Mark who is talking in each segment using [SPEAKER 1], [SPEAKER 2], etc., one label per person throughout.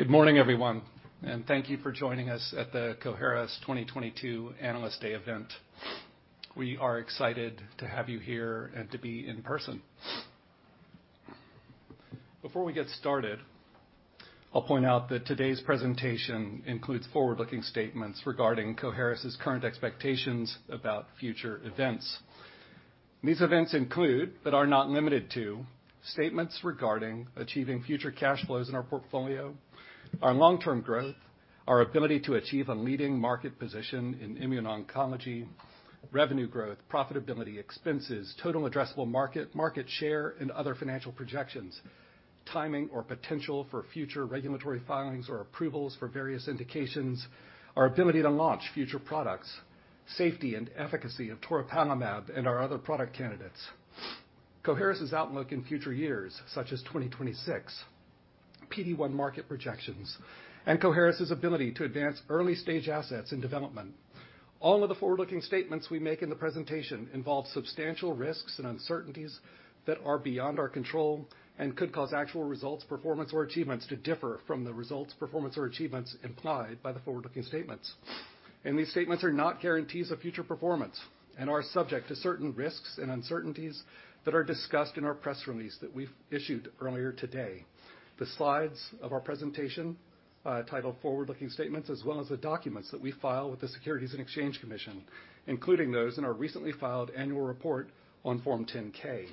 [SPEAKER 1] Good morning, everyone, and thank you for joining us at the Coherus 2022 Analyst Day event. We are excited to have you here and to be in person. Before we get started, I'll point out that today's presentation includes forward-looking statements regarding Coherus' current expectations about future events. These events include, but are not limited to, statements regarding achieving future cash flows in our portfolio, our long-term growth, our ability to achieve a leading market position in immuno-oncology, revenue growth, profitability, expenses, total addressable market share, and other financial projections, timing or potential for future regulatory filings or approvals for various indications, our ability to launch future products, safety and efficacy of toripalimab and our other product candidates, Coherus' outlook in future years, such as 2026, PD-1 market projections, and Coherus' ability to advance early-stage assets and development. All of the forward-looking statements we make in the presentation involve substantial risks and uncertainties that are beyond our control and could cause actual results, performance, or achievements to differ from the results, performance, or achievements implied by the forward-looking statements. These statements are not guarantees of future performance and are subject to certain risks and uncertainties that are discussed in our press release that we issued earlier today, the slides of our presentation titled Forward-Looking Statements, as well as the documents that we file with the Securities and Exchange Commission, including those in our recently filed annual report on Form 10-K.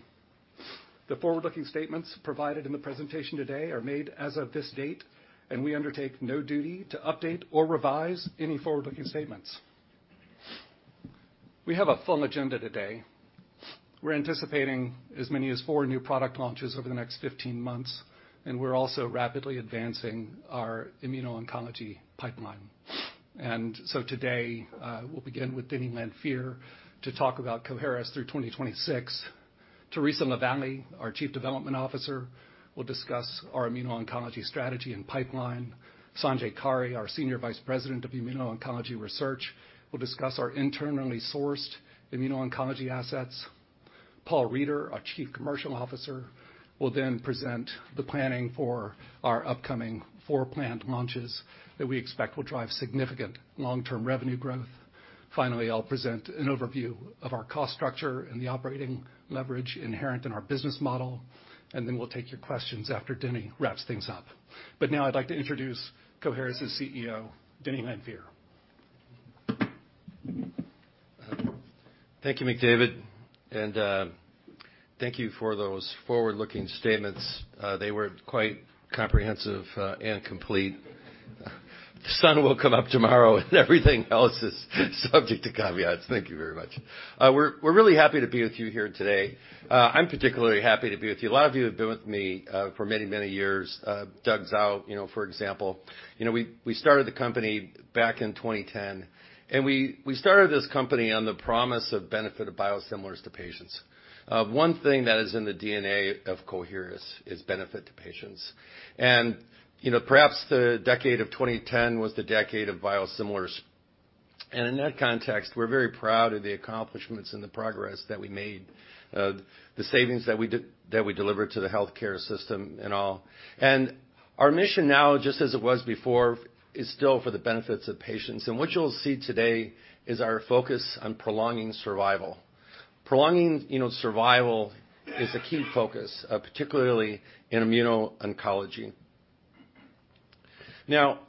[SPEAKER 1] The forward-looking statements provided in the presentation today are made as of this date, and we undertake no duty to update or revise any forward-looking statements. We have a full agenda today. We're anticipating as many as four new product launches over the next 15 months, and we're also rapidly advancing our immuno-oncology pipeline. Today, we'll begin with Denny Lanfear to talk about Coherus through 2026. Theresa LaVallee, our Chief Development Officer, will discuss our immuno-oncology strategy and pipeline. Sanjay Khare, our Senior Vice President of Immuno-oncology Research, will discuss our internally sourced immuno-oncology assets. Paul Reider, our Chief Commercial Officer, will then present the planning for our upcoming four product launches that we expect will drive significant long-term revenue growth. Finally, I'll present an overview of our cost structure and the operating leverage inherent in our business model. Then we'll take your questions after Denny wraps things up. Now I'd like to introduce Coherus' CEO, Denny Lanfear.
[SPEAKER 2] Thank you, McDavid. Thank you for those forward-looking statements. They were quite comprehensive and complete. The sun will come up tomorrow, and everything else is subject to caveats. Thank you very much. We're really happy to be with you here today. I'm particularly happy to be with you. A lot of you have been with me for many years. Doug Tsao, you know, for example. You know, we started the company back in 2010, and we started this company on the promise of benefit of biosimilars to patients. One thing that is in the DNA of Coherus is benefit to patients. You know, perhaps the decade of 2010 was the decade of biosimilars. In that context, we're very proud of the accomplishments and the progress that we made, the savings that we delivered to the healthcare system and all. Our mission now, just as it was before, is still for the benefits of patients. What you'll see today is our focus on prolonging survival. Prolonging, you know, survival is a key focus, particularly in immuno-oncology. Now,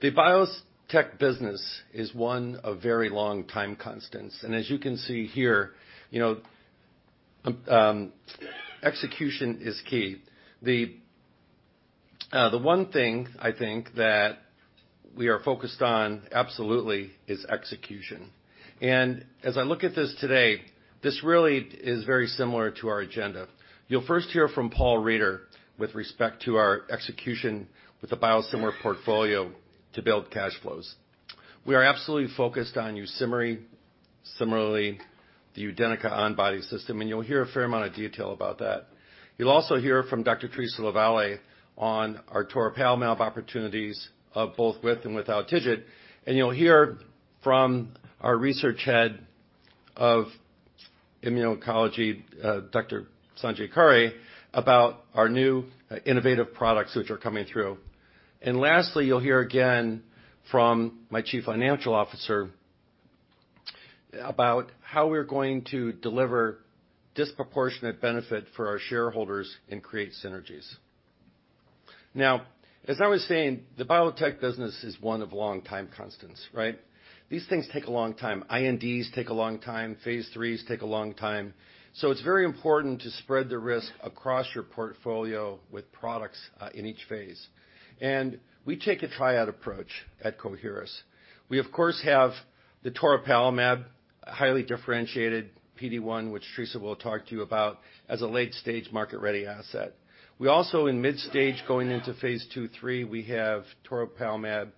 [SPEAKER 2] the biotech business is one of very long time constants. As you can see here, you know, execution is key. The one thing I think that we are focused on absolutely is execution. As I look at this today, this really is very similar to our agenda. You'll first hear from Paul Reider with respect to our execution with the biosimilar portfolio to build cash flows. We are absolutely focused on YUSIMRY, CIMERLI, the UDENYCA on-body system, and you'll hear a fair amount of detail about that. You'll also hear from Dr. Theresa LaVallee on our toripalimab opportunities, both with and without TIGIT. You'll hear from our research head of immuno-oncology, Dr. Sanjay Khare, about our new innovative products which are coming through. Lastly, you'll hear again from my Chief Financial Officer about how we're going to deliver disproportionate benefit for our shareholders and create synergies. Now, as I was saying, the biotech business is one of long time constants, right? These things take a long time. INDs take a long time, phase IIIs take a long time. It's very important to spread the risk across your portfolio with products in each phase. We take a diversified approach at Coherus. We, of course, have the toripalimab, a highly differentiated PD-1, which Theresa will talk to you about as a late-stage market-ready asset. We also in mid-stage, going into phase II/III, we have toripalimab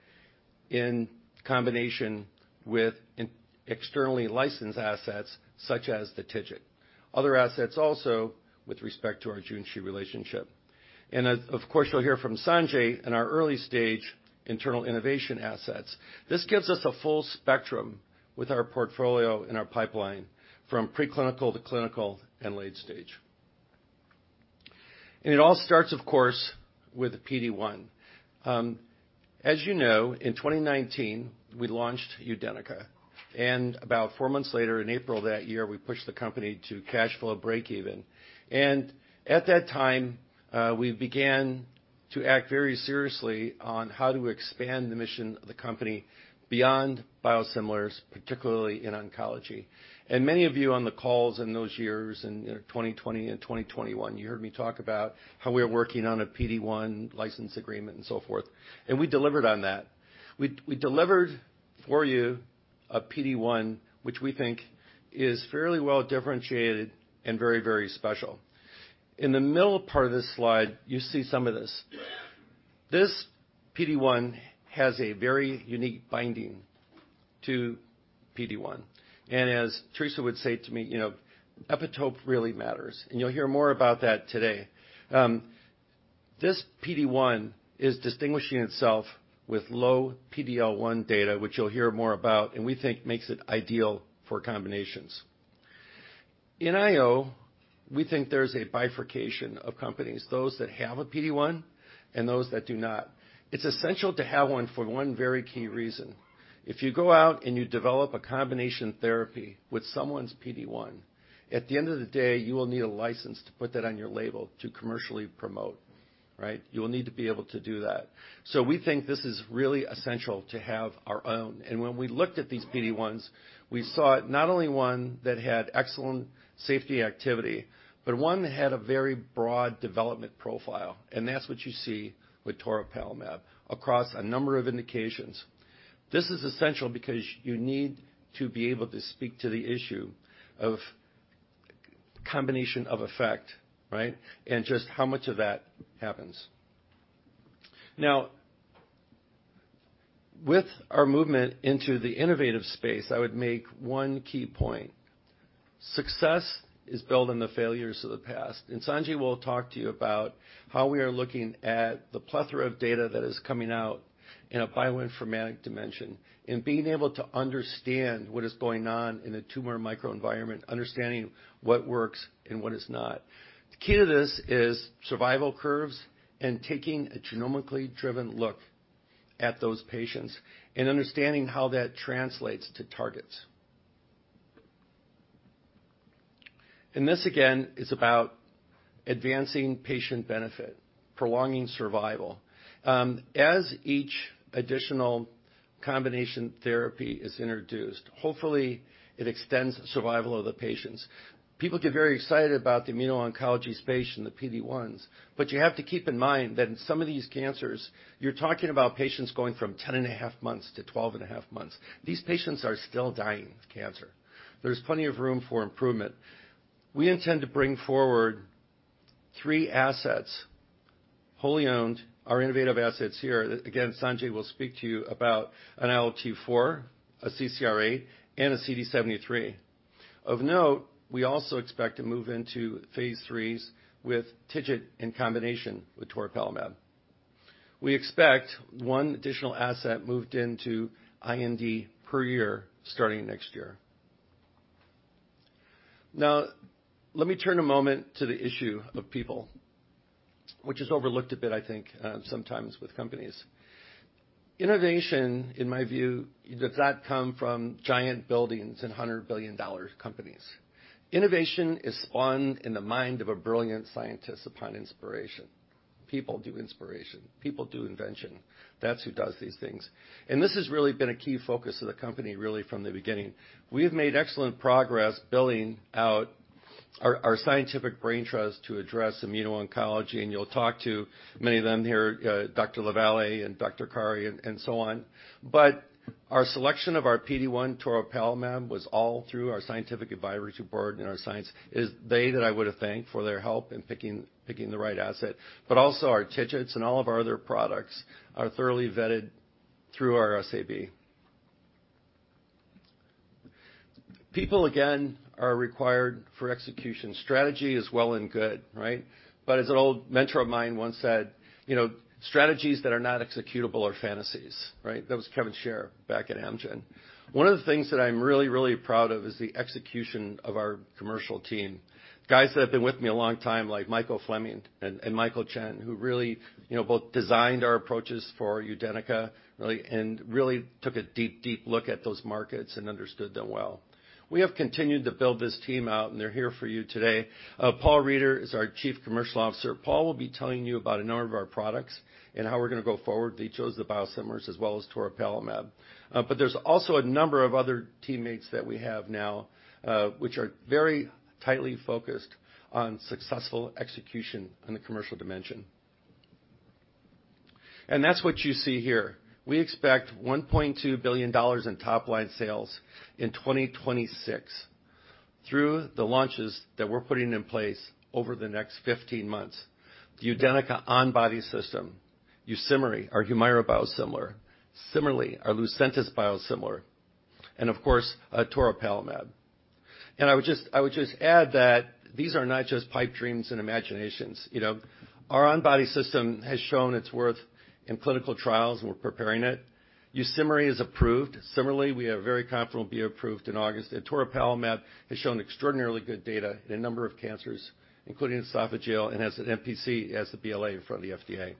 [SPEAKER 2] in combination with an externally licensed assets such as the TIGIT. Other assets also with respect to our Junshi relationship. Of course, you'll hear from Sanjay in our early stage internal innovation assets. This gives us a full spectrum with our portfolio and our pipeline from preclinical to clinical and late stage. It all starts, of course, with PD-1. As you know, in 2019, we launched UDENYCA, and about four months later, in April that year, we pushed the company to cash flow breakeven. At that time, we began to act very seriously on how to expand the mission of the company beyond biosimilars, particularly in oncology. Many of you on the calls in those years, in 2020 and 2021, you heard me talk about how we are working on a PD-1 license agreement and so forth. We delivered on that. We delivered for you a PD-1, which we think is fairly well-differentiated and very, very special. In the middle part of this slide, you see some of this. This PD-1 has a very unique binding to PD-1. As Theresa would say to me, you know, epitope really matters. You'll hear more about that today. This PD-1 is distinguishing itself with low PD-L1 data, which you'll hear more about, and we think makes it ideal for combinations. In IO, we think there's a bifurcation of companies, those that have a PD-1 and those that do not. It's essential to have one for one very key reason. If you go out and you develop a combination therapy with someone's PD-1, at the end of the day, you will need a license to put that on your label to commercially promote, right? You will need to be able to do that. We think this is really essential to have our own. When we looked at these PD-1s, we saw not only one that had excellent safety activity, but one that had a very broad development profile. That's what you see with toripalimab across a number of indications. This is essential because you need to be able to speak to the issue of combination of effect, right, just how much of that happens. Now, with our movement into the innovative space, I would make one key point. Success is built on the failures of the past. Sanjay will talk to you about how we are looking at the plethora of data that is coming out in a bioinformatic dimension and being able to understand what is going on in the tumor microenvironment, understanding what works and what is not. The key to this is survival curves and taking a genomically driven look at those patients and understanding how that translates to targets. This again is about advancing patient benefit, prolonging survival. As each additional combination therapy is introduced, hopefully it extends the survival of the patients. People get very excited about the immuno-oncology space and the PD-1s, but you have to keep in mind that in some of these cancers, you're talking about patients going from 10.5 months to 12.5 months. These patients are still dying of cancer. There's plenty of room for improvement. We intend to bring forward three assets, wholly owned, our innovative assets here. Again, Sanjay will speak to you about an ILT4, a CCR8, and a CD73. Of note, we also expect to move into phase IIIs with TIGIT in combination with toripalimab. We expect one additional asset moved into IND per year starting next year. Now, let me turn a moment to the issue of people, which is overlooked a bit, I think, sometimes with companies. Innovation, in my view, does not come from giant buildings and 100 billion-dollar companies. Innovation is spawned in the mind of a brilliant scientist upon inspiration. People do inspiration. People do invention. That's who does these things. This has really been a key focus of the company really from the beginning. We have made excellent progress building out our scientific brain trust to address immuno-oncology, and you'll talk to many of them here, Dr. LaVallee and Dr. Khare and so on. Our selection of our PD-1 toripalimab was all through our scientific advisory board and our science. It is they that I would thank for their help in picking the right asset. Also our TIGITs and all of our other products are thoroughly vetted through our SAB. People, again, are required for execution. Strategy is well and good, right? As an old mentor of mine once said, you know, "Strategies that are not executable are fantasies," right? That was Kevin Sharer back at Amgen. One of the things that I'm really proud of is the execution of our commercial team. Guys that have been with me a long time, like Michael Fleming and Michael Chen, who really, you know, both designed our approaches for UDENYCA, really, and really took a deep look at those markets and understood them well. We have continued to build this team out, and they're here for you today. Paul Reider is our Chief Commercial Officer. Paul will be telling you about a number of our products and how we're gonna go forward with each of the biosimilars, as well as toripalimab. There's also a number of other teammates that we have now, which are very tightly focused on successful execution on the commercial dimension. That's what you see here. We expect $1.2 billion in top-line sales in 2026 through the launches that we're putting in place over the next 15 months. The UDENYCA on-body system, YUSIMRY, our HUMIRA biosimilar, CIMERLI, our Lucentis biosimilar, and of course, toripalimab. I would just add that these are not just pipe dreams and imaginations. You know, our on-body system has shown its worth in clinical trials. We're preparing it. YUSIMRY is approved. CIMERLI, we are very confident it will be approved in August. Toripalimab has shown extraordinarily good data in a number of cancers, including esophageal and NPC, and it has the BLA in front of the FDA.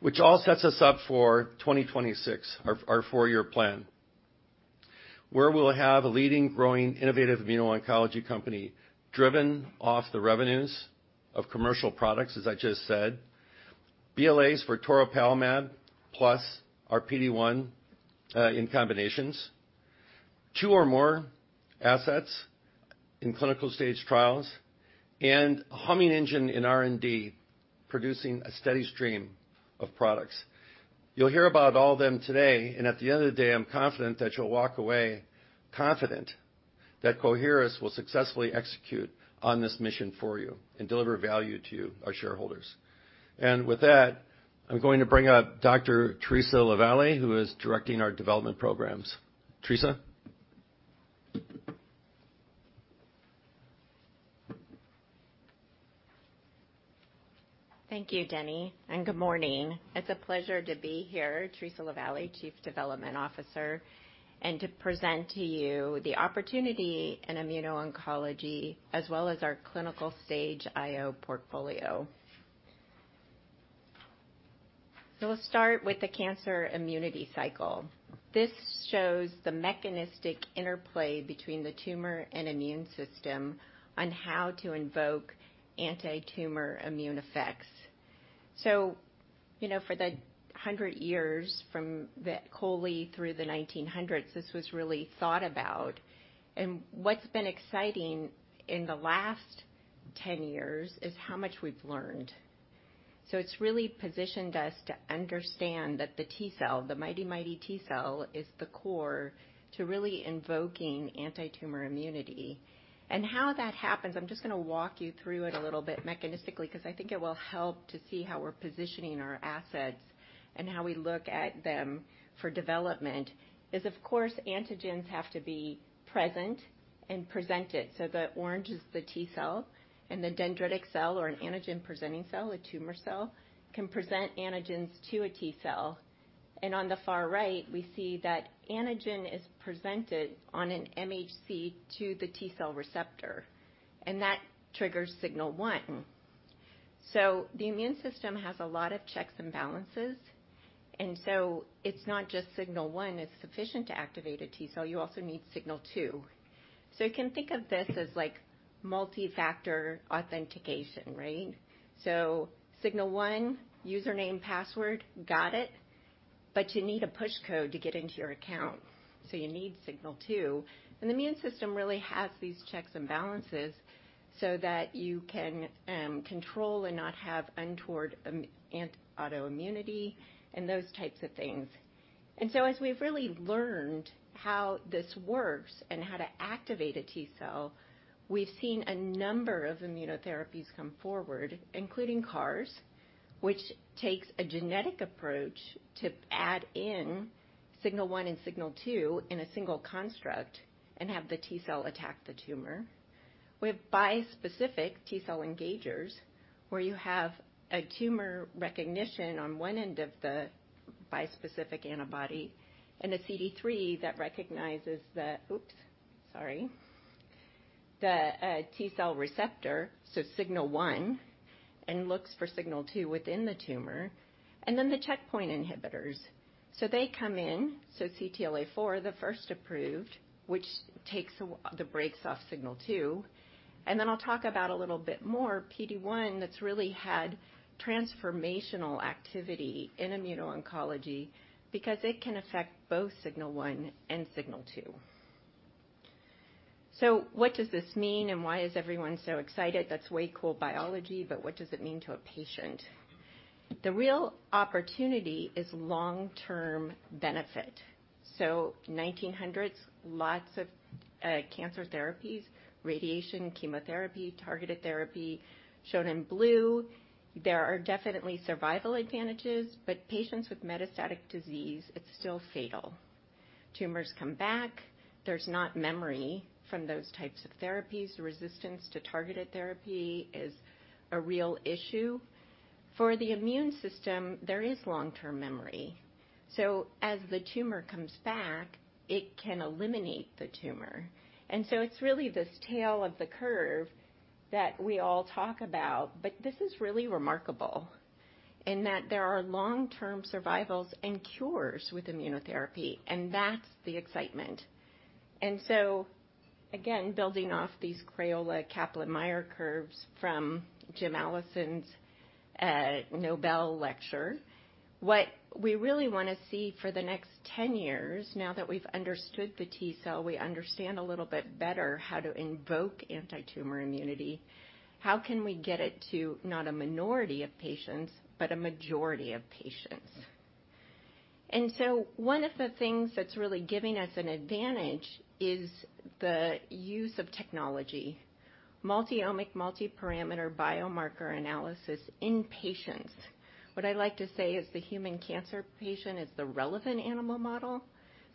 [SPEAKER 2] Which all sets us up for 2026, our four-year plan, where we'll have a leading, growing, innovative immuno-oncology company driven off the revenues of commercial products, as I just said. BLAs for toripalimab plus our PD-1 in combinations, two or more assets in clinical stage trials, and a humming engine in R&D, producing a steady stream of products. You'll hear about all them today, and at the end of the day, I'm confident that you'll walk away confident that Coherus will successfully execute on this mission for you and deliver value to you, our shareholders. With that, I'm going to bring up Dr. Theresa LaVallee, who is directing our development programs. Theresa?
[SPEAKER 3] Thank you, Denny, and good morning. It's a pleasure to be here, Theresa LaVallee, Chief Development Officer, and to present to you the opportunity in immuno-oncology as well as our clinical stage IO portfolio. Let's start with the cancer immunity cycle. This shows the mechanistic interplay between the tumor and immune system on how to invoke anti-tumor immune effects. You know, for the 100 years from the Coley through the 1900s, this was really thought about. What's been exciting in the last 10 years is how much we've learned. It's really positioned us to understand that the T-cell, the mighty T-cell, is the core to really invoking anti-tumor immunity. How that happens, I'm just gonna walk you through it a little bit mechanistically, 'cause I think it will help to see how we're positioning our assets and how we look at them for development. Of course, antigens have to be present and presented. The orange is the T-cell, and the dendritic cell or an antigen-presenting cell, a tumor cell, can present antigens to a T-cell. On the far right, we see that antigen is presented on an MHC to the T-cell receptor, and that triggers signal one. The immune system has a lot of checks and balances. It's not just signal one is sufficient to activate a T-cell, you also need signal two. You can think of this as like multi-factor authentication, right? Signal one, username, password, got it. You need a push code to get into your account, so you need signal two. The immune system really has these checks and balances so that you can control and not have untoward autoimmunity and those types of things. As we've really learned how this works and how to activate a T-cell, we've seen a number of immunotherapies come forward, including CARs, which takes a genetic approach to add in signal one and signal two in a single construct and have the T-cell attack the tumor. We have bispecific T-cell engagers, where you have a tumor recognition on one end of the bispecific antibody and a CD3 that recognizes the T-cell receptor, so signal one, and looks for signal two within the tumor. Then the checkpoint inhibitors. They come in, CTLA-4, the first approved, which takes the breaks off signal two. Then I'll talk about a little bit more PD-1 that's really had transformational activity in immuno-oncology because it can affect both signal one and signal two. What does this mean and why is everyone so excited? That's way cool biology, but what does it mean to a patient? The real opportunity is long-term benefit. 1900s, lots of cancer therapies, radiation, chemotherapy, targeted therapy shown in blue. There are definitely survival advantages, but patients with metastatic disease, it's still fatal. Tumors come back. There's not memory from those types of therapies. Resistance to targeted therapy is a real issue. For the immune system, there is long-term memory. As the tumor comes back, it can eliminate the tumor. It's really this tail of the curve that we all talk about, but this is really remarkable in that there are long-term survivals and cures with immunotherapy, and that's the excitement. Again, building off these Crayola Kaplan-Meier curves from Jim Allison's Nobel lecture, what we really wanna see for the next 10 years, now that we've understood the T-cell, we understand a little bit better how to invoke anti-tumor immunity, how can we get it to not a minority of patients, but a majority of patients? One of the things that's really giving us an advantage is the use of technology. Multiomic, multiparameter biomarker analysis in patients. What I like to say is the human cancer patient is the relevant animal model.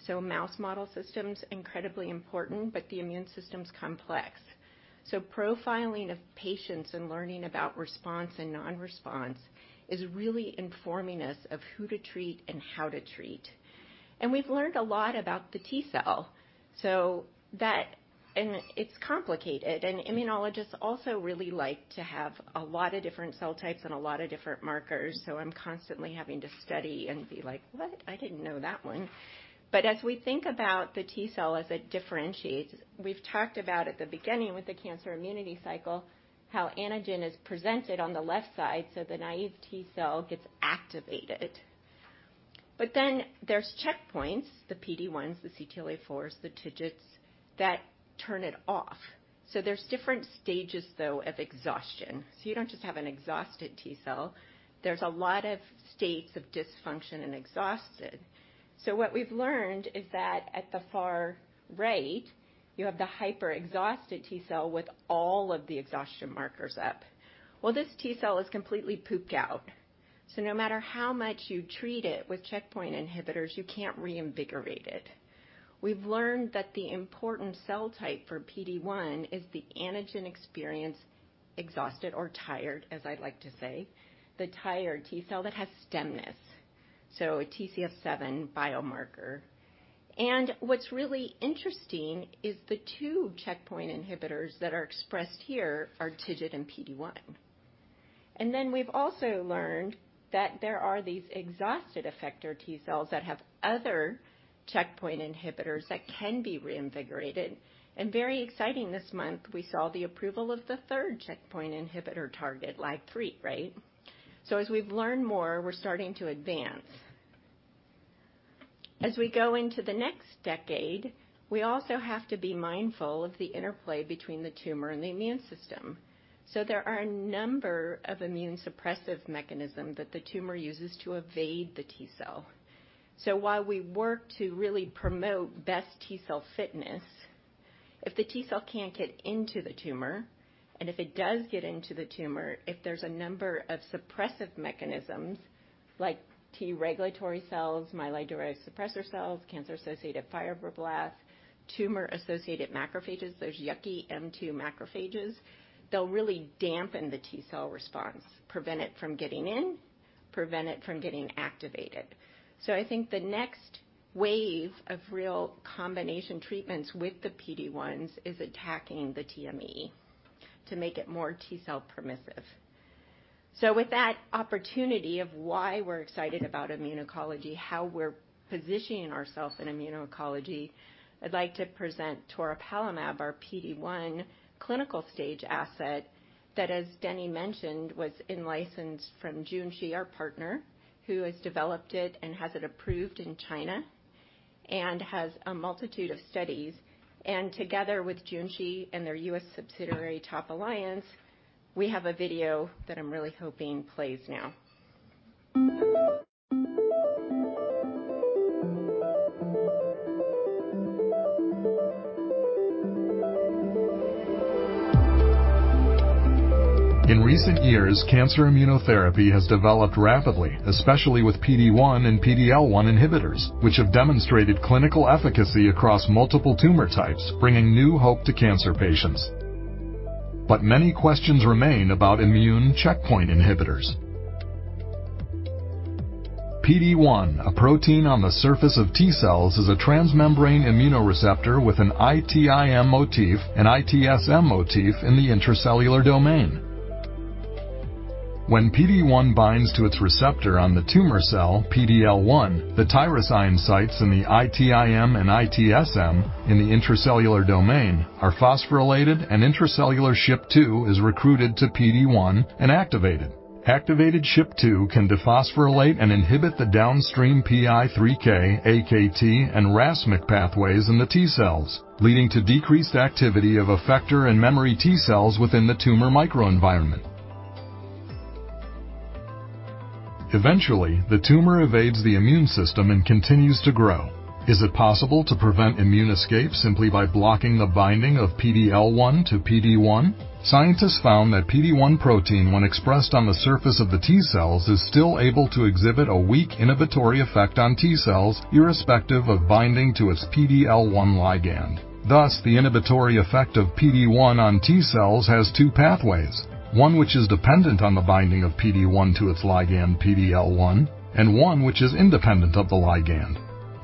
[SPEAKER 3] Mouse model system's incredibly important, but the immune system's complex. Profiling of patients and learning about response and non-response is really informing us of who to treat and how to treat. We've learned a lot about the T-cell. It's complicated, and immunologists also really like to have a lot of different cell types and a lot of different markers, so I'm constantly having to study and be like, "What? I didn't know that one." As we think about the T-cell as it differentiates, we've talked about at the beginning with the cancer immunity cycle, how antigen is presented on the left side, so the naive T-cell gets activated. Then there's checkpoints, the PD-1s, the CTLA-4s, the TIGITs that turn it off. There's different stages, though, of exhaustion. You don't just have an exhausted T-cell. There's a lot of states of dysfunction and exhausted. What we've learned is that at the far right, you have the hyper-exhausted T-cell with all of the exhaustion markers up. Well, this T-cell is completely pooped out, so no matter how much you treat it with checkpoint inhibitors, you can't reinvigorate it. We've learned that the important cell type for PD-1 is the antigen-experienced exhausted or tired, as I'd like to say. The tired T-cell that has stemness. A TCF7 biomarker. What's really interesting is the two checkpoint inhibitors that are expressed here are TIGIT and PD-1. Then we've also learned that there are these exhausted effector T-cells that have other checkpoint inhibitors that can be reinvigorated. Very exciting this month, we saw the approval of the third checkpoint inhibitor target, LAG-3, right? As we've learned more, we're starting to advance. As we go into the next decade, we also have to be mindful of the interplay between the tumor and the immune system. There are a number of immune suppressive mechanism that the tumor uses to evade the T-cell. While we work to really promote best T-cell fitness, if the T-cell can't get into the tumor, and if it does get into the tumor, if there's a number of suppressive mechanisms like T-regulatory cells, myeloid-derived suppressor cells, cancer-associated fibroblasts, tumor-associated macrophages, those yucky M2 macrophages, they'll really dampen the T-cell response, prevent it from getting in, prevent it from getting activated. I think the next wave of real combination treatments with the PD-1s is attacking the TME to make it more T-cell permissive. With that opportunity of why we're excited about immuno-oncology, how we're positioning ourselves in immuno-oncology, I'd like to present toripalimab, our PD-1 clinical stage asset that, as Denny mentioned, was in-licensed from Junshi, our partner, who has developed it and has it approved in China and has a multitude of studies. Together with Junshi and their U.S. subsidiary, TopAlliance, we have a - that I'm really hoping plays now.
[SPEAKER 4] In recent years, cancer immunotherapy has developed rapidly, especially with PD-1 and PD-L1 inhibitors, which have demonstrated clinical efficacy across multiple tumor types, bringing new hope to cancer patients. Many questions remain about immune checkpoint inhibitors. PD-1, a protein on the surface of T -cells, is a transmembrane immunoreceptor with an ITIM motif and ITSM motif in the intracellular domain. When PD-1 binds to its receptor on the tumor cell, PD-L1, the tyrosine sites in the ITIM and ITSM in the intracellular domain are phosphorylated, and intracellular SHP-2 is recruited to PD-1 and activated. Activated SHP-2 can dephosphorylate and inhibit the downstream PI3K, AKT, and RAS-MAPK pathways in the T-cells, leading to -activity of effector and memory T-cells within the tumor microenvironment. Eventually, the tumor evades the immune system and continues to grow. Is it possible to prevent immune escape simply by blocking the binding of PD-L1 to PD-1? Scientists found that PD-1 protein, when expressed on the surface of the T-cells, is still able to exhibit a weak inhibitory effect on T-cells, irrespective of binding to its PD-L1 ligand. Thus, the inhibitory effect of PD-1 on T-cells has two pathways. One which is dependent on the binding of PD-1 to its ligand PD-L1, and one which is independent of the ligand.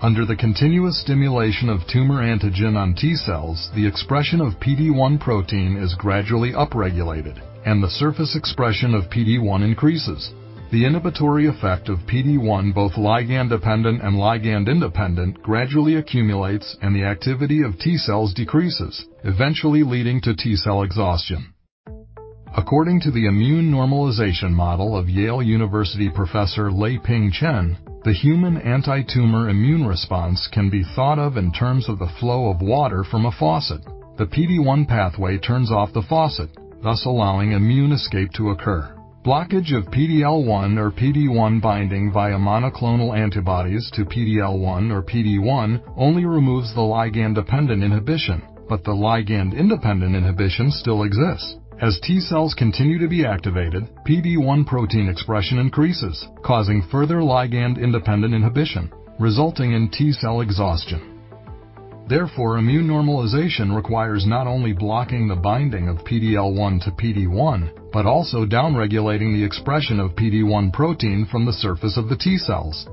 [SPEAKER 4] Under the continuous stimulation of tumor antigen on T-cells, the expression of PD-1 protein is gradually upregulated, and the surface expression of PD-1 increases. The inhibitory effect of PD-1, both ligand dependent and ligand independent, gradually accumulates, and the activity of T-cells decreases, eventually leading to T-cell exhaustion. According to the immune normalization model of Yale University professor Lieping Chen, the human anti-tumor immune response can be thought of in terms of the flow of water from a faucet. The PD-1 pathway turns off the faucet, thus allowing immune escape to occur. Blockage of PD-L1 or PD-1 binding via monoclonal antibodies to PD-L1 or PD-1 only removes the ligand-dependent inhibition, but the ligand-independent inhibition still exists. As T-cells continue to be activated, PD-1 protein expression increases, causing further ligand-independent inhibition, resulting in T-cell exhaustion. Therefore, immune normalization requires not only blocking the binding of PD-L1 to PD-1, but also downregulating the expression of PD-1 protein from the surface of the T-cells.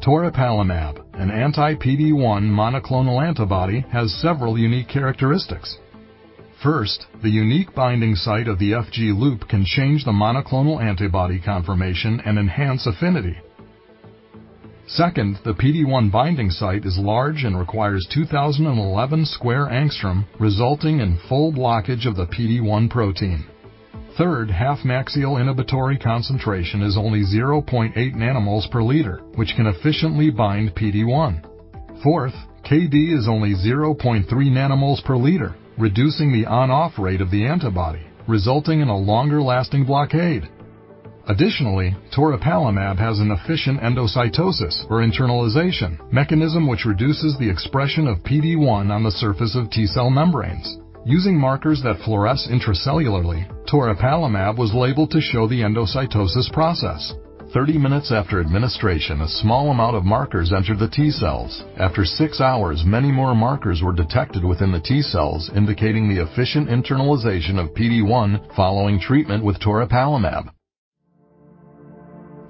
[SPEAKER 4] Toripalimab, an anti PD-1 monoclonal antibody, has several unique characteristics. First, the unique binding site of the FG loop can change the monoclonal antibody conformation and enhance affinity. Second, the PD-1 binding site is large and requires 2,011 square angstrom, resulting in full blockage of the PD-1 protein. Third, half maximal inhibitory concentration is only 0.8 nanomol per liter, which can efficiently bind PD-1. Fourth, KD is only 0.3 nanomol per liter, reducing the on-off rate of the antibody, resulting in a longer-lasting blockade. Additionally, toripalimab has an efficient endocytosis or internalization mechanism, which reduces the expression of PD-1 on the surface of T-cell membranes. Using markers that fluoresce intracellularly, toripalimab was labeled to show the endocytosis process. 30 minutes after administration, a small amount of markers entered the T-cells. After 6 hours, many more markers were detected within the T-cells, indicating the efficient internalization of PD-1 following treatment with toripalimab.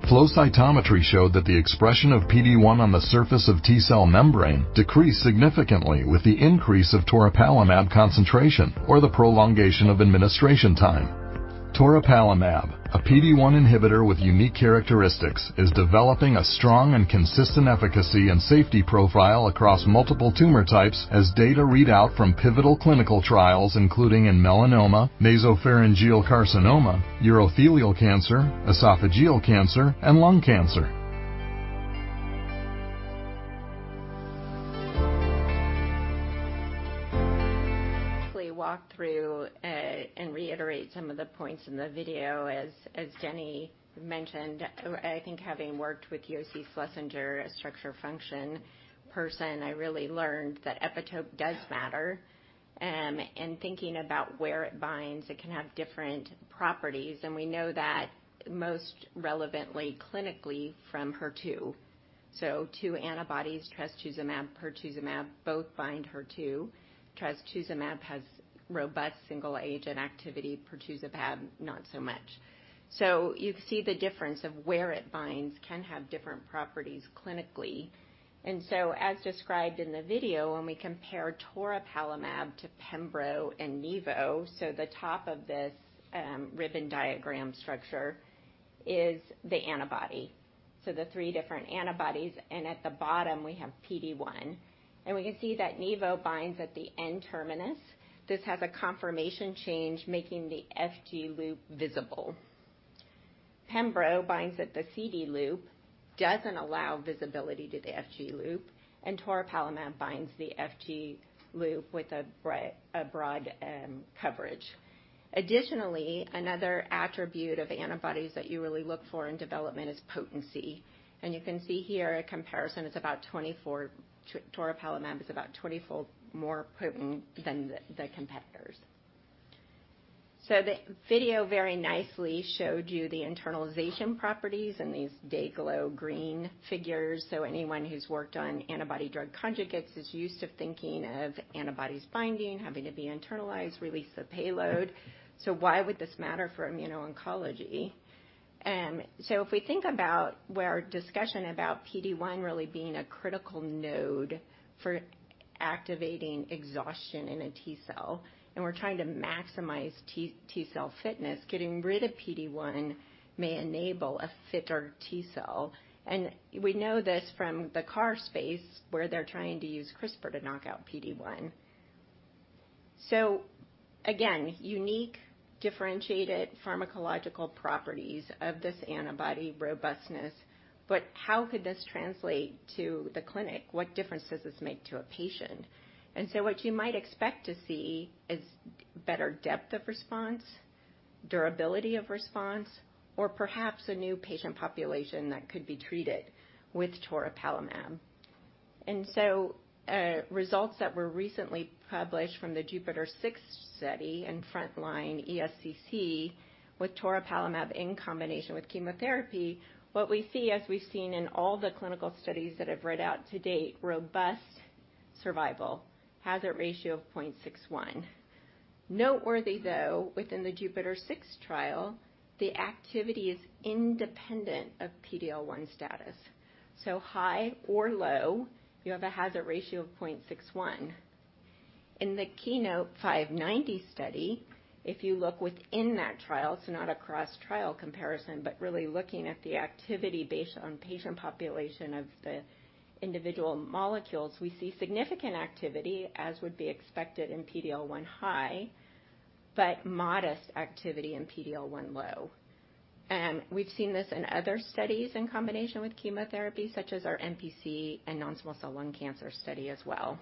[SPEAKER 4] Flow cytometry showed that the expression of PD-1 on the surface of T-cell membrane decreased significantly with the increase of toripalimab concentration or the prolongation of administration time. Toripalimab, a PD-1 inhibitor with unique characteristics, is developing a strong and consistent efficacy and safety profile across multiple tumor types as data readout from pivotal clinical trials, including in melanoma, nasopharyngeal carcinoma, urothelial cancer, esophageal cancer, and lung cancer.
[SPEAKER 3] We walk through and reiterate some of the points in the video. As Denny mentioned, I think having worked with Yossi Schlessinger, a structure function person, I really learned that epitope does matter. Thinking about where it binds, it can have different properties, and we know that most relevantly, clinically from HER2. So two antibodies, trastuzumab, pertuzumab, both bind HER2. Trastuzumab has robust single agent activity. Pertuzumab, not so much. So you see the difference of where it binds can have different properties clinically. As described in the video, when we compare toripalimab to pembro and nivo, so the top of this, ribbon diagram structure is the antibody. So the three different antibodies, and at the bottom we have PD-1. And we can see that nivo binds at the N-terminus. This has a conformational change, making the FG loop visible. Pembro binds at the CD loop, doesn't allow visibility to the FG loop, and toripalimab binds the FG loop with a broad coverage. Additionally, another attribute of antibodies that you really look for in development is potency. You can see here a comparison. Toripalimab is about twenty-fold more potent than the competitors. The video very nicely showed you the internalization properties in these day glow green figures. Anyone who's worked on antibody drug conjugates is used to thinking of antibodies binding, having to be internalized, release the payload. Why would this matter for immuno-oncology? If we think about where our discussion about PD-1 really being a critical node for activating exhaustion in a T-cell, and we're trying to maximize T-cell fitness, getting rid of PD-1 may enable a fitter T-cell. We know this from the CAR space where they're trying to use CRISPR to knock out PD-1. Again, unique differentiated pharmacological properties of this antibody robustness, but how could this translate to the clinic? What difference does this make to a patient? What you might expect to see is better depth of response, durability of response, or perhaps a new patient population that could be treated with toripalimab. Results that were recently published from the JUPITER-06 study in frontline ESCC with toripalimab in combination with chemotherapy, what we see, as we've seen in all the clinical studies that I've read out to date, robust survival, hazard ratio of 0.61. Noteworthy though, within the JUPITER-06 trial, the activity is independent of PD-L1 status. High or low, you have a hazard ratio of 0.61. In the KEYNOTE-590 study, if you look within that trial, so not across trial comparison, but really looking at the activity based on patient population of the individual molecules, we see significant activity as would be expected in PD-L1 high, but modest activity in PD-L1 low. We've seen this in other studies in combination with chemotherapy such as our NPC and non-small cell lung cancer study as well.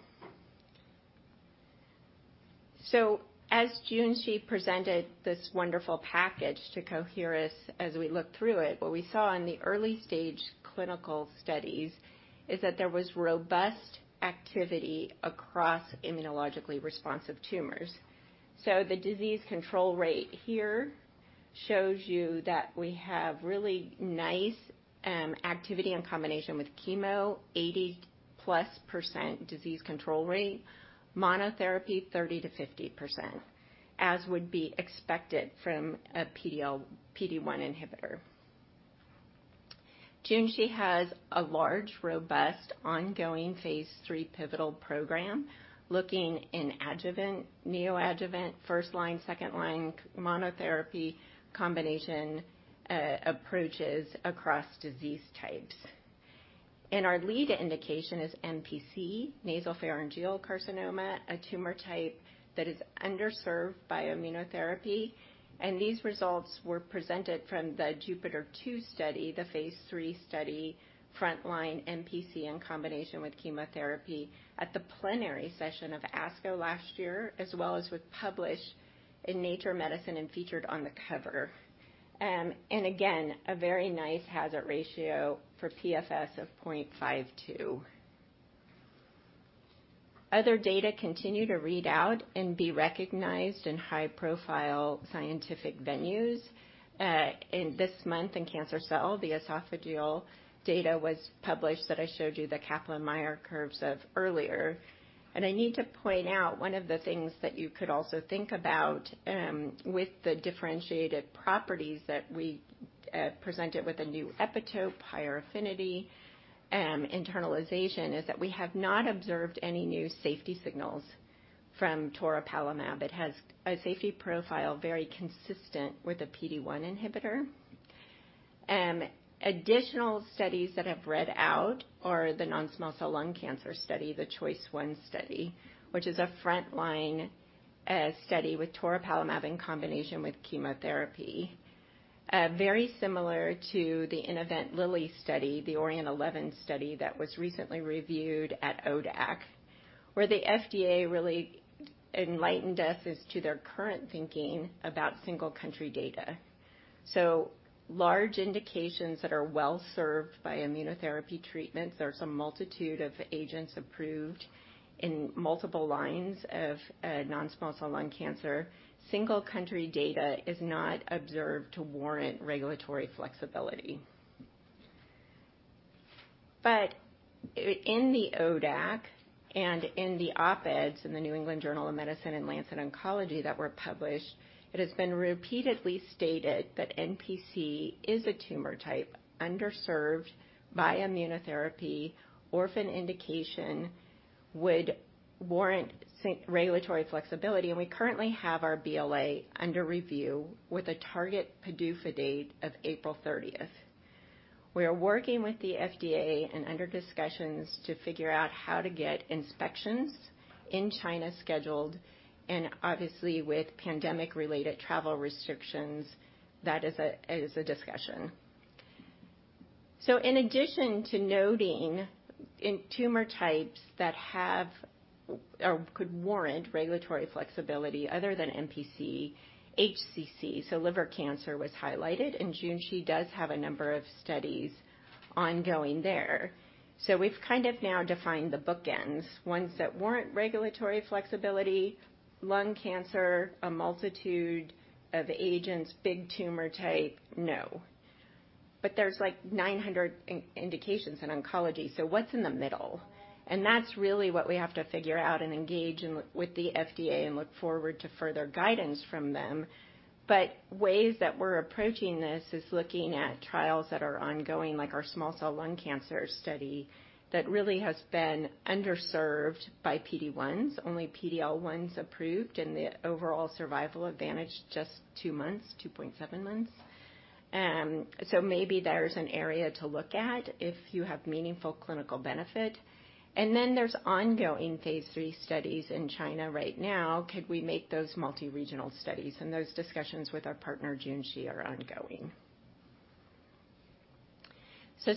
[SPEAKER 3] As Junshi presented this wonderful package to Coherus, as we looked through it, what we saw in the early stage clinical studies is that there was robust activity across immunologically responsive tumors. The disease control rate here shows you that we have really nice activity in combination with chemo, 80%+ disease control rate, monotherapy 30%-50%, as would be expected from a PD-1 inhibitor. Junshi has a large, robust, ongoing phase III pivotal program looking in adjuvant, neoadjuvant, first-line, second-line monotherapy combination approaches across disease types. Our lead indication is NPC, nasopharyngeal carcinoma, a tumor type that is underserved by immunotherapy. These results were presented from the JUPITER-02 study, the phase III study, frontline NPC in combination with chemotherapy at the plenary session of ASCO last year, as well as published in Nature Medicine and featured on the cover. Again, a very nice hazard ratio for PFS of 0.52. Other data continue to read out and be recognized in high-profile scientific venues. In this month in Cancer Cell, the esophageal data was published that I showed you the Kaplan-Meier curves of earlier. I need to point out one of the things that you could also think about, with the differentiated properties that we presented with a new epitope, higher affinity, internalization, is that we have not observed any new safety signals from toripalimab. It has a safety profile very consistent with a PD-1 inhibitor. Additional studies that have read out are the non-small cell lung cancer study, the CHOICE-01 study, which is a frontline study with toripalimab in combination with chemotherapy. Very similar to the Innovent Lilly study, the ORIENT-11 study that was recently reviewed at ODAC, where the FDA really enlightened us as to their current thinking about single country data. Large indications that are well-served by immunotherapy treatments, there's a multitude of agents approved in multiple lines of non-small cell lung cancer. Single country data is not observed to warrant regulatory flexibility. In the ODAC and in the op-eds in the New England Journal of Medicine and The Lancet Oncology that were published, it has been repeatedly stated that NPC is a tumor type underserved by immunotherapy. Orphan indication would warrant regulatory flexibility, and we currently have our BLA under review with a target PDUFA date of April 30th. We are working with the FDA and under discussions to figure out how to get inspections in China scheduled, and obviously with pandemic-related travel restrictions, that is a discussion. In addition to noting in tumor types that have or could warrant regulatory flexibility other than NPC, HCC, so liver cancer was highlighted, and Junshi does have a number of studies ongoing there. We've kind of now defined the bookends, ones that warrant regulatory flexibility, lung cancer, a multitude of agents, big tumor type, no. There's like 900 indications in oncology, so what's in the middle? That's really what we have to figure out and engage in with the FDA and look forward to further guidance from them. Ways that we're approaching this is looking at trials that are ongoing, like our small cell lung cancer study, that really has been underserved by PD-1s, only PD-L1s approved, and the overall survival advantage just two months, 2.7 months. Maybe there's an area to look at if you have meaningful clinical benefit. Then there's ongoing phase III studies in China right now, could we make those multi-regional studies? Those discussions with our partner, Junshi, are ongoing.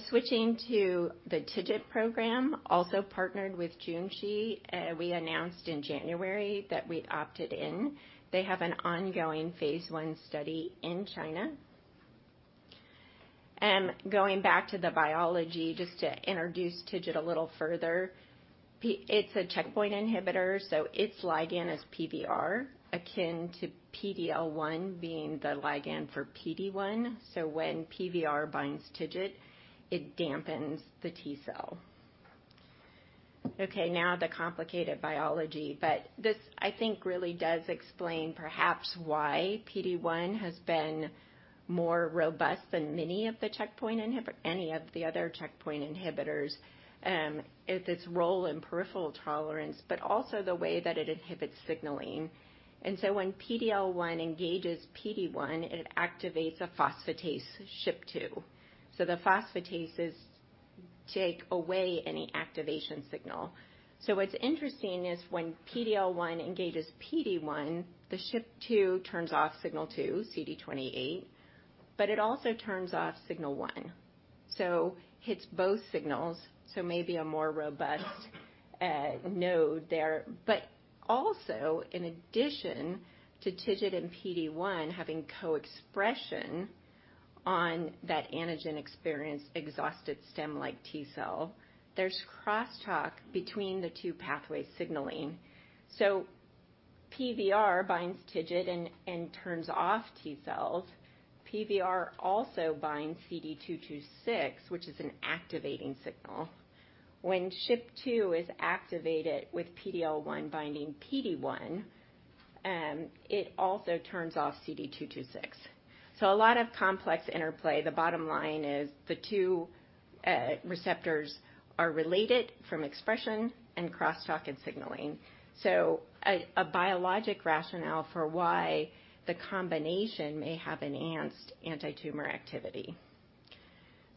[SPEAKER 3] Switching to the TIGIT program, also partnered with Junshi, we announced in January that we'd opted in. They have an ongoing phase I study in China. Going back to the biology, just to introduce TIGIT a little further. It's a checkpoint inhibitor, so its ligand is PVR, akin to PD-L1 being the ligand for PD-1. When PVR binds TIGIT, it dampens the T-cell. Okay, now the complicated biology, but this I think really does explain perhaps why PD-1 has been more robust than any of the other checkpoint inhibitors, its role in peripheral tolerance, but also the way that it inhibits signaling. When PD-L1 engages PD-1, it activates a phosphatase SHP-2. The phosphatases take away any activation signal. What's interesting is when PD-L1 engages PD-1, the SHP-2 turns off signal two, CD28, but it also turns off signal one. Hits both signals, so maybe a more robust node there. Also, in addition to TIGIT and PD-1 having co-expression on that antigen experience exhausted stem-like T-cell, there's crosstalk between the two pathway signaling. PVR binds TIGIT and turns off T-cells. PVR also binds CD226, which is an activating signal. When SHP-2 is activated with PD-L1 binding PD-1, it also turns off CD226. A lot of complex interplay. The bottom line is the two receptors are related from expression and crosstalk and signaling. A biologic rationale for why the combination may have enhanced antitumor activity.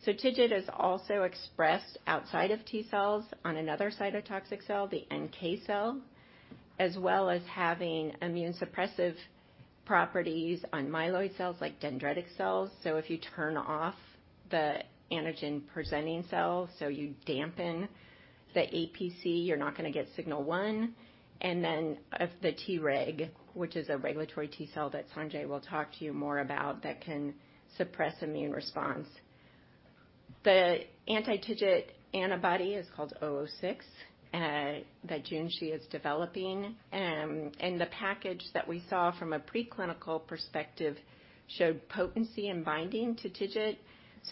[SPEAKER 3] TIGIT is also expressed outside of T-cells on another cytotoxic cell, the NK cell, as well as having immune suppressive properties on myeloid cells like dendritic cells. If you turn off the antigen-presenting cell, so you dampen the APC, you're not gonna get signal one. Then of the Treg, which is a regulatory T-cell that Sanjay will talk to you more about, that can suppress immune response. The anti-TIGIT antibody is called 006, that Junshi is developing. The package that we saw from a preclinical perspective showed potency and binding to TIGIT.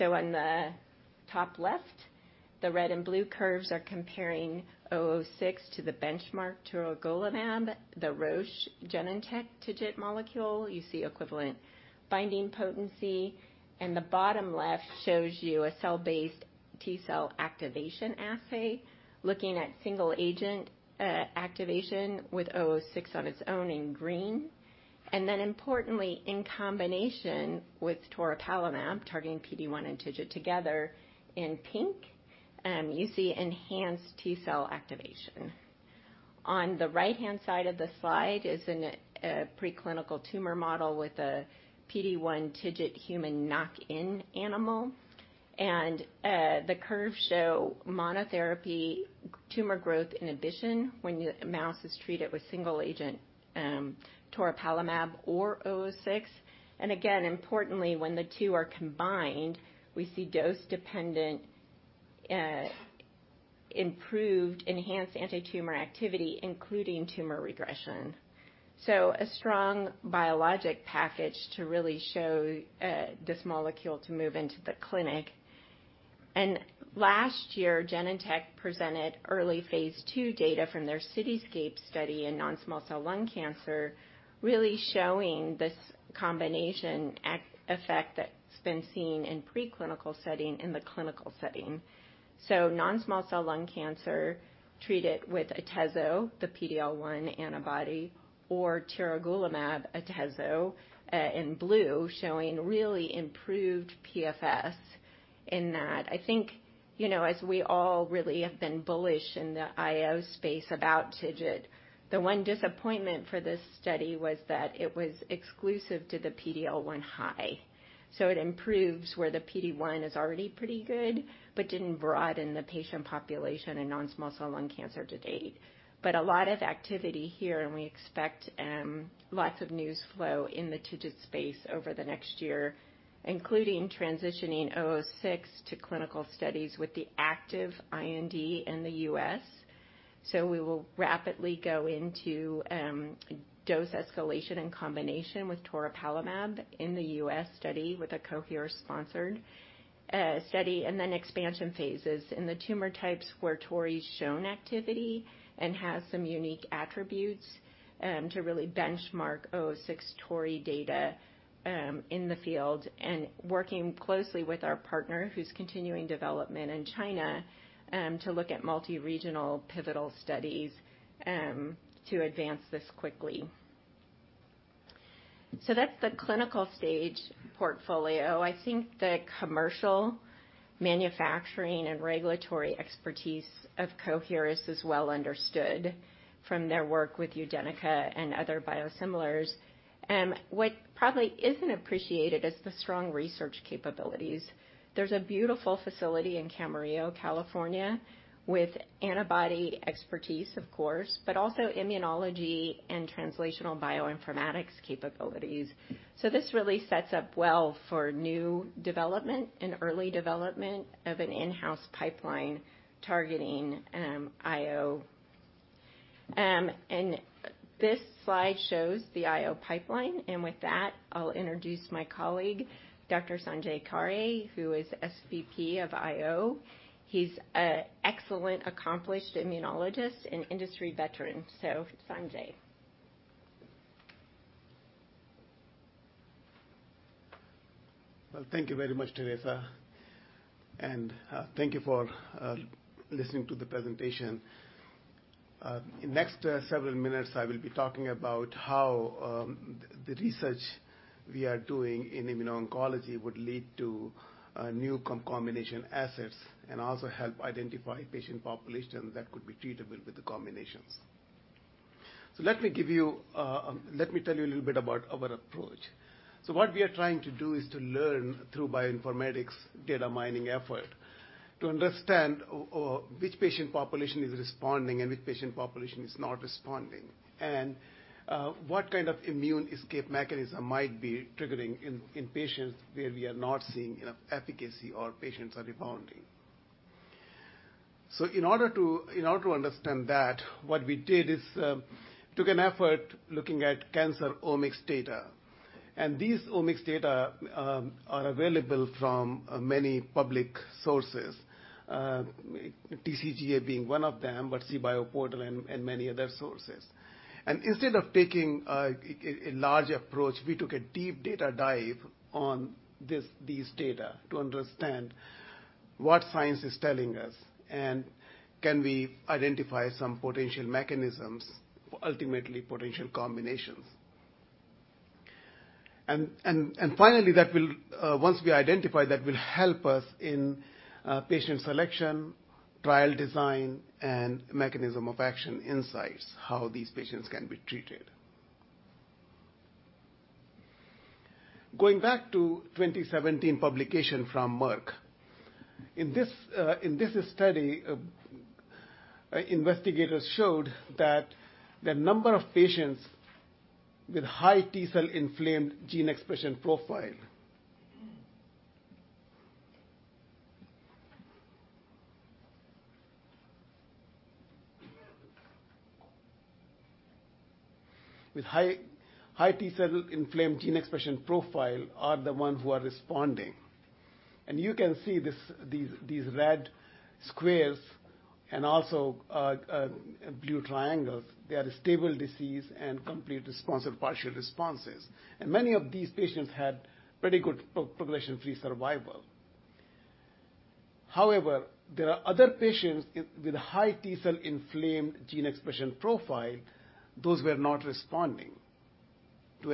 [SPEAKER 3] On the top left, the red and blue curves are comparing 006 to the benchmark tiragolumab, the Roche Genentech TIGIT molecule. You see equivalent binding potency. The bottom left shows you a cell-based T-cell activation assay, looking at single agent, activation with 006 on its own in green. Importantly, in combination with toripalimab, targeting PD-1 and TIGIT together in pink, you see enhanced T-cell activation. On the right-hand side of the slide is a preclinical tumor model with a PD-1 TIGIT human knock-in animal. The curves show monotherapy tumor growth inhibition when a mouse is treated with single agent toripalimab or 006. Importantly, when the two are combined, we see dose-dependent improved enhanced antitumor activity, including tumor regression. A strong biologic package to really show this molecule to move into the clinic. Last year, Genentech presented early phase II data from their CITYSCAPE study in non-small cell lung cancer, really showing this combination effect that's been seen in preclinical setting in the clinical setting. Non-small cell lung cancer treated with atezo, the PD-L1 antibody or tiragolumab atezo, in blue, showing really improved PFS in that. I think, you know, as we all really have been bullish in the IO space about TIGIT, the one disappointment for this study was that it was exclusive to the PD-L1 high. It improves where the PD-1 is already pretty good, but didn't broaden the patient population in non-small cell lung cancer to date. A lot of activity here, and we expect lots of news flow in the TIGIT space over the next year, including transitioning 006 to clinical studies with the active IND in the U.S. We will rapidly go into dose escalation in combination with toripalimab in the U.S. study with a Coherus-sponsored study, and then expansion phases in the tumor types where Tori's shown activity and has some unique attributes to really benchmark 006 toripalimab data in the field. Working closely with our partner who's continuing development in China to look at multi-regional pivotal studies to advance this quickly. That's the clinical stage portfolio. I think the commercial manufacturing and regulatory expertise of Coherus is well understood from their work with UDENYCA and other biosimilars. What probably isn't appreciated is the strong research capabilities. There's a beautiful facility in Camarillo, California, with antibody expertise, of course, but also immunology and translational bioinformatics capabilities. This really sets up well for new development and early development of an in-house pipeline targeting IO. This slide shows the IO pipeline. With that, I'll introduce my colleague, Dr. Sanjay Khare, who is SVP of IO. He's a excellent accomplished immunologist and industry veteran. Sanjay.
[SPEAKER 5] Well, thank you very much, Theresa. Thank you for listening to the presentation. Next, several minutes, I will be talking about how the research we are doing in immuno-oncology would lead to new combination assets and also help identify patient population that could be treatable with the combinations. Let me tell you a little bit about our approach. What we are trying to do is to learn through bioinformatics data mining effort to understand which patient population is responding and which patient population is not responding. What kind of immune escape mechanism might be triggering in patients where we are not seeing enough efficacy or patients are rebounding. In order to understand that, what we did is took an effort looking at cancer omics data. These omics data are available from many public sources, TCGA being one of them, but cBioPortal and many other sources. Instead of taking a large approach, we took a deep data dive on these data to understand what science is telling us, and can we identify some potential mechanisms for ultimately potential combinations. Finally, once we identify that will help us in patient selection, trial design, and mechanism of action insights, how these patients can be treated. Going back to 2017 publication from Merck. In this study, investigators showed that the number of patients with high T-cell inflamed gene expression profile are the ones who are responding. You can see these red squares and also blue triangles. They are stable disease and complete response or partial responses. Many of these patients had pretty good progression free survival. However, there are other patients with a high T-cell inflamed gene expression profile. Those were not responding to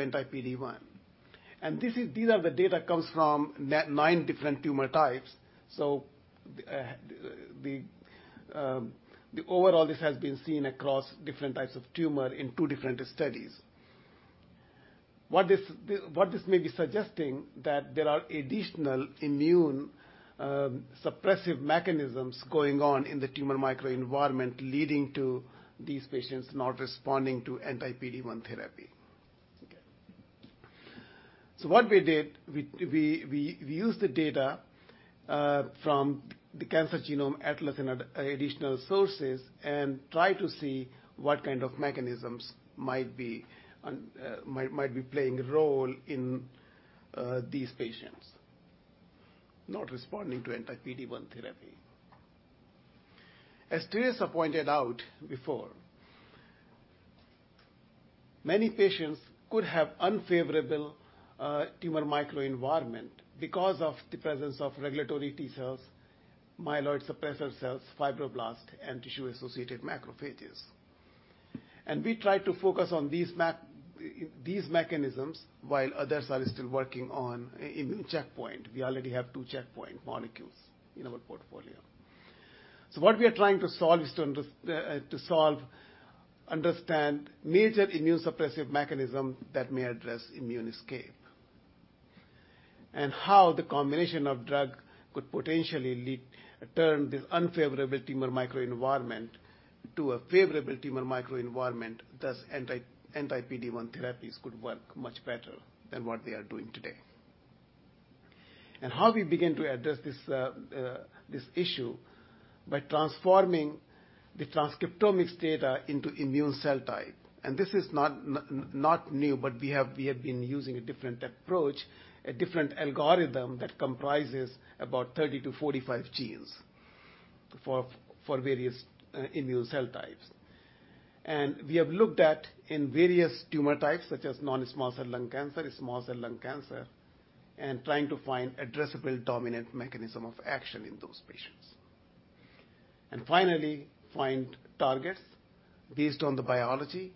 [SPEAKER 5] anti-PD-1. These are the data comes from nine different tumor types. The overall this has been seen across different types of tumor in two different studies. What this may be suggesting that there are additional immune suppressive mechanisms going on in the tumor microenvironment leading to these patients not responding to anti-PD-1 therapy. What we did, we used the data from The Cancer Genome Atlas and other additional sources and try to see what kind of mechanisms might be playing a role in these patients not responding to anti-PD-1 therapy. As Theresa pointed out before, many patients could have unfavorable tumor microenvironment because of the presence of regulatory T-cells, myeloid suppressor cells, fibroblasts, and tissue-associated macrophages. We try to focus on these mechanisms while others are still working on immune checkpoint. We already have two checkpoint molecules in our portfolio. What we are trying to solve is to understand major immunosuppressive mechanism that may address immune escape, and how the combination of drug could potentially lead to turn this unfavorable tumor microenvironment to a favorable tumor microenvironment, thus anti-PD-1 therapies could work much better than what they are doing today. We begin to address this issue by transforming the transcriptomics data into immune cell type. This is not new, but we have been using a different approach, a different algorithm that comprises about 30-45 genes for various immune cell types. We have looked at various tumor types, such as non-small cell lung cancer, small cell lung cancer, and trying to find addressable dominant mechanism of action in those patients. Finally, find targets based on the biology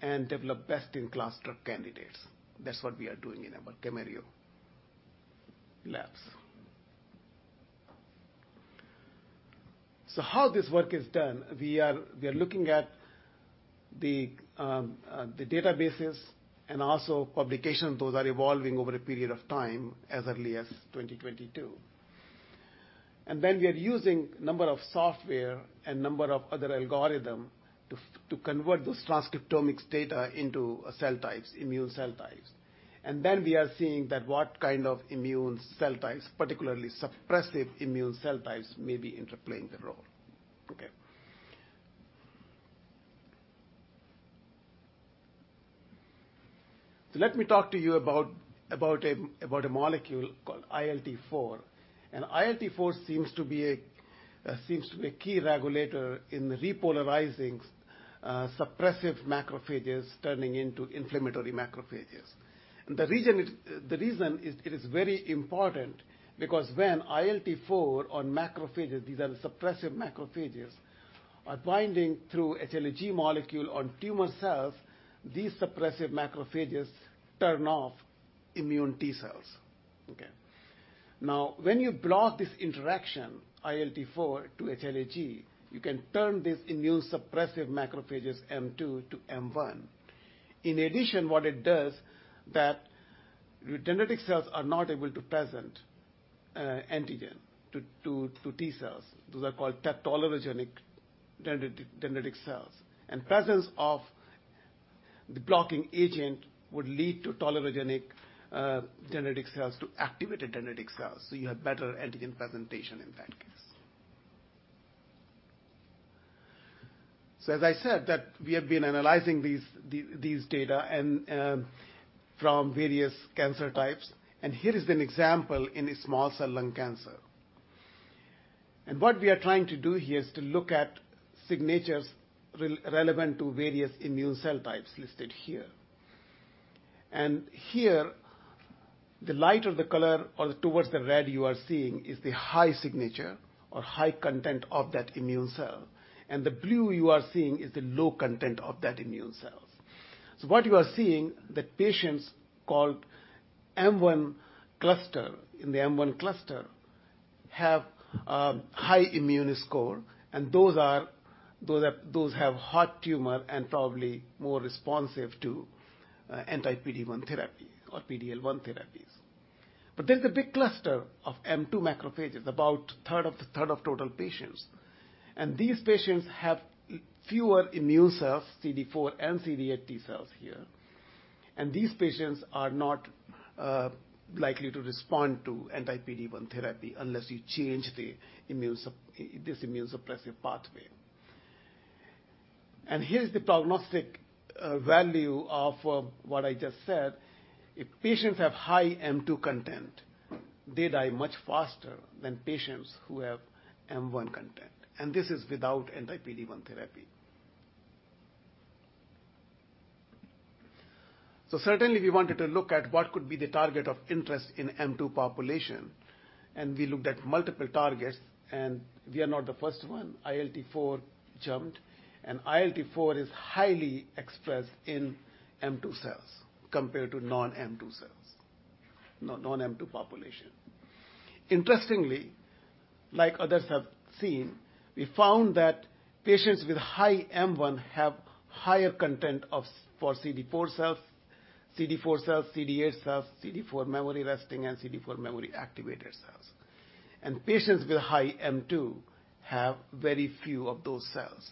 [SPEAKER 5] and develop best-in-class drug candidates. That's what we are doing in our Camarillo labs. How this work is done? We are looking at the databases and also publication. Those are evolving over a period of time as early as 2022. Then we are using number of software and number of other algorithm to convert those transcriptomics data into cell types, immune cell types. Then we are seeing that what kind of immune cell types, particularly suppressive immune cell types, may be interplaying a role. Okay. Let me talk to you about a molecule called ILT4. ILT4 seems to be a key regulator in repolarizing suppressive macrophages turning into inflammatory macrophages. The reason is it is very important because when ILT4 on macrophages, these are the suppressive macrophages, are binding through HLA-G molecule on tumor cells, these suppressive macrophages turn off immune T-cells. Okay. Now, when you block this interaction, ILT4 to HLA-G, you can turn these immune suppressive macrophages M2 to M1. In addition, what it does that dendritic cells are not able to present antigen to T-cells. Those are called tolerogenic dendritic cells. Presence of the blocking agent would lead to tolerogenic dendritic cells to activated dendritic cells, so you have better antigen presentation in that case. As I said that we have been analyzing these data and from various cancer types, and here is an example in a small cell lung cancer. What we are trying to do here is to look at signatures relevant to various immune cell types listed here. Here, the lighter the color or towards the red you are seeing is the high signature or high content of that immune cell, and the blue you are seeing is the low content of that immune cell. What you are seeing, the patients called M1 cluster, in the M1 cluster, have a high immune score, and those have hot tumor and probably more responsive to anti-PD-1 therapy or PD-L1 therapies. There's a big cluster of M2 macrophages, about a third of total patients. These patients have fewer immune cells, CD4 and CD8 T-cells here. These patients are not likely to respond to anti-PD-1 therapy unless you change this immunosuppressive pathway. Here's the prognostic value of what I just said. If patients have high M2 content, they die much faster than patients who have M1 content, and this is without anti-PD-1 therapy. Certainly, we wanted to look at what could be the target of interest in M2 population, and we looked at multiple targets, and we are not the first one. ILT4 jumped, and ILT4 is highly expressed in M2 cells compared to non-M2 cells, non-M2 population. Interestingly, like others have seen, we found that patients with high M1 have higher content of CD4 cells, CD8 cells, CD4 memory resting, and CD4 memory activated cells. Patients with high M2 have very few of those cells.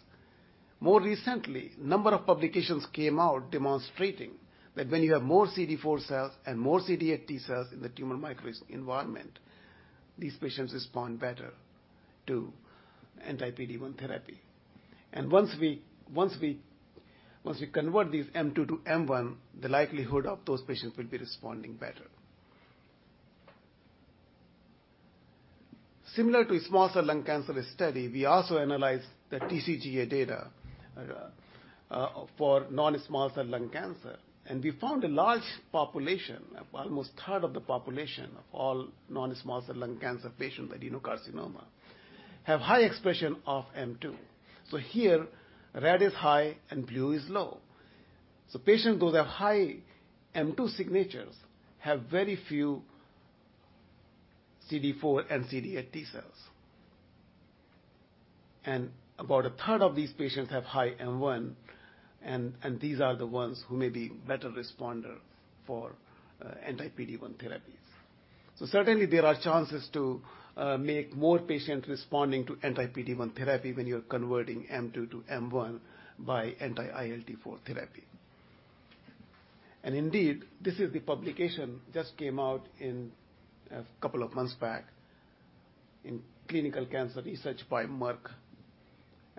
[SPEAKER 5] More recently, number of publications came out demonstrating that when you have more CD4 cells and more CD8 T-cells in the tumor microenvironment, these patients respond better to anti-PD-1 therapy. Once we convert these M2 to M1, the likelihood of those patients will be responding better. Similar to a small cell lung cancer study, we also analyzed the TCGA data for non-small cell lung cancer, and we found a large population, almost a third of the population of all non-small cell lung cancer patients, adenocarcinoma, have high expression of M2. So here, red is high and blue is low. Patients with a high M2 signatures have very few CD4 and CD8 T-cells. About a third of these patients have high M1, and these are the ones who may be better responder for anti-PD-1 therapies. Certainly, there are chances to make more patients responding to anti-PD-1 therapy when you're converting M2 to M1 by anti-ILT4 therapy. Indeed, this is the publication that just came out a couple of months back in Clinical Cancer Research by Merck.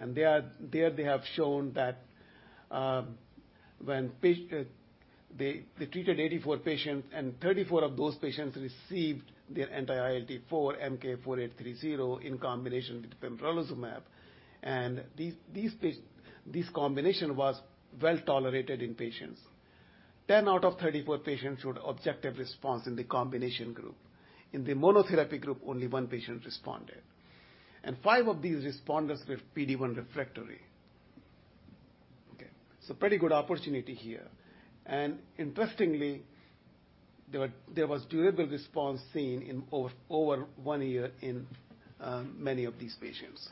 [SPEAKER 5] There they have shown that they treated 84 patients, and 34 of those patients received their anti-ILT4 MK-4830 in combination with pembrolizumab. This combination was well-tolerated in patients. 10 out of 34 patients showed objective response in the combination group. In the monotherapy group, only one patient responded. Five of these responders were PD-1 refractory. Okay, pretty good opportunity here. Interestingly, there was durable response seen in over one year in many of these patients.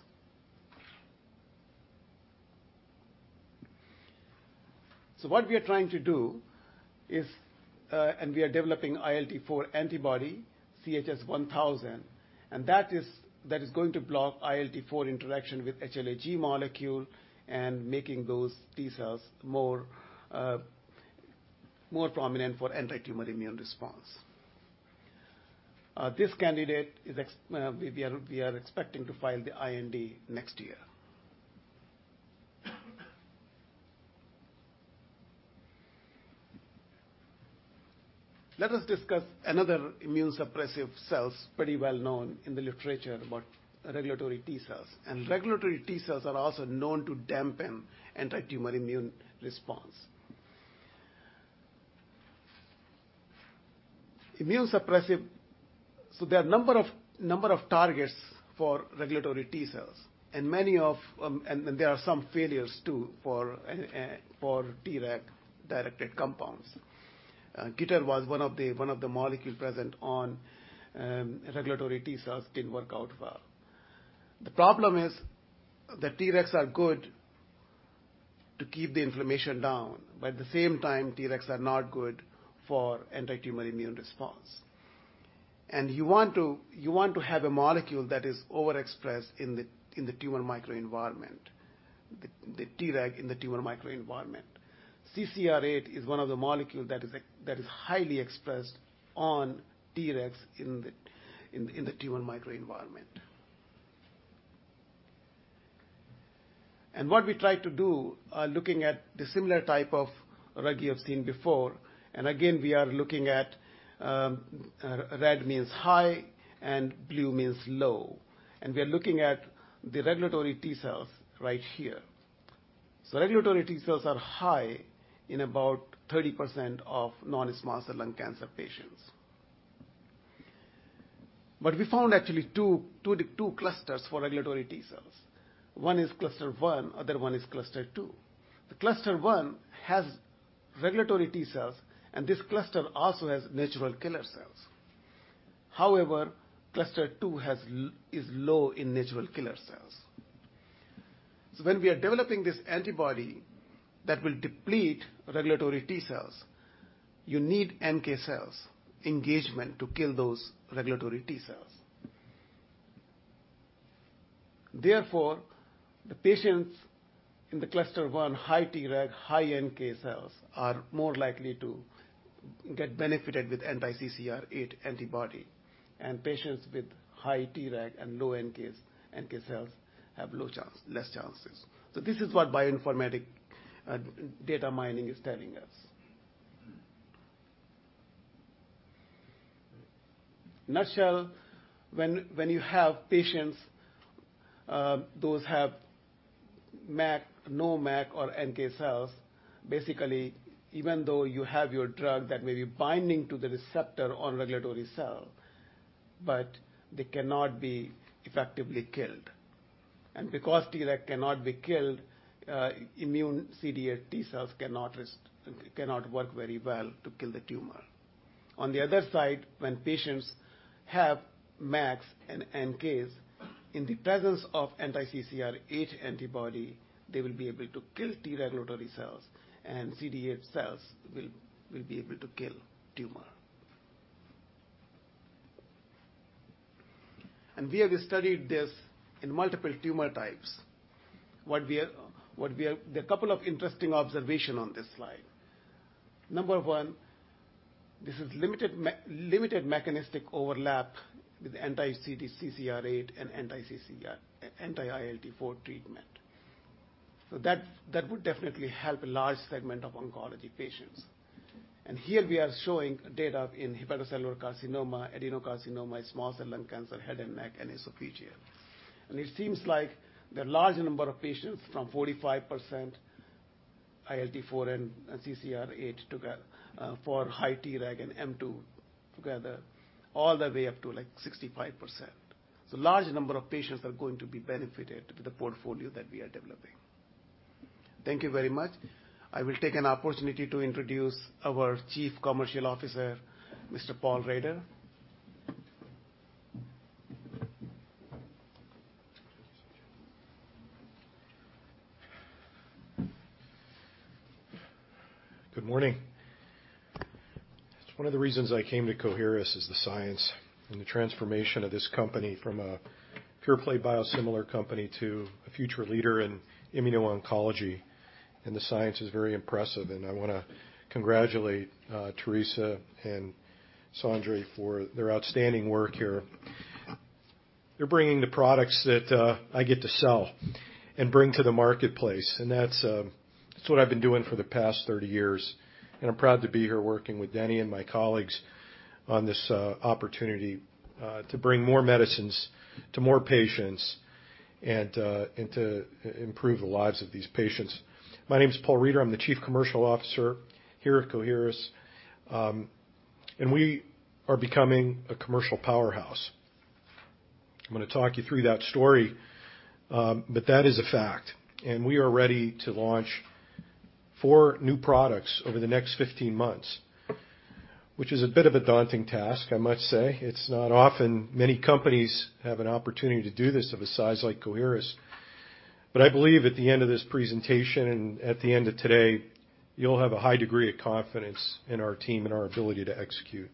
[SPEAKER 5] What we are trying to do is develop ILT4 antibody CHS-1000, and that is going to block ILT4 interaction with HLA-G molecule and making those T-cells more prominent for antitumor immune response. This candidate, we are expecting to file the IND next year. Let us discuss another immunosuppressive cells pretty well known in the literature about regulatory T-cells. Regulatory T-cells are also known to dampen antitumor immune response. There are a number of targets for regulatory T-cells, and many of, and there are some failures, too, for Treg-directed compounds. GITR was one of the molecules present on regulatory T-cells, didn't work out well. The problem is the Tregs are good to keep the inflammation down, but at the same time, Tregs are not good for antitumor immune response. You want to have a molecule that is overexpressed in the tumor microenvironment, the Treg in the tumor microenvironment. CCR8 is one of the molecule that is highly expressed on Tregs in the tumor microenvironment. What we try to do, looking at the similar type of Treg you have seen before, and again, we are looking at red means high and blue means low. We are looking at the regulatory T-cells right here. Regulatory T-cells are high in about 30% of non-small cell lung cancer patients. We found actually the two clusters for regulatory T-cells. One is cluster one, the other one is cluster two. The cluster one has regulatory T-cells, and this cluster also has natural killer cells. However, cluster two is low in natural killer cells. When we are developing this antibody that will deplete regulatory T-cells, you need NK cells engagement to kill those regulatory T-cells. Therefore, the patients in the cluster one, high Treg, high NK cells, are more likely to get benefited with anti-CCR8 antibody. Patients with high Treg and low NKs, NK cells have low chance, less chances. This is what bioinformatics data mining is telling us. In a nutshell, when you have patients those have MAC, no MAC or NK cells, basically, even though you have your drug that may be binding to the receptor or regulatory cell, but they cannot be effectively killed. Because Treg cannot be killed, immune CD8 T-cells cannot work very well to kill the tumor. On the other side, when patients have MACs and NKs, in the presence of anti-CCR8 antibody, they will be able to kill T-regulatory cells, and CD8 cells will be able to kill tumor. We have studied this in multiple tumor types. There are a couple of interesting observation on this slide. Number one, this is limited mechanistic overlap with anti-CCR8 and anti-ILT4 treatment. So that would definitely help a large segment of oncology patients. Here, we are showing data in hepatocellular carcinoma, adenocarcinoma, small cell lung cancer, head and neck, and esophageal. It seems the large number of patients from 45% ILT4 and CCR8 together, for high Treg and M2 together, all the way up to 65%. Large number of patients are going to be benefited with the portfolio that we are developing. Thank you very much. I will take an opportunity to introduce our Chief Commercial Officer, Mr. Paul Reider.
[SPEAKER 6] Good morning. One of the reasons I came to Coherus is the science and the transformation of this company from a pure-play biosimilar company to a future leader in immuno-oncology. The science is very impressive, and I wanna congratulate Theresa and Sanjay for their outstanding work here. They're bringing the products that I get to sell and bring to the marketplace, and that's what I've been doing for the past 30 years. I'm proud to be here working with Denny and my colleagues on this opportunity to bring more medicines to more patients and to improve the lives of these patients. My name is Paul Reider. I'm the Chief Commercial Officer here at Coherus. We are becoming a commercial powerhouse. I'm gonna talk you through that story, but that is a fact. We are ready to launch four new products over the next 15 months, which is a bit of a daunting task, I must say. It's not often many companies have an opportunity to do this of a size like Coherus. I believe at the end of this presentation and at the end of today, you'll have a high degree of confidence in our team and our ability to execute.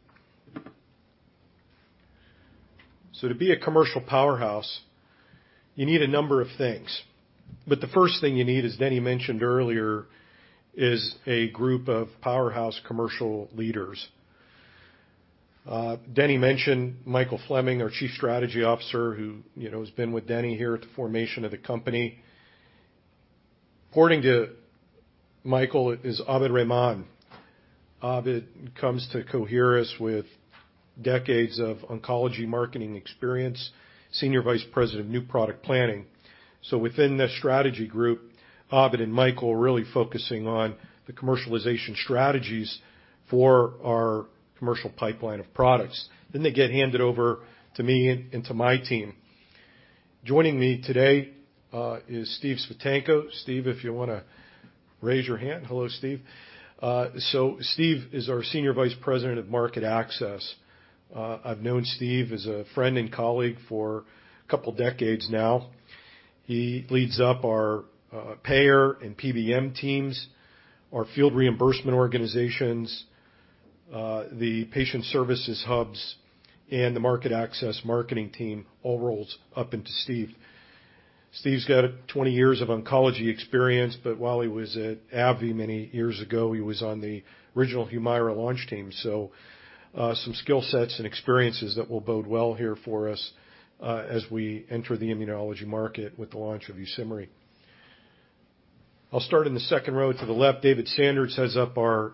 [SPEAKER 6] To be a commercial powerhouse, you need a number of things. The first thing you need, as Denny mentioned earlier, is a group of powerhouse commercial leaders. Denny mentioned Michael Fleming, our Chief Strategy Officer, who, you know, has been with Denny here at the formation of the company. Reporting to Michael is Abid Rahman. Abid comes to Coherus with decades of oncology marketing experience, Senior Vice President of New Product Planning. Within the strategy group, Abid and Michael are really focusing on the commercialization strategies for our commercial pipeline of products. Then they get handed over to me and to my team. Joining me today is Steve Svitenko. Steve, if you wanna raise your hand. Hello, Steve. Steve is our senior vice president of market access. I've known Steve as a friend and colleague for a couple decades now. He leads up our payer and PBM teams, our field reimbursement organizations, the patient services hubs and the market access marketing team all rolls up into Steve. Steve's got 20 years of oncology experience, but while he was at AbbVie many years ago, he was on the original HUMIRA launch team. Some skill sets and experiences that will bode well here for us, as we enter the immunology market with the launch of YUSIMRY. I'll start in the second row to the left. David Sanders heads up our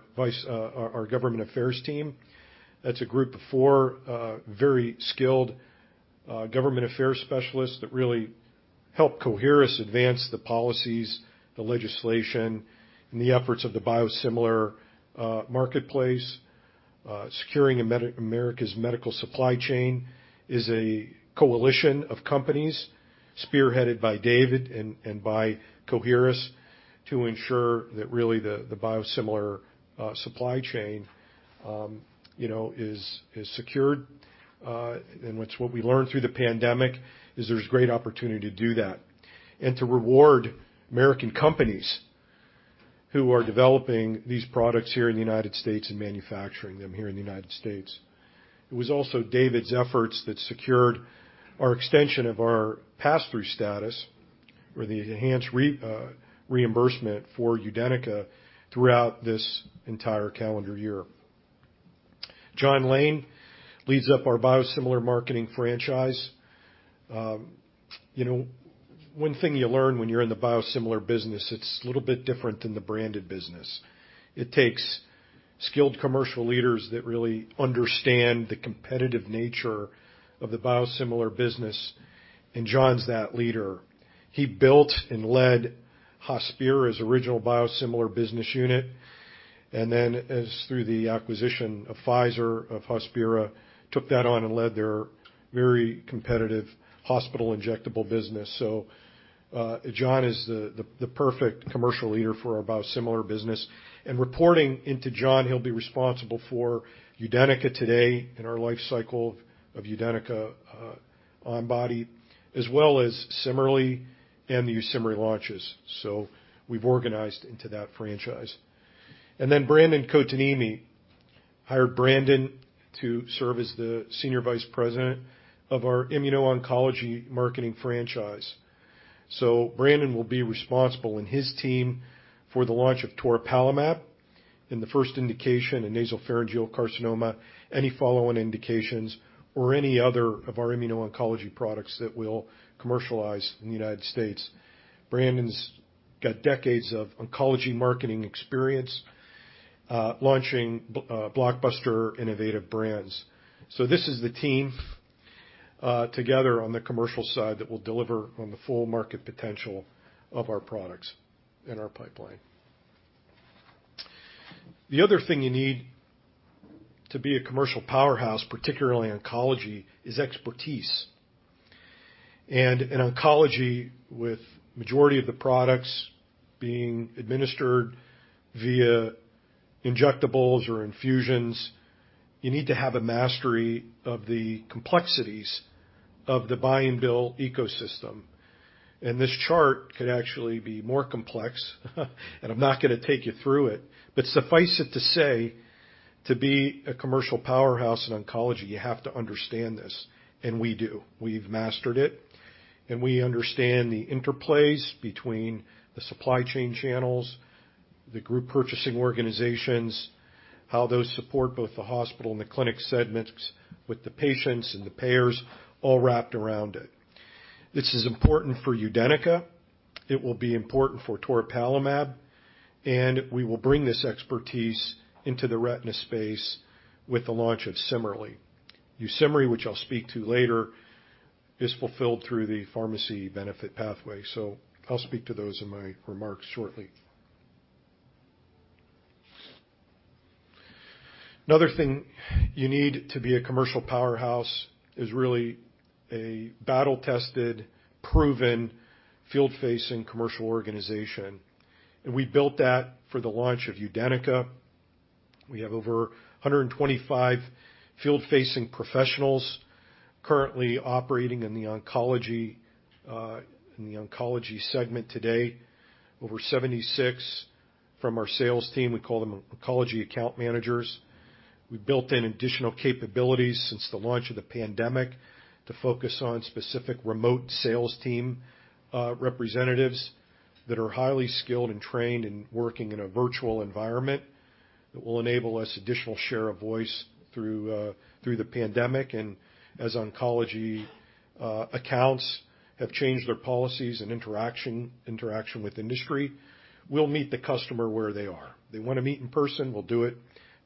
[SPEAKER 6] government affairs team. That's a group of four, very skilled, government affairs specialists that really help Coherus advance the policies, the legislation, and the efforts of the biosimilar marketplace. Securing America's Medicines and Supply is a coalition of companies spearheaded by David and by Coherus to ensure that really the biosimilar supply chain, you know, is secured. What we learned through the pandemic is there's great opportunity to do that and to reward American companies who are developing these products here in the United States and manufacturing them here in the United States. It was also David's efforts that secured our extension of our pass-through status or the enhanced reimbursement for UDENYCA throughout this entire calendar year. John Lane leads up our biosimilar marketing franchise. You know, one thing you learn when you're in the biosimilar business, it's a little bit different than the branded business. It takes skilled commercial leaders that really understand the competitive nature of the biosimilar business, and John's that leader. He built and led Hospira's original biosimilar business unit, and then as through the acquisition by Pfizer of Hospira, took that on and led their very competitive hospital injectable business. John is the perfect commercial leader for our biosimilar business. Reporting into John, he'll be responsible for UDENYCA today and our life cycle of UDENYCA on-body, as well as CIMERLI and the YUSIMRY launches. We've organized into that franchise. Then Brandon Kotaniemi. We hired Brandon to serve as the Senior Vice President of our immuno-oncology marketing franchise. Brandon will be responsible, and his team, for the launch of toripalimab in the first indication, a nasopharyngeal carcinoma, any follow-on indications or any other of our immuno-oncology products that we'll commercialize in the United States. Brandon's got decades of oncology marketing experience, launching blockbuster innovative brands. This is the team together on the commercial side that will deliver on the full market potential of our products in our pipeline. The other thing you need to be a commercial powerhouse, particularly in oncology, is expertise. In oncology, with majority of the products being administered via injectables or infusions, you need to have a mastery of the complexities of the buy-and-bill ecosystem. This chart could actually be more complex, and I'm not gonna take you through it. But suffice it to say, to be a commercial powerhouse in oncology, you have to understand this, and we do. We've mastered it, and we understand the interplays between the supply chain channels, the group purchasing organizations, how those support both the hospital and the clinic segments with the patients and the payers all wrapped around it. This is important for UDENYCA. It will be important for toripalimab, and we will bring this expertise into the retina space with the launch of CIMERLI. YUSIMRY, which I'll speak to later, is fulfilled through the pharmacy benefit pathway, so I'll speak to those in my remarks shortly. Another thing you need to be a commercial powerhouse is really a battle-tested, proven, field-facing commercial organization. We built that for the launch of UDENYCA. We have over 125 field-facing professionals currently operating in the oncology segment today, over 76 from our sales team. We call them oncology account managers. We built in additional capabilities since the launch of the pandemic to focus on specific remote sales team representatives that are highly skilled and trained in working in a virtual environment that will enable us additional share of voice through the pandemic. As oncology accounts have changed their policies and interaction with industry, we'll meet the customer where they are. They wanna meet in person, we'll do it.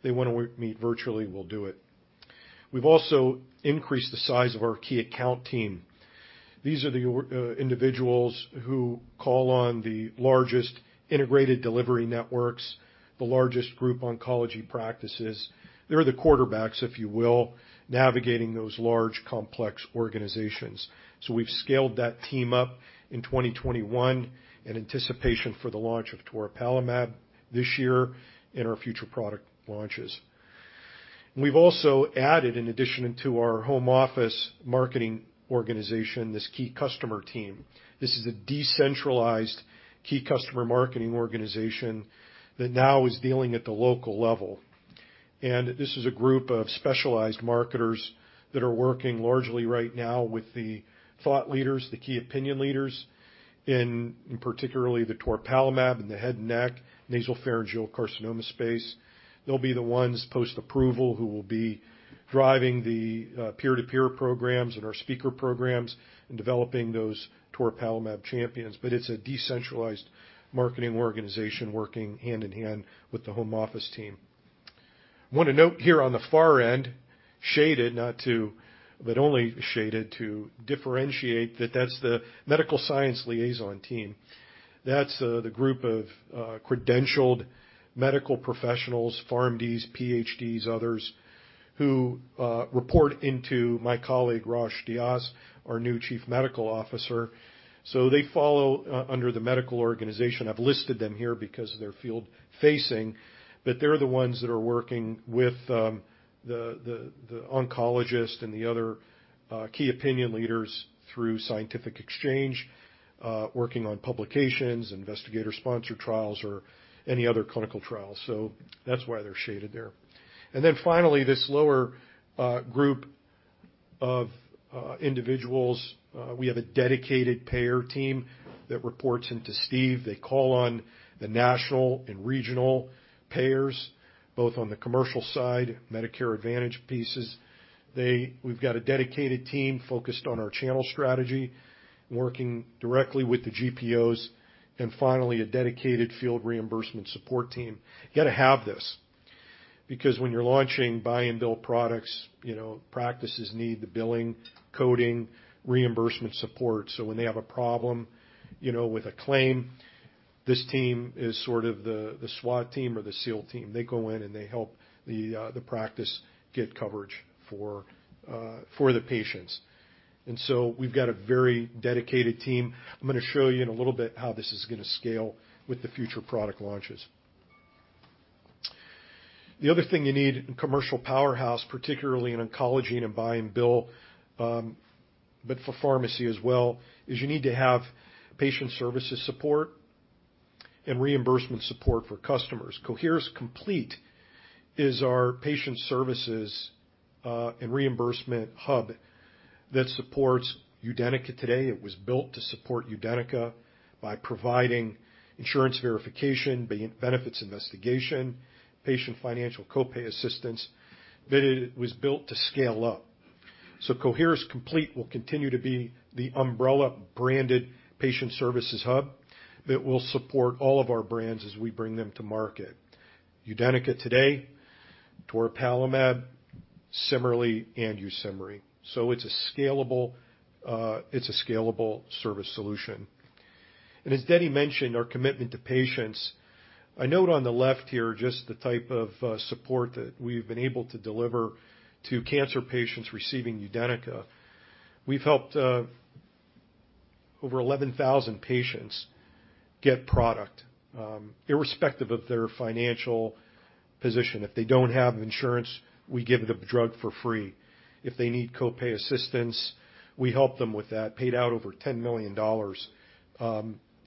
[SPEAKER 6] They wanna meet virtually, we'll do it. We've also increased the size of our key account team. These are the individuals who call on the largest integrated delivery networks, the largest group oncology practices. They're the quarterbacks, if you will, navigating those large, complex organizations. We've scaled that team up in 2021 in anticipation for the launch of toripalimab this year and our future product launches. We've also added, in addition to our home office marketing organization, this key customer team. This is a decentralized key customer marketing organization that now is dealing at the local level. This is a group of specialized marketers that are working largely right now with the thought leaders, the key opinion leaders in particularly the toripalimab and the head and neck, nasopharyngeal carcinoma space. They'll be the ones post-approval who will be driving the peer-to-peer programs and our speaker programs and developing those toripalimab champions. It's a decentralized marketing organization working hand-in-hand with the home office team. Want to note here on the far end, shaded, but only shaded to differentiate that that's the medical science liaison team. That's the group of credentialed medical professionals, PharmDs, PhDs, others, who report into my colleague, Rosh Dias, our new Chief Medical Officer. So they follow under the medical organization. I've listed them here because they're field-facing, but they're the ones that are working with the oncologist and the other key opinion leaders through scientific exchange, working on publications, investigator-sponsored trials or any other clinical trials. So that's why they're shaded there. Then finally, this lower group of individuals, we have a dedicated payer team that reports into Steve Svitenko. They call on the national and regional payers, both on the commercial side, Medicare Advantage pieces. We've got a dedicated team focused on our channel strategy, working directly with the GPOs, and finally, a dedicated field reimbursement support team. You got to have this because when you're launching buy-and-bill products, you know, practices need the billing, coding, reimbursement support. When they have a problem, you know, with a claim, this team is sort of the SWAT team or the SEAL team. They go in, and they help the practice get coverage for the patients. We've got a very dedicated team. I'm gonna show you in a little bit how this is gonna scale with the future product launches. The other thing you need in commercial powerhouse, particularly in oncology and in buy and bill, but for pharmacy as well, is you need to have patient services support and reimbursement support for customers. Coherus Complete is our patient services and reimbursement hub that supports UDENYCA today. It was built to support UDENYCA by providing insurance verification, benefits investigation, patient financial copay assistance. It was built to scale up. Coherus Complete will continue to be the umbrella-branded patient services hub that will support all of our brands as we bring them to market. UDENYCA today, toripalimab, CIMERLI, and YUSIMRY. It's a scalable service solution. As Denny mentioned, our commitment to patients, I note on the left here just the type of support that we've been able to deliver to cancer patients receiving UDENYCA. We've helped over 11,000 patients get product irrespective of their financial position. If they don't have insurance, we give the drug for free. If they need copay assistance, we help them with that. Paid out over $10 million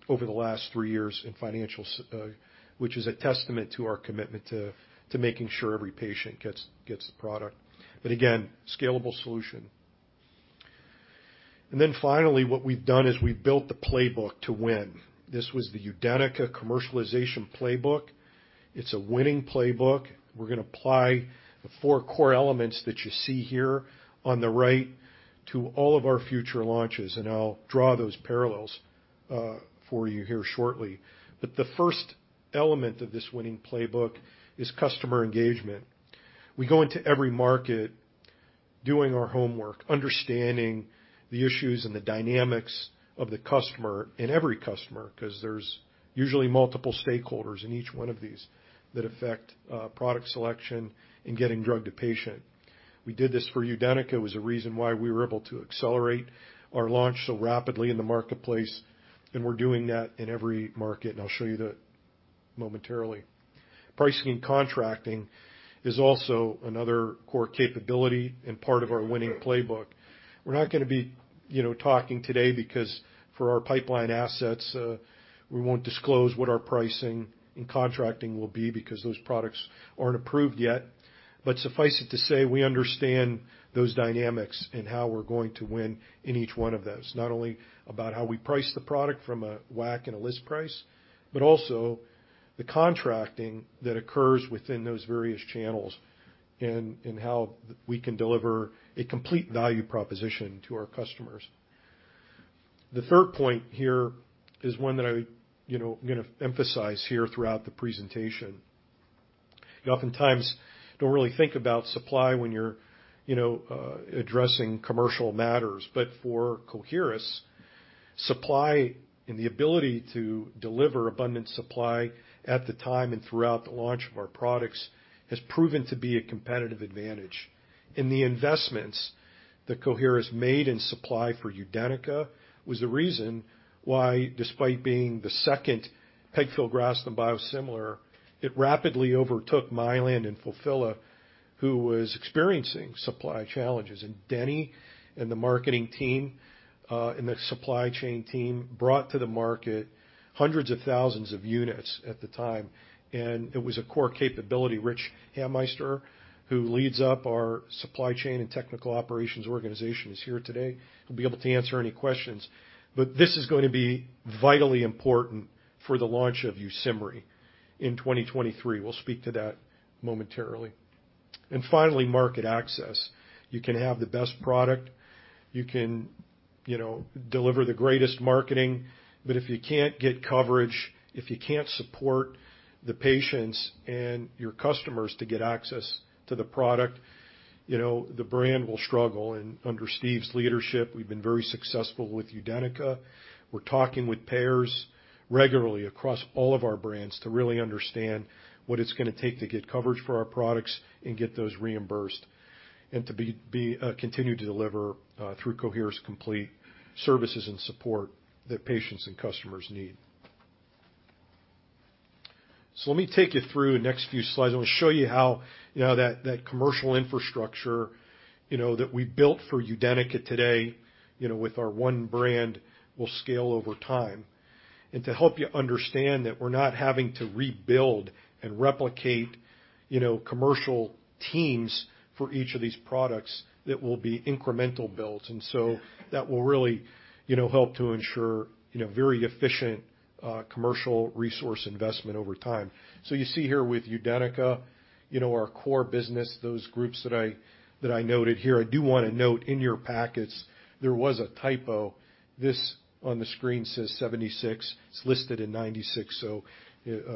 [SPEAKER 6] over the last three years in financial support, which is a testament to our commitment to making sure every patient gets the product. Again, scalable solution. Finally, what we've done is we've built the playbook to win. This was the UDENYCA commercialization playbook. It's a winning playbook. We're gonna apply the four core elements that you see here on the right to all of our future launches, and I'll draw those parallels for you here shortly. The first element of this winning playbook is customer engagement. We go into every market doing our homework, understanding the issues and the dynamics of the customer, and every customer, because there's usually multiple stakeholders in each one of these that affect product selection and getting drug to patient. We did this for UDENYCA. It was a reason why we were able to accelerate our launch so rapidly in the marketplace, and we're doing that in every market, and I'll show you that momentarily. Pricing and contracting is also another core capability and part of our winning playbook. We're not gonna be, you know, talking today because for our pipeline assets, we won't disclose what our pricing and contracting will be because those products aren't approved yet. But suffice it to say, we understand those dynamics and how we're going to win in each one of those, not only about how we price the product from a WAC and a list price, but also the contracting that occurs within those various channels and how we can deliver a complete value proposition to our customers. The third point here is one that I, you know, I'm gonna emphasize here throughout the presentation. You oftentimes don't really think about supply when you're addressing commercial matters. But for Coherus, supply and the ability to deliver abundant supply at the time and throughout the launch of our products has proven to be a competitive advantage. The investments that Coherus made in supply for UDENYCA was the reason why despite being the second pegfilgrastim biosimilar, it rapidly overtook Mylan and Fulphila, who was experiencing supply challenges. Denny and the marketing team and the supply chain team brought to the market hundreds of thousands of units at the time, and it was a core capability. Rich Hameister, who leads up our supply chain and technical operations organization, is here today. He'll be able to answer any questions. But this is going to be vitally important for the launch of YUSIMRY in 2023. We'll speak to that momentarily. Finally, market access. You can have the best product, you can, you know, deliver the greatest marketing, but if you can't get coverage, if you can't support the patients and your customers to get access to the product, you know, the brand will struggle. Under Steve's leadership, we've been very successful with UDENYCA. We're talking with payers regularly across all of our brands to really understand what it's gonna take to get coverage for our products and get those reimbursed and to continue to deliver through Coherus Complete services and support that patients and customers need. Let me take you through the next few slides. I wanna show you how, you know, that commercial infrastructure, you know, that we built for UDENYCA today, you know, with our one brand will scale over time. To help you understand that we're not having to rebuild and replicate, you know, commercial teams for each of these products that will be incremental builds. That will really, you know, help to ensure, you know, very efficient commercial resource investment over time. You see here with UDENYCA, you know, our core business, those groups that I noted here. I do wanna note in your packets there was a typo. This on the screen says 76. It's listed in 96.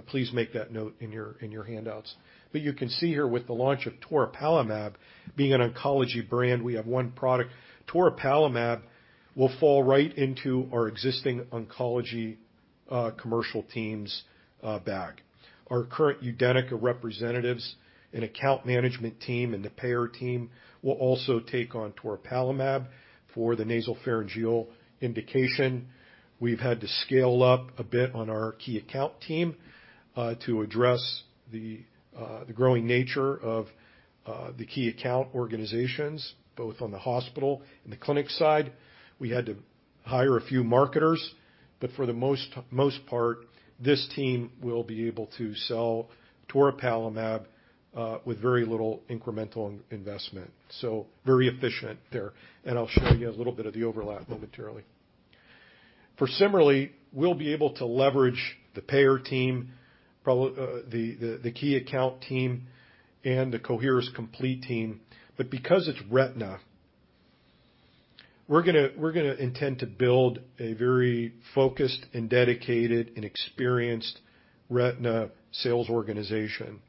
[SPEAKER 6] Please make that note in your handouts. But you can see here with the launch of toripalimab being an oncology brand, we have one product. Toripalimab will fall right into our existing oncology commercial team's bag. Our current UDENYCA representatives and account management team and the payer team will also take on toripalimab for the nasopharyngeal indication. We've had to scale up a bit on our key account team to address the growing nature of the key account organizations, both on the hospital and the clinic side. We had to hire a few marketers, but for the most part, this team will be able to sell toripalimab with very little incremental investment. Very efficient there. I'll show you a little bit of the overlap momentarily. CIMERLI, we'll be able to leverage the payer team, the key account team, and the Coherus Complete team. But because it's retina, we're gonna intend to build a very focused and dedicated and experienced retina sales organization.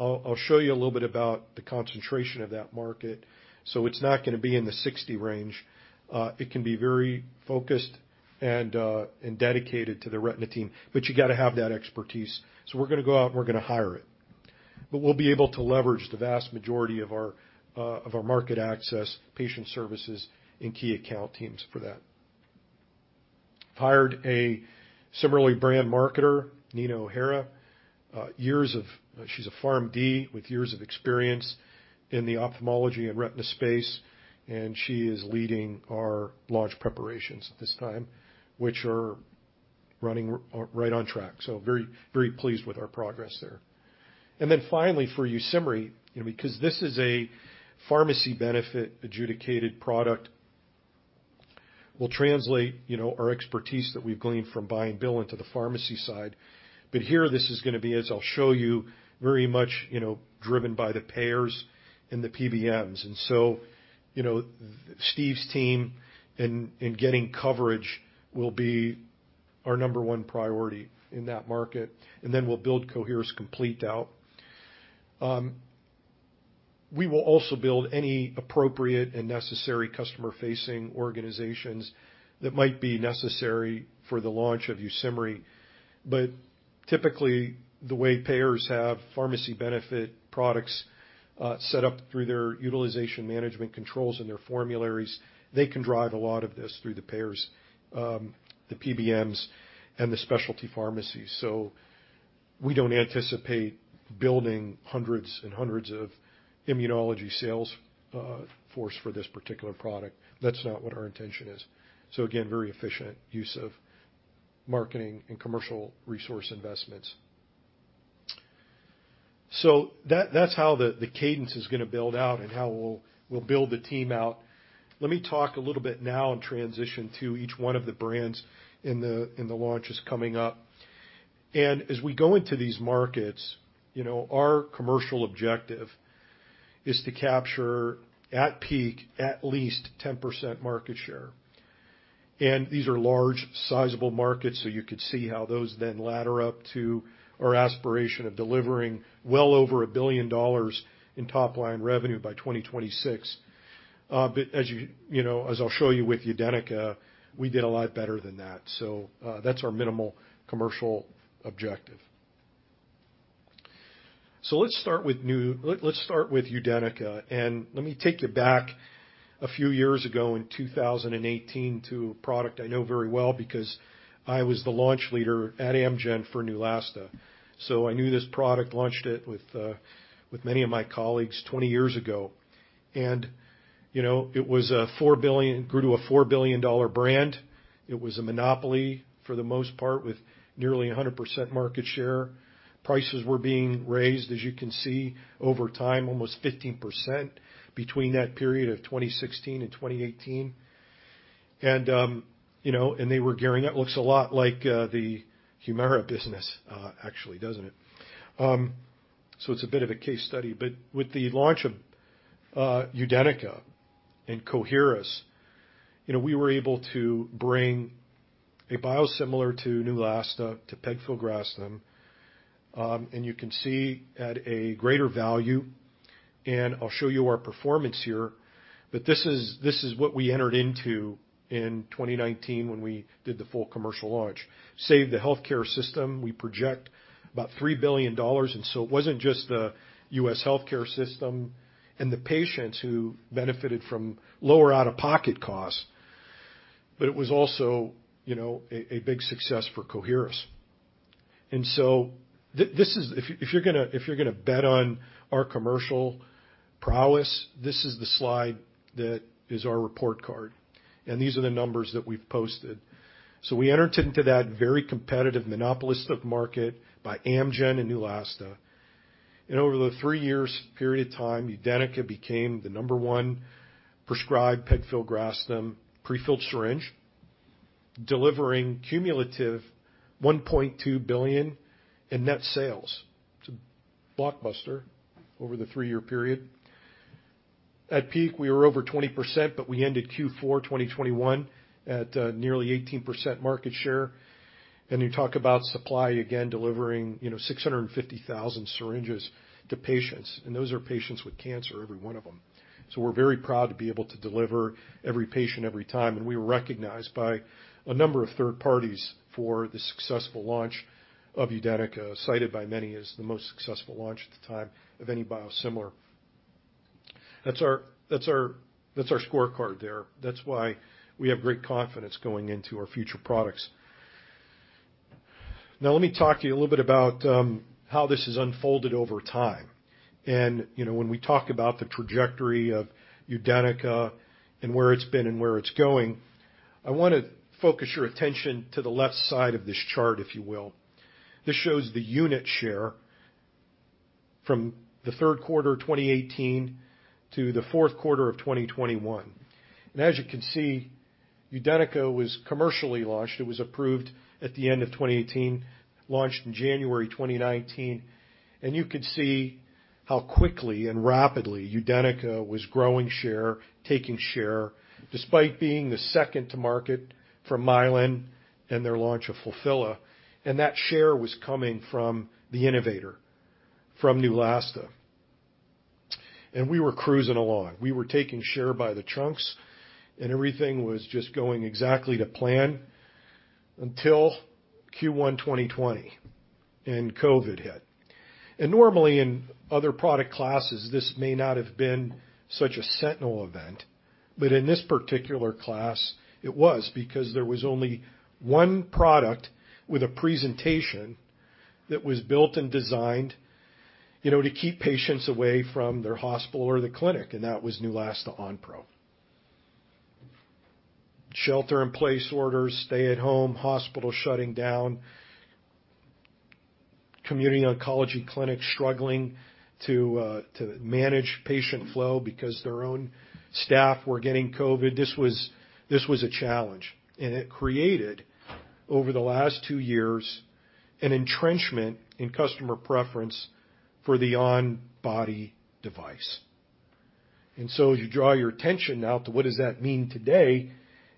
[SPEAKER 6] I'll show you a little bit about the concentration of that market. It's not gonna be in the 60 range. It can be very focused and dedicated to the retina team, but you gotta have that expertise. We're gonna go out and we're gonna hire it. We'll be able to leverage the vast majority of our market access patient services and key account teams for that. We hired a CIMERLI brand marketer, Nina O'Hara. She's a PharmD with years of experience in the ophthalmology and retina space, and she is leading our launch preparations at this time, which are running right on track. Very, very pleased with our progress there. Then finally, for YUSIMRY, you know, because this is a pharmacy benefit adjudicated product, we'll translate, you know, our expertise that we've gleaned from UDENYCA into the pharmacy side. Here, this is gonna be, as I'll show you, very much, you know, driven by the payers and the PBMs. You know, Steve's team in getting coverage will be our number one priority in that market, and then we'll build Coherus Complete out. We will also build any appropriate and necessary customer-facing organizations that might be necessary for the launch of YUSIMRY. Typically, the way payers have pharmacy benefit products set up through their utilization management controls and their formularies, they can drive a lot of this through the payers, the PBMs, and the specialty pharmacies. We don't anticipate building hundreds and hundreds of immunology sales force for this particular product. That's not what our intention is. Again, very efficient use of marketing and commercial resource investments. That's how the cadence is gonna build out and how we'll build the team out. Let me talk a little bit now in transition to each one of the brands in the launches coming up. As we go into these markets, you know, our commercial objective is to capture at peak at least 10% market share. These are large sizable markets, so you could see how those then ladder up to our aspiration of delivering well over $1 billion in top line revenue by 2026. But as you know, as I'll show you with UDENYCA, we did a lot better than that. That's our minimal commercial objective. Let's start with UDENYCA, and let me take you back a few years ago in 2018 to a product I know very well because I was the launch leader at Amgen for Neulasta. I knew this product, launched it with many of my colleagues 20 years ago. You know, it grew to a $4 billion brand. It was a monopoly for the most part, with nearly 100% market share. Prices were being raised, as you can see, over time, almost 15% between that period of 2016 and 2018. You know, they were gearing up. Looks a lot like the HUMIRA business, actually, doesn't it? It's a bit of a case study. With the launch of UDENYCA and Coherus, you know, we were able to bring a biosimilar to Neulasta, to pegfilgrastim, and you can see at a greater value. I'll show you our performance here, but this is what we entered into in 2019 when we did the full commercial launch. Saved the healthcare system, we project about $3 billion. It wasn't just the U.S. healthcare system and the patients who benefited from lower out-of-pocket costs, but it was also, you know, a big success for Coherus. This is. If you're gonna bet on our commercial prowess, this is the slide that is our report card, and these are the numbers that we've posted. We entered into that very competitive monopoly market by Amgen and Neulasta. Over the three years period of time, UDENYCA became the number one prescribed pegfilgrastim prefilled syringe, delivering cumulative $1.2 billion in net sales. It's a blockbuster over the three-year period. At peak, we were over 20%, but we ended Q4 2021 at nearly 18% market share. You talk about supply, again, delivering, you know, 650,000 syringes to patients, and those are patients with cancer, every one of them. We're very proud to be able to deliver every patient every time, and we were recognized by a number of third parties for the successful launch of UDENYCA, cited by many as the most successful launch at the time of any biosimilar. That's our scorecard there. That's why we have great confidence going into our future products. Now let me talk to you a little bit about how this has unfolded over time. You know, when we talk about the trajectory of UDENYCA and where it's been and where it's going, I wanna focus your attention to the left side of this chart, if you will. This shows the unit share from the third quarter of 2018 to the fourth quarter of 2021. As you can see, UDENYCA was commercially launched. It was approved at the end of 2018, launched in January 2019. You could see how quickly and rapidly UDENYCA was growing share, taking share, despite being the second to market from Mylan and their launch of Fulphila. That share was coming from the innovator, from Neulasta. We were cruising along. We were taking share by the truckloads, and everything was just going exactly to plan until Q1 2020 and COVID hit. Normally, in other product classes, this may not have been such a sentinel event, but in this particular class it was, because there was only one product with a presentation that was built and designed, you know, to keep patients away from their hospital or the clinic, and that was Neulasta Onpro. Shelter-in-place orders, stay at home, hospitals shutting down, community oncology clinics struggling to manage patient flow because their own staff were getting COVID. This was a challenge, and it created, over the last two years, an entrenchment in customer preference for the on-body device. As you draw your attention now to what does that mean today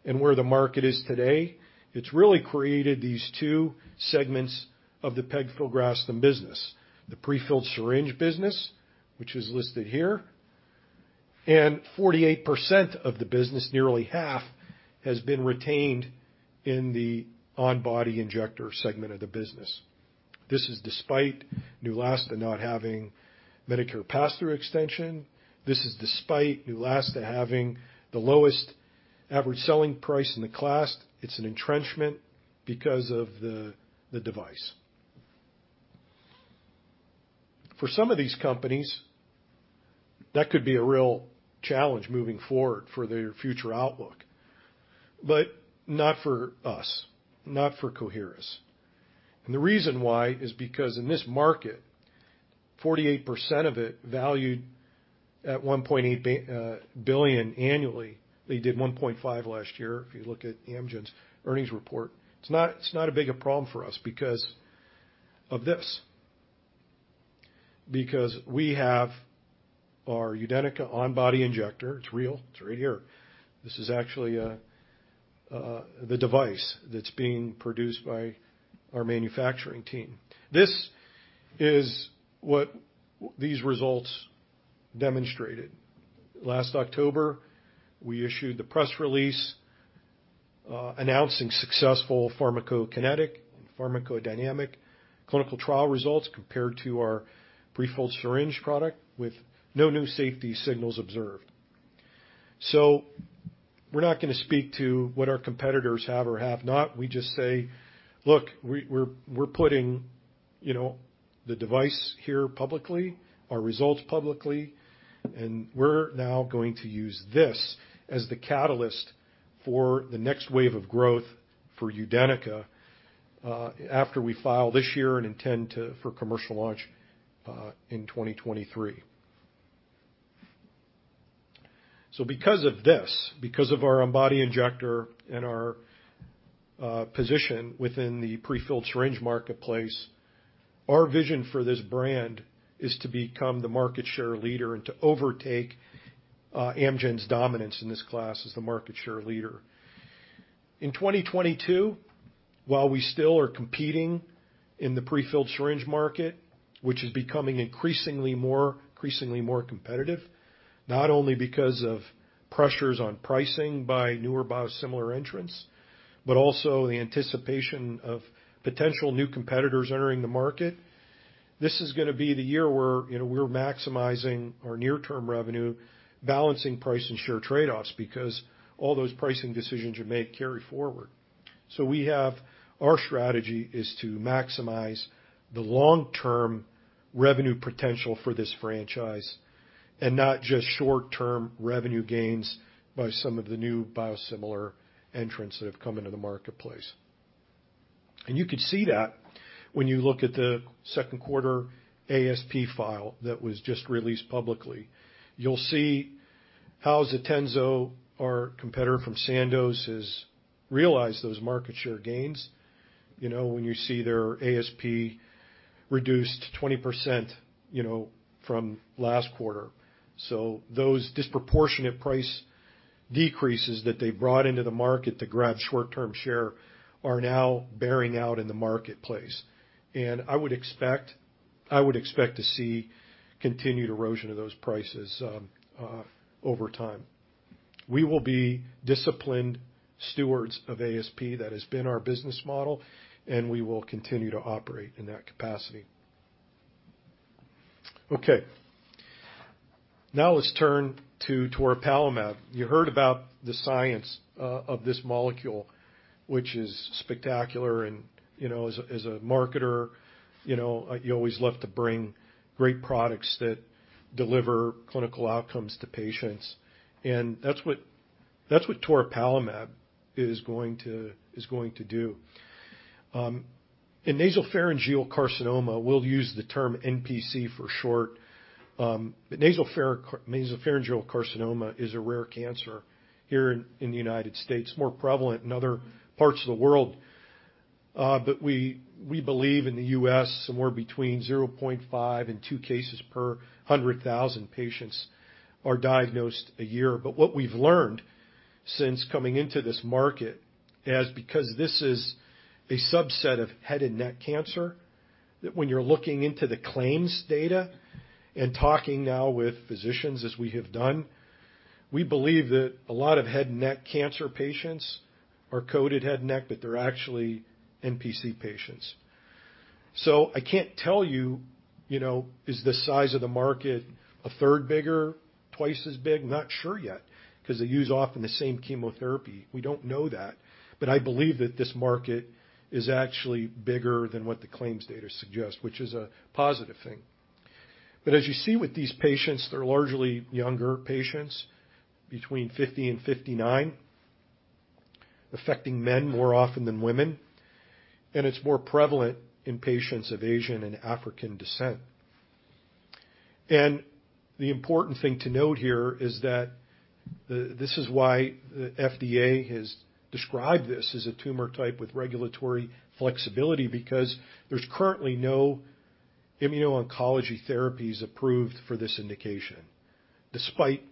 [SPEAKER 6] and where the market is today, it's really created these two segments of the pegfilgrastim business, the prefilled syringe business, which is listed here, and 48% of the business, nearly half, has been retained in the on-body injector segment of the business. This is despite Neulasta not having Medicare pass-through extension. This is despite Neulasta having the lowest average selling price in the class. It's an entrenchment because of the device. For some of these companies, that could be a real challenge moving forward for their future outlook. But not for us, not for Coherus. The reason why is because in this market, 48% of it valued at $1.8 billion annually. They did $1.5 billion last year, if you look at Amgen's earnings report. It's not a big problem for us because of this. Because we have our UDENYCA on-body injector. It's real. It's right here. This is actually the device that's being produced by our manufacturing team. This is what these results demonstrated. Last October, we issued the press release, announcing successful pharmacokinetic and pharmacodynamic clinical trial results compared to our pre-filled syringe product with no new safety signals observed. We're not gonna speak to what our competitors have or have not. We just say, "Look, we're putting, you know, the device here publicly, our results publicly, and we're now going to use this as the catalyst for the next wave of growth for UDENYCA, after we file this year and intend for commercial launch in 2023. Because of this, because of our Embody injector and our position within the pre-filled syringe marketplace, our vision for this brand is to become the market share leader and to overtake Amgen's dominance in this class as the market share leader. In 2022, while we still are competing in the pre-filled syringe market, which is becoming increasingly more competitive, not only because of pressures on pricing by newer biosimilar entrants, but also the anticipation of potential new competitors entering the market. This is gonna be the year where, you know, we're maximizing our near-term revenue, balancing price and share trade-offs because all those pricing decisions you make carry forward. Our strategy is to maximize the long-term revenue potential for this franchise and not just short-term revenue gains by some of the new biosimilar entrants that have come into the marketplace. You could see that when you look at the second quarter ASP file that was just released publicly. You'll see how ZIEXTENZO, our competitor from Sandoz, has realized those market share gains, you know, when you see their ASP reduced 20%, you know, from last quarter. Those disproportionate price decreases that they brought into the market to grab short-term share are now bearing out in the marketplace. I would expect to see continued erosion of those prices over time. We will be disciplined stewards of ASP. That has been our business model, and we will continue to operate in that capacity. Okay. Now let's turn to toripalimab. You heard about the science of this molecule, which is spectacular. You know, as a marketer, you know, you always love to bring great products that deliver clinical outcomes to patients. That's what toripalimab is going to do. In nasopharyngeal carcinoma, we'll use the term NPC for short. Nasopharyngeal carcinoma is a rare cancer here in the United States, more prevalent in other parts of the world. We believe in the U.S., somewhere between 0.5 and 2 cases per 100,000 patients are diagnosed a year. What we've learned since coming into this market is because this is a subset of head and neck cancer, that when you're looking into the claims data and talking now with physicians as we have done, we believe that a lot of head and neck cancer patients are coded head and neck, but they're actually NPC patients. I can't tell you know, is the size of the market a third bigger, twice as big? Not sure yet, 'cause they use often the same chemotherapy. We don't know that. I believe that this market is actually bigger than what the claims data suggests, which is a positive thing. As you see with these patients, they're largely younger patients between 50 and 59, affecting men more often than women, and it's more prevalent in patients of Asian and African descent. The important thing to note here is that this is why the FDA has described this as a tumor type with regulatory flexibility because there's currently no immuno-oncology therapies approved for this indication. Despite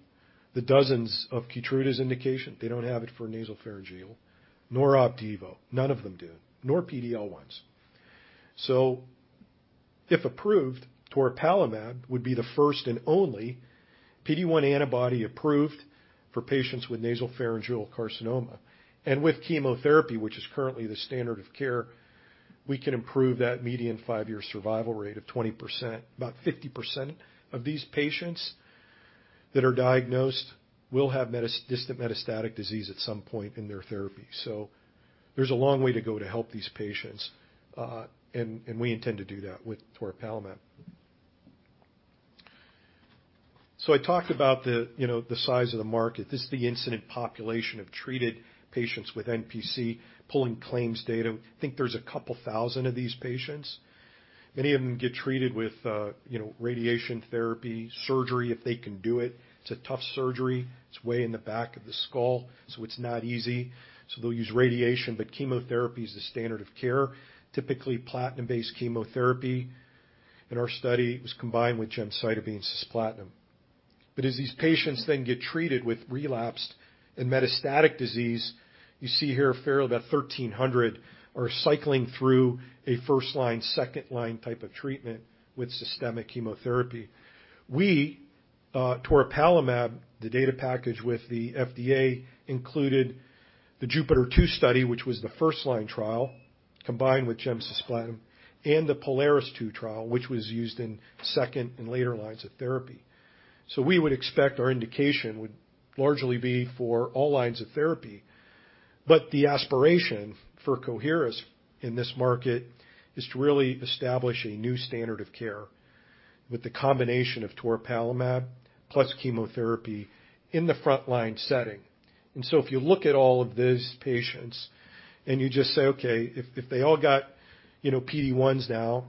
[SPEAKER 6] the dozens of KEYTRUDA's indications, they don't have it for nasopharyngeal, nor Opdivo. None of them do, nor PD-L1s. If approved, toripalimab would be the first and only PD-1 antibody approved for patients with nasopharyngeal carcinoma. With chemotherapy, which is currently the standard of care, we can improve that median five-year survival rate of 20%. About 50% of these patients that are diagnosed will have distant metastatic disease at some point in their therapy. There's a long way to go to help these patients, and we intend to do that with toripalimab. I talked about the size of the market. This is the incident population of treated patients with NPC pulling claims data. I think there's a couple thousand of these patients. Many of them get treated with radiation therapy, surgery if they can do it. It's a tough surgery. It's way in the back of the skull, so it's not easy. They'll use radiation, but chemotherapy is the standard of care, typically platinum-based chemotherapy. In our study, it was combined with gemcitabine-cisplatin. As these patients then get treated with relapsed and metastatic disease, you see here about 1,300 are cycling through a first-line, second-line type of treatment with systemic chemotherapy. Well, toripalimab, the data package with the FDA included the JUPITER-02 study, which was the first-line trial combined with gemcitabine, and the POLARIS-02 trial, which was used in second and later lines of therapy. We would expect our indication would largely be for all lines of therapy. The aspiration for Coherus in this market is to really establish a new standard of care with the combination of toripalimab plus chemotherapy in the front-line setting. If you look at all of these patients and you just say, okay, if they all got, you know, PD-1s now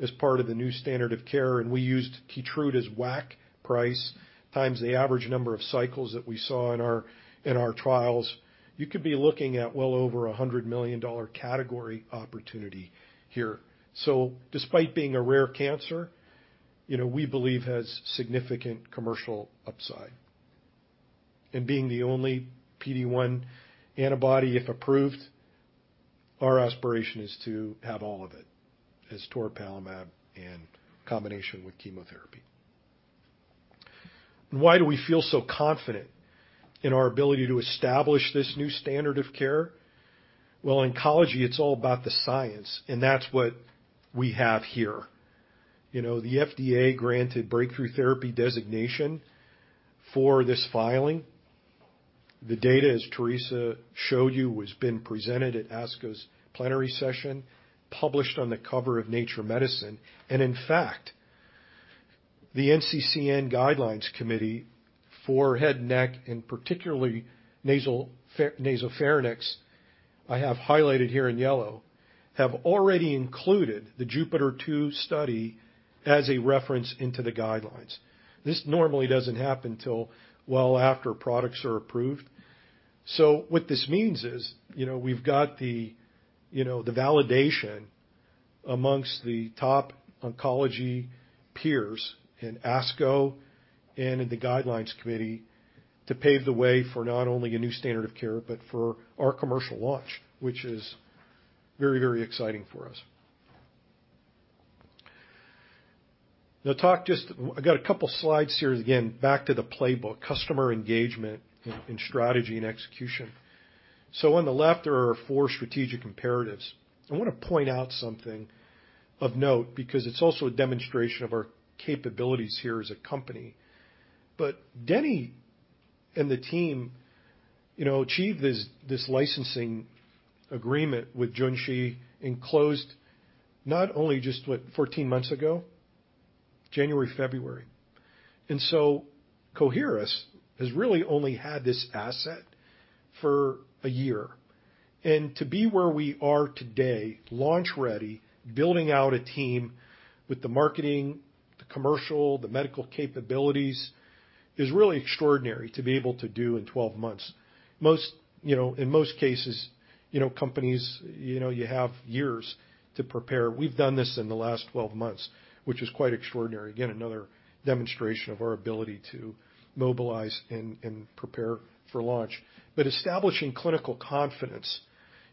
[SPEAKER 6] as part of the new standard of care, and we used KEYTRUDA's WAC price times the average number of cycles that we saw in our trials, you could be looking at well over $100 million category opportunity here. Despite being a rare cancer, you know, we believe has significant commercial upside. Being the only PD-1 antibody, if approved, our aspiration is to have all of it as toripalimab in combination with chemotherapy. Why do we feel so confident in our ability to establish this new standard of care? Well, in oncology, it's all about the science, and that's what we have here. You know, the FDA granted breakthrough therapy designation for this filing. The data, as Theresa showed you, has been presented at ASCO's plenary session, published on the cover of Nature Medicine. In fact, the NCCN Guidelines Committee for head and neck, and particularly nasopharynx, I have highlighted here in yellow, have already included the JUPITER-02 study as a reference into the guidelines. This normally doesn't happen till well after products are approved. What this means is, you know, we've got the, you know, the validation amongst the top oncology peers in ASCO and in the guidelines committee to pave the way for not only a new standard of care, but for our commercial launch, which is very, very exciting for us. Now I got a couple slides here, again, back to the playbook, customer engagement and strategy and execution. On the left, there are our four strategic imperatives. I wanna point out something of note because it's also a demonstration of our capabilities here as a company. Denny and the team, you know, achieved this licensing agreement with Junshi and closed not only just what, 14 months ago, January, February. Coherus has really only had this asset for a year. To be where we are today, launch-ready, building out a team with the marketing, the commercial, the medical capabilities, is really extraordinary to be able to do in 12 months. Most, you know, in most cases, you know, companies, you know, you have years to prepare. We've done this in the last 12 months, which is quite extraordinary. Again, another demonstration of our ability to mobilize and prepare for launch. Establishing clinical confidence,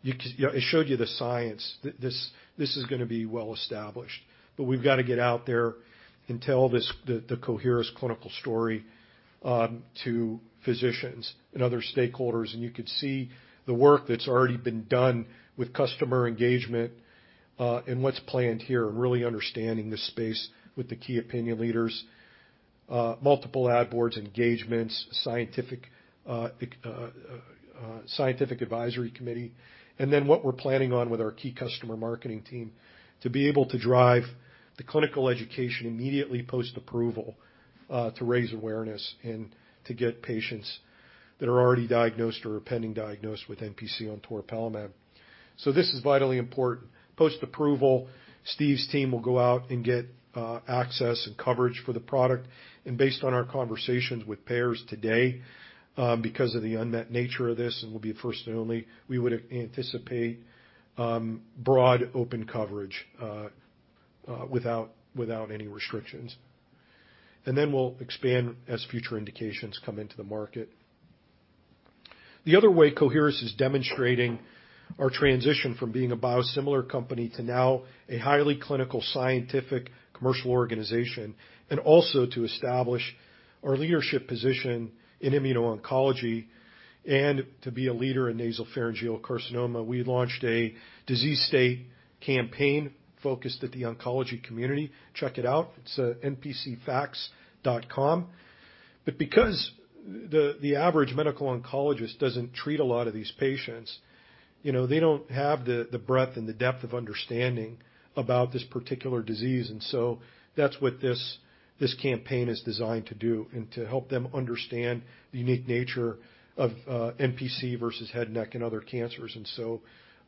[SPEAKER 6] I showed you the science. This is gonna be well established, but we've gotta get out there and tell the Coherus clinical story to physicians and other stakeholders. You could see the work that's already been done with customer engagement and what's planned here, and really understanding the space with the key opinion leaders, multiple advisory boards, engagements, scientific advisory committee. Then what we're planning on with our key customer marketing team to be able to drive the clinical education immediately post-approval to raise awareness and to get patients that are already diagnosed or are pending diagnosis with NPC on toripalimab. This is vitally important. Post-approval, Steve's team will go out and get access and coverage for the product. Based on our conversations with payers today, because of the unmet nature of this, and we'll be first and only, we would anticipate broad open coverage without any restrictions. Then we'll expand as future indications come into the market. The other way Coherus is demonstrating our transition from being a biosimilar company to now a highly clinical scientific commercial organization, and also to establish our leadership position in immuno-oncology and to be a leader in nasopharyngeal carcinoma, we launched a disease state campaign focused at the oncology community. Check it out. It's npcfacts.com. But because the average medical oncologist doesn't treat a lot of these patients, you know, they don't have the breadth and the depth of understanding about this particular disease. That's what this campaign is designed to do, and to help them understand the unique nature of NPC versus head, neck, and other cancers.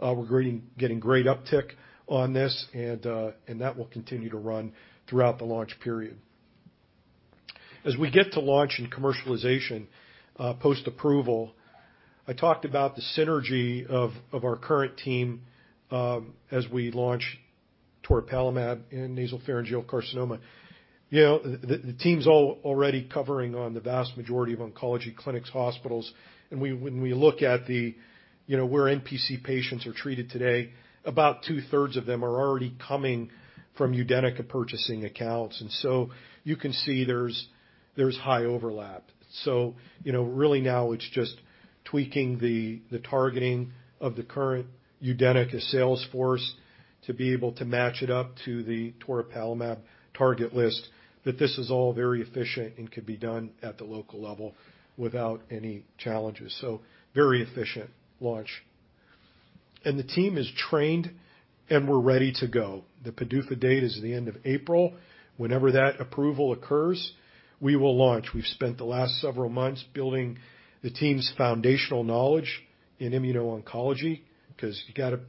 [SPEAKER 6] We're getting great uptick on this and that will continue to run throughout the launch period. As we get to launch and commercialization, post-approval, I talked about the synergy of our current team as we launch toripalimab in nasopharyngeal carcinoma. You know, the team's already covering on the vast majority of oncology clinics, hospitals. When we look at the, you know, where NPC patients are treated today, about two-thirds of them are already coming from UDENYCA purchasing accounts. You can see there's high overlap. You know, really now it's just tweaking the targeting of the current UDENYCA sales force to be able to match it up to the toripalimab target list, but this is all very efficient and could be done at the local level without any challenges. Very efficient launch. The team is trained, and we're ready to go. The PDUFA date is the end of April. Whenever that approval occurs, we will launch. We've spent the last several months building the team's foundational knowledge in immuno-oncology because you gotta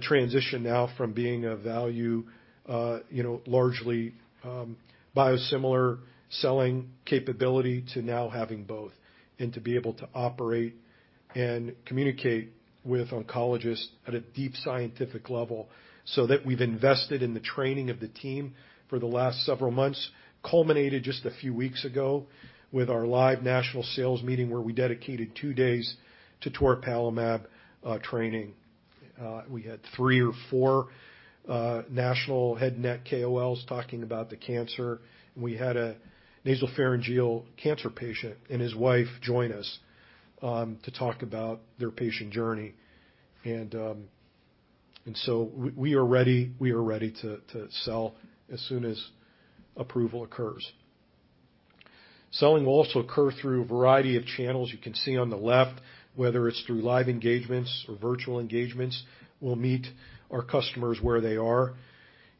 [SPEAKER 6] transition now from being a valuable biosimilar selling capability to now having both, and to be able to operate and communicate with oncologists at a deep scientific level, so that we've invested in the training of the team for the last several months, culminated just a few weeks ago with our live national sales meeting, where we dedicated two days to toripalimab training. We had three or four national head and neck KOLs talking about the cancer, and we had a nasopharyngeal cancer patient and his wife join us to talk about their patient journey. We are ready to sell as soon as approval occurs. Selling will also occur through a variety of channels. You can see on the left, whether it's through live engagements or virtual engagements, we'll meet our customers where they are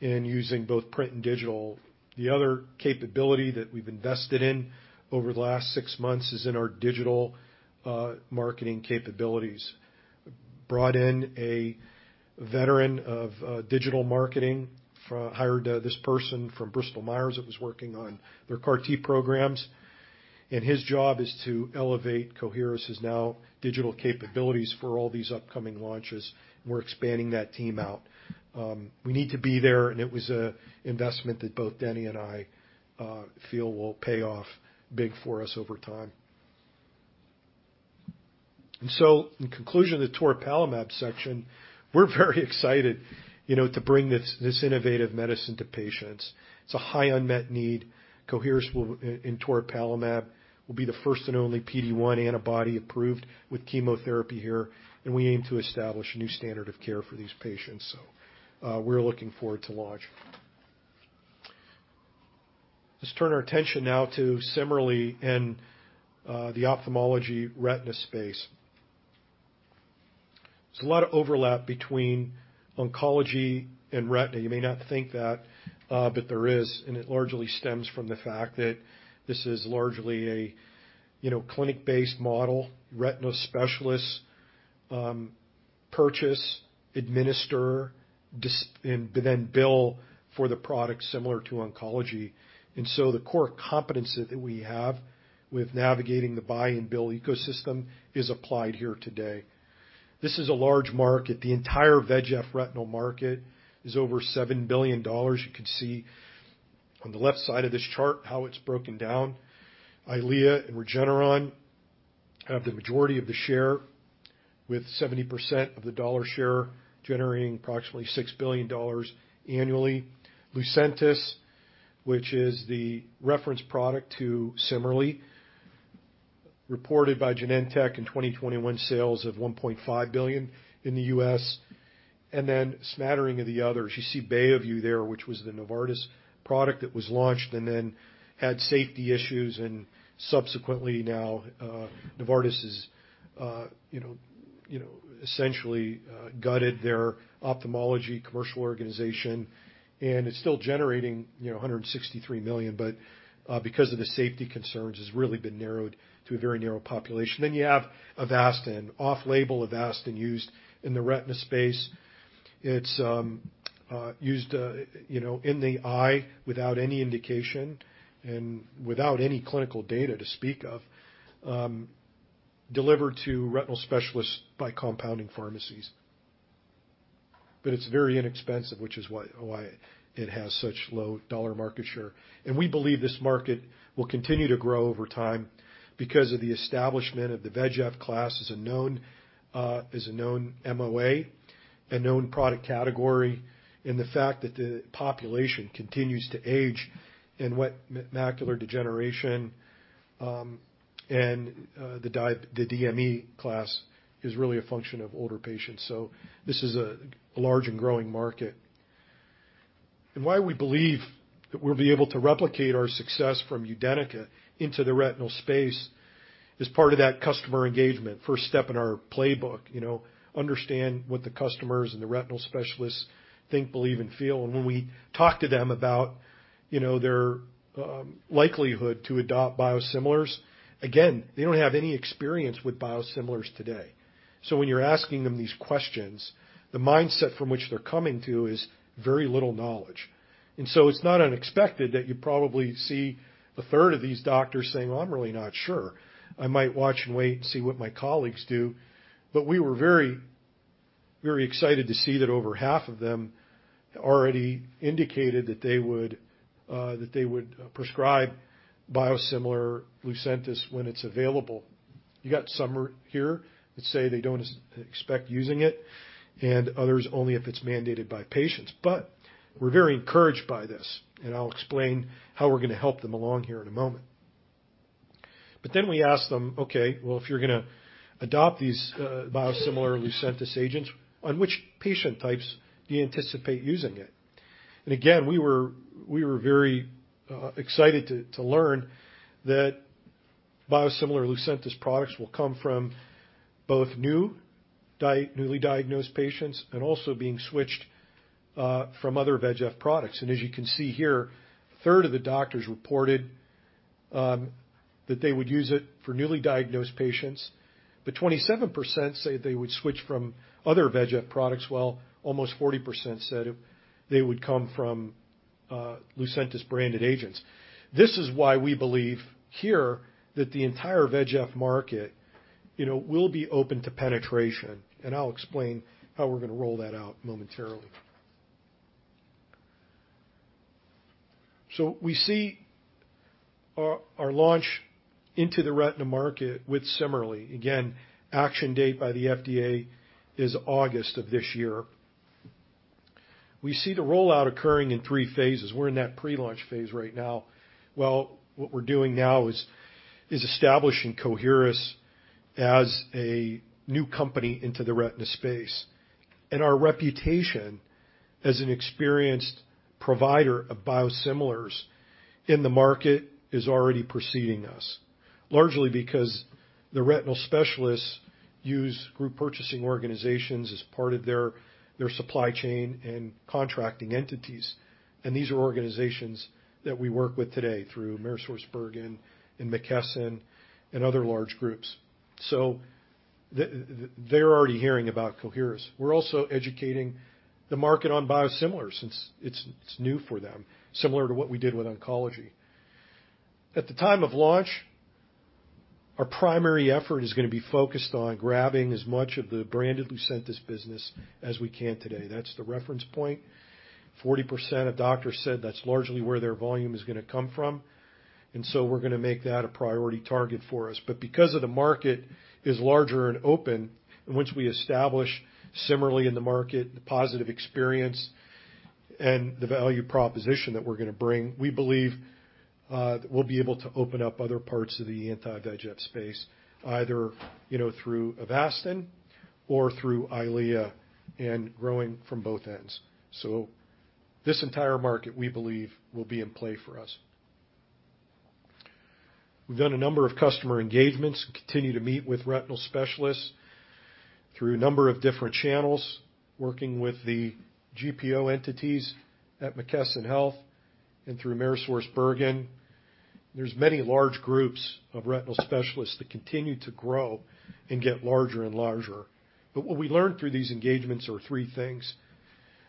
[SPEAKER 6] and using both print and digital. The other capability that we've invested in over the last six months is in our digital marketing capabilities. Brought in a veteran of digital marketing. Hired this person from Bristol Myers that was working on their CAR-T programs, and his job is to elevate Coherus' now digital capabilities for all these upcoming launches. We're expanding that team out. We need to be there, and it was a investment that both Denny and I feel will pay off big for us over time. In conclusion of the toripalimab section, we're very excited, you know, to bring this innovative medicine to patients. It's a high unmet need. Coherus will. In toripalimab will be the first and only PD-1 antibody approved with chemotherapy here, and we aim to establish a new standard of care for these patients. We're looking forward to launch. Let's turn our attention now to CIMERLI and the ophthalmology retina space. There's a lot of overlap between oncology and retina. You may not think that, but there is, and it largely stems from the fact that this is largely a, you know, clinic-based model. Retina specialists purchase, administer, and bill for the product similar to oncology. The core competency that we have with navigating the buy and bill ecosystem is applied here today. This is a large market. The entire VEGF retinal market is over $7 billion. You can see on the left side of this chart how it's broken down. EYLEA and Regeneron have the majority of the share with 70% of the dollar share, generating approximately $6 billion annually. Lucentis, which is the reference product to CIMERLI, reported by Genentech in 2021 sales of $1.5 billion in the U.S. Then smattering of the others. You see BEOVU there, which was the Novartis product that was launched and then had safety issues, and subsequently now, Novartis is, you know, essentially gutted their ophthalmology commercial organization. It's still generating, you know, $163 million, but because of the safety concerns, has really been narrowed to a very narrow population. Then you have Avastin. Off-label Avastin used in the retina space. It's used, you know, in the eye without any indication and without any clinical data to speak of, delivered to retinal specialists by compounding pharmacies. It's very inexpensive, which is why it has such low dollar market share. We believe this market will continue to grow over time because of the establishment of the VEGF class as a known MOA, a known product category, and the fact that the population continues to age and wet macular degeneration and the DME class is really a function of older patients. This is a large and growing market. Why we believe that we'll be able to replicate our success from UDENYCA into the retinal space is part of that customer engagement, first step in our playbook. You know, understand what the customers and the retinal specialists think, believe, and feel. When we talk to them about, you know, their likelihood to adopt biosimilars, again, they don't have any experience with biosimilars today. When you're asking them these questions, the mindset from which they're coming to is very little knowledge. It's not unexpected that you probably see a third of these doctors saying, "Well, I'm really not sure. I might watch and wait and see what my colleagues do." We were very, very excited to see that over half of them already indicated that they would prescribe biosimilar Lucentis when it's available. You got some right here that say they don't expect using it, and others only if it's mandated by patients. We're very encouraged by this, and I'll explain how we're gonna help them along here in a moment. We asked them, "Okay, well, if you're gonna adopt these, biosimilar Lucentis agents, on which patient types do you anticipate using it?" We were very excited to learn that biosimilar Lucentis products will come from both newly diagnosed patients and also being switched from other VEGF products. As you can see here, a third of the doctors reported that they would use it for newly diagnosed patients, but 27% say they would switch from other VEGF products, while almost 40% said they would come from Lucentis-branded agents. This is why we believe here that the entire VEGF market, you know, will be open to penetration, and I'll explain how we're gonna roll that out momentarily. We see our launch into the retina market with CIMERLI. Again, action date by the FDA is August of this year. We see the rollout occurring in three phases. We're in that pre-launch phase right now. Well, what we're doing now is establishing Coherus as a new company into the retina space. Our reputation as an experienced provider of biosimilars in the market is already preceding us, largely because the retinal specialists use group purchasing organizations as part of their supply chain and contracting entities. These are organizations that we work with today through AmerisourceBergen and McKesson and other large groups. They're already hearing about Coherus. We're also educating the market on biosimilars since it's new for them, similar to what we did with oncology. At the time of launch, our primary effort is gonna be focused on grabbing as much of the branded Lucentis business as we can today. That's the reference point. 40% of doctors said that's largely where their volume is gonna come from, and so we're gonna make that a priority target for us. But because the market is larger and open, in which we establish CIMERLI in the market the positive experience and the value proposition that we're gonna bring, we believe that we'll be able to open up other parts of the anti-VEGF space, either, you know, through Avastin or through EYLEA and growing from both ends. This entire market, we believe, will be in play for us. We've done a number of customer engagements and continue to meet with retinal specialists through a number of different channels, working with the GPO entities at McKesson and through AmerisourceBergen. There's many large groups of retinal specialists that continue to grow and get larger and larger. What we learned through these engagements are three things.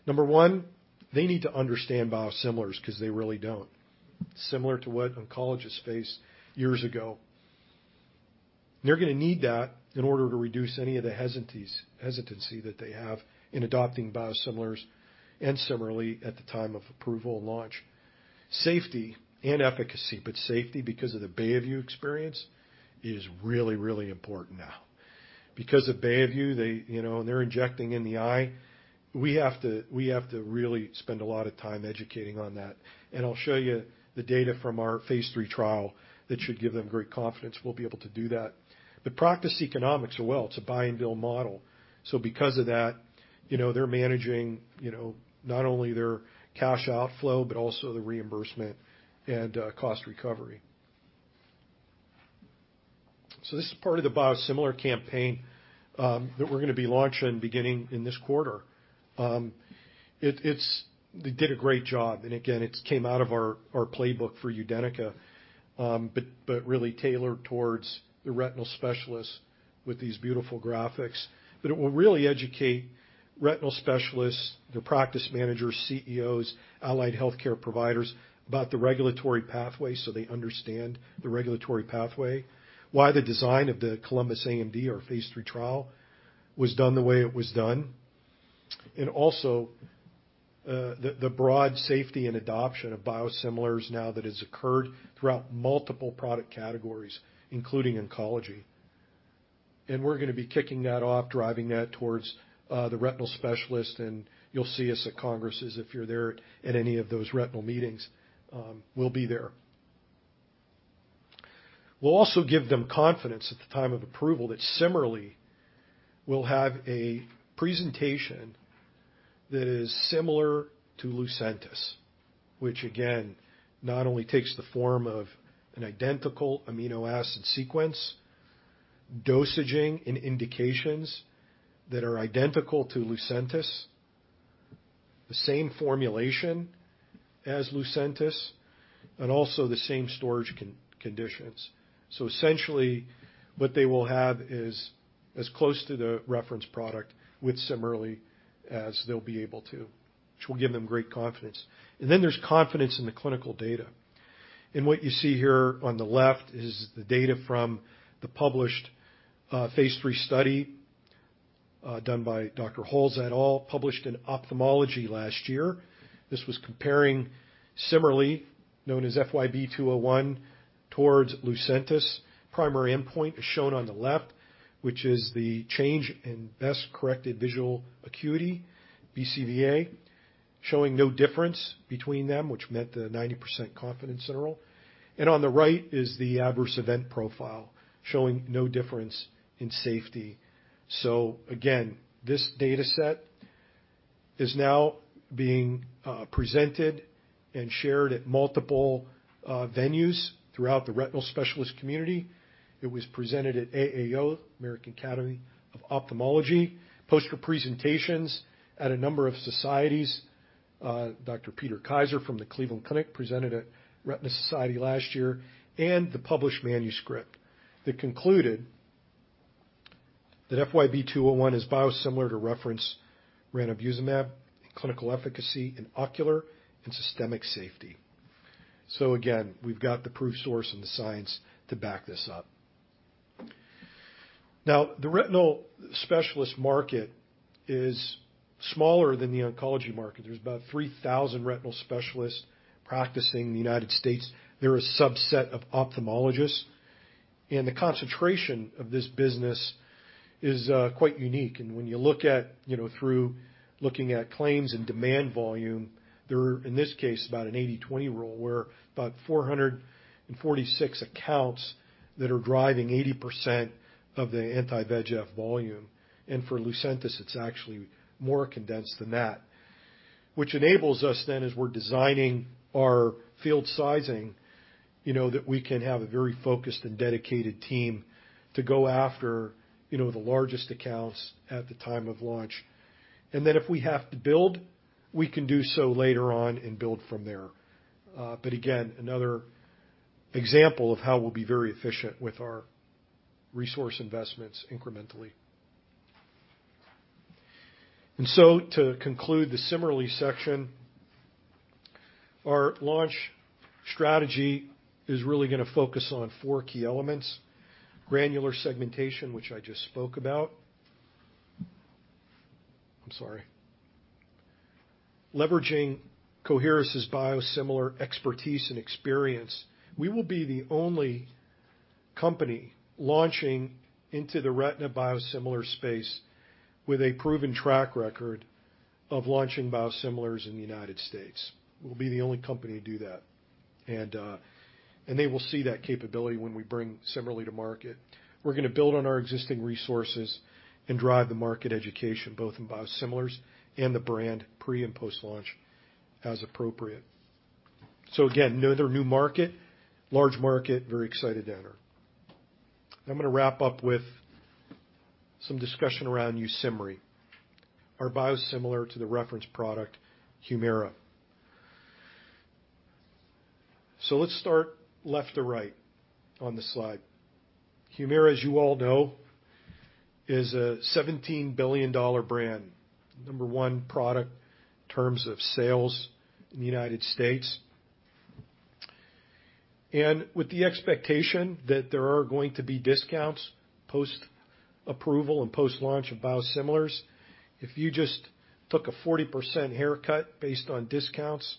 [SPEAKER 6] Number one, they need to understand biosimilars because they really don't, similar to what oncologists faced years ago. They're gonna need that in order to reduce any of the hesitancy that they have in adopting biosimilars and CIMERLI at the time of approval and launch. Safety and efficacy, but safety because of the BEOVU experience, is really, really important now. Because of BEOVU, they, you know, and they're injecting in the eye, we have to really spend a lot of time educating on that. I'll show you the data from our phase III trial that should give them great confidence we'll be able to do that. The practice economics are well. It's a buy and bill model. Because of that, you know, they're managing, you know, not only their cash outflow, but also the reimbursement and cost recovery. This is part of the biosimilar campaign that we're gonna be launching beginning in this quarter. They did a great job. Again, it's came out of our playbook for UDENYCA, but really tailored towards the retinal specialists with these beautiful graphics. It will really educate retinal specialists, the practice managers, CEOs, allied healthcare providers about the regulatory pathway so they understand the regulatory pathway, why the design of the COLUMBUS-AMD or phase III trial was done the way it was done, and also the broad safety and adoption of biosimilars now that has occurred throughout multiple product categories, including oncology. We're gonna be kicking that off, driving that towards the retinal specialists, and you'll see us at congresses if you're there at any of those retinal meetings. We'll be there. We'll also give them confidence at the time of approval that CIMERLI we'll have a presentation that is similar to Lucentis, which again not only takes the form of an identical amino acid sequence, dosing, and indications that are identical to Lucentis, the same formulation as Lucentis. Also the same storage conditions. Essentially, what they will have is as close to the reference product with CIMERLI as they'll be able to, which will give them great confidence. Then there's confidence in the clinical data. What you see here on the left is the data from the published phase III study done by Dr. Holz et al, published in Ophthalmology last year. This was comparing CIMERLI, known as FYB201, towards Lucentis. Primary endpoint is shown on the left, which is the change in best corrected visual acuity, BCVA, showing no difference between them, which met the 90% confidence interval. On the right is the adverse event profile, showing no difference in safety. Again, this data set is now being presented and shared at multiple venues throughout the retinal specialist community. It was presented at AAO, American Academy of Ophthalmology, poster presentations at a number of societies. Dr. Peter Kaiser from the Cleveland Clinic presented at Retina Society last year, and the published manuscript that concluded that FYB201 is biosimilar to reference ranibizumab in clinical efficacy in ocular and systemic safety. Again, we've got the proof source and the science to back this up. Now, the retinal specialist market is smaller than the oncology market. There's about 3,000 retinal specialists practicing in the United States. They're a subset of ophthalmologists, and the concentration of this business is quite unique. When you look at, you know, through looking at claims and demand volume, there are, in this case, about an 80-20 rule, where about 446 accounts that are driving 80% of the anti-VEGF volume. For Lucentis, it's actually more condensed than that. Which enables us then, as we're designing our field sizing, you know, that we can have a very focused and dedicated team to go after, you know, the largest accounts at the time of launch. Then if we have to build, we can do so later on and build from there. Again, another example of how we'll be very efficient with our resource investments incrementally. To conclude the CIMERLI section, our launch strategy is really gonna focus on four key elements. Granular segmentation, which I just spoke about. Leveraging Coherus' biosimilar expertise and experience, we will be the only company launching into the retina biosimilar space with a proven track record of launching biosimilars in the United States. We'll be the only company to do that. They will see that capability when we bring CIMERLI to market. We're gonna build on our existing resources and drive the market education, both in biosimilars and the brand pre- and post-launch as appropriate. Again, another new market, large market, very excited to enter. I'm gonna wrap up with some discussion around YUSIMRY, our biosimilar to the reference product, HUMIRA. Let's start left to right on the slide. HUMIRA, as you all know, is a $17 billion brand, number one product in terms of sales in the United States. With the expectation that there are going to be discounts post-approval and post-launch of biosimilars, if you just took a 40% haircut based on discounts,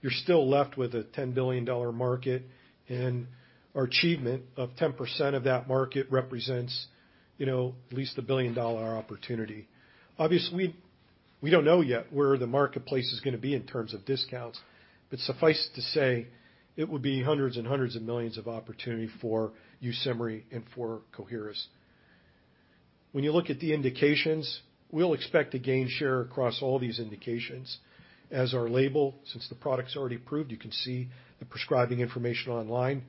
[SPEAKER 6] you're still left with a $10 billion market, and our achievement of 10% of that market represents, you know, at least a $1 billion opportunity. Obviously, we don't know yet where the marketplace is gonna be in terms of discounts, but suffice to say, it would be hundreds and hundreds of millions of opportunity for YUSIMRY and for Coherus. When you look at the indications, we'll expect to gain share across all these indications as our label, since the product's already approved, you can see the prescribing information online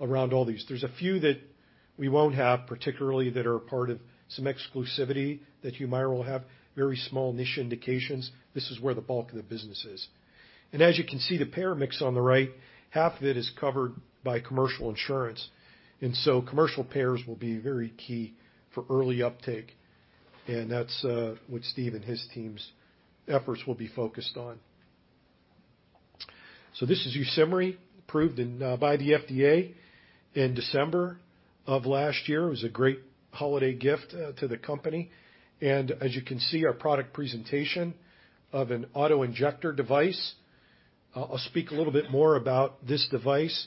[SPEAKER 6] around all these. There's a few that we won't have, particularly that are a part of some exclusivity that HUMIRA will have, very small niche indications. This is where the bulk of the business is. As you can see, the payer mix on the right, half of it is covered by commercial insurance. Commercial payers will be very key for early uptake, and that's what Steve and his team's efforts will be focused on. This is YUSIMRY, approved by the FDA in December of last year. It was a great holiday gift to the company. As you can see, our product presentation is an auto-injector device. I'll speak a little bit more about this device,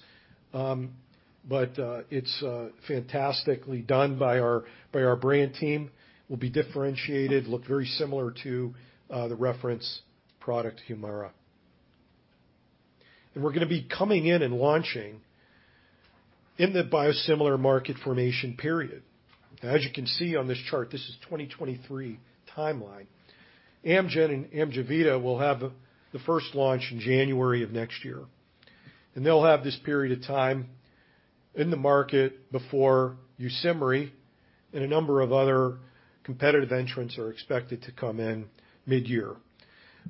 [SPEAKER 6] but it's fantastically done by our brand team. It will be differentiated, look very similar to the reference product, HUMIRA. We're gonna be coming in and launching in the biosimilar market formation period. As you can see on this chart, this is 2023 timeline. Amgen and AMJEVITA will have the first launch in January of next year, and they'll have this period of time in the market before YUSIMRY and a number of other competitive entrants are expected to come in mid-year.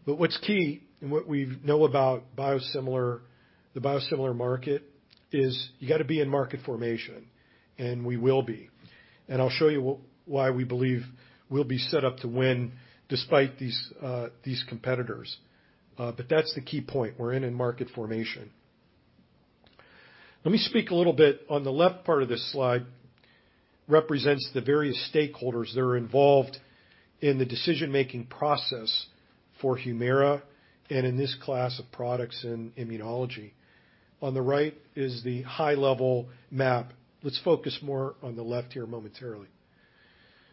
[SPEAKER 6] What's key and what we know about biosimilar, the biosimilar market, is you got to be in market formation, and we will be. I'll show you why we believe we'll be set up to win despite these competitors. That's the key point, we're in market formation. Let me speak a little bit. On the left part of this slide represents the various stakeholders that are involved in the decision-making process for HUMIRA and in this class of products in immunology. On the right is the high level map. Let's focus more on the left here momentarily.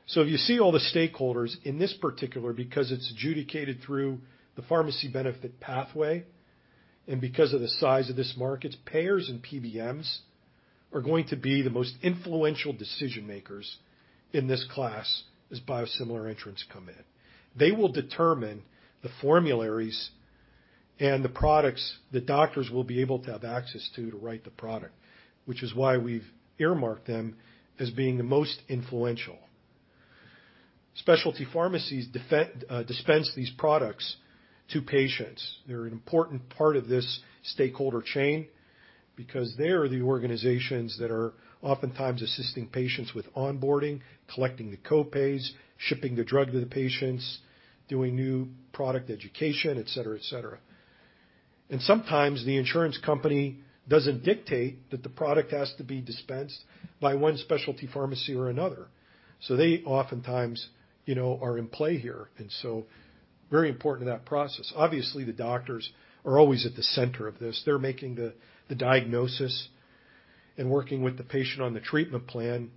[SPEAKER 6] If you see all the stakeholders, in this particular, because it's adjudicated through the pharmacy benefit pathway and because of the size of this market, payers and PBMs are going to be the most influential decision makers in this class as biosimilar entrants come in. They will determine the formularies and the products the doctors will be able to have access to write the product, which is why we've earmarked them as being the most influential. Specialty pharmacies dispense these products to patients. They're an important part of this stakeholder chain because they are the organizations that are oftentimes assisting patients with onboarding, collecting the co-pays, shipping the drug to the patients, doing new product education, et cetera, et cetera. Sometimes the insurance company doesn't dictate that the product has to be dispensed by one specialty pharmacy or another. They oftentimes, you know, are in play here, and so very important to that process. Obviously, the doctors are always at the center of this. They're making the diagnosis and working with the patient on the treatment plan.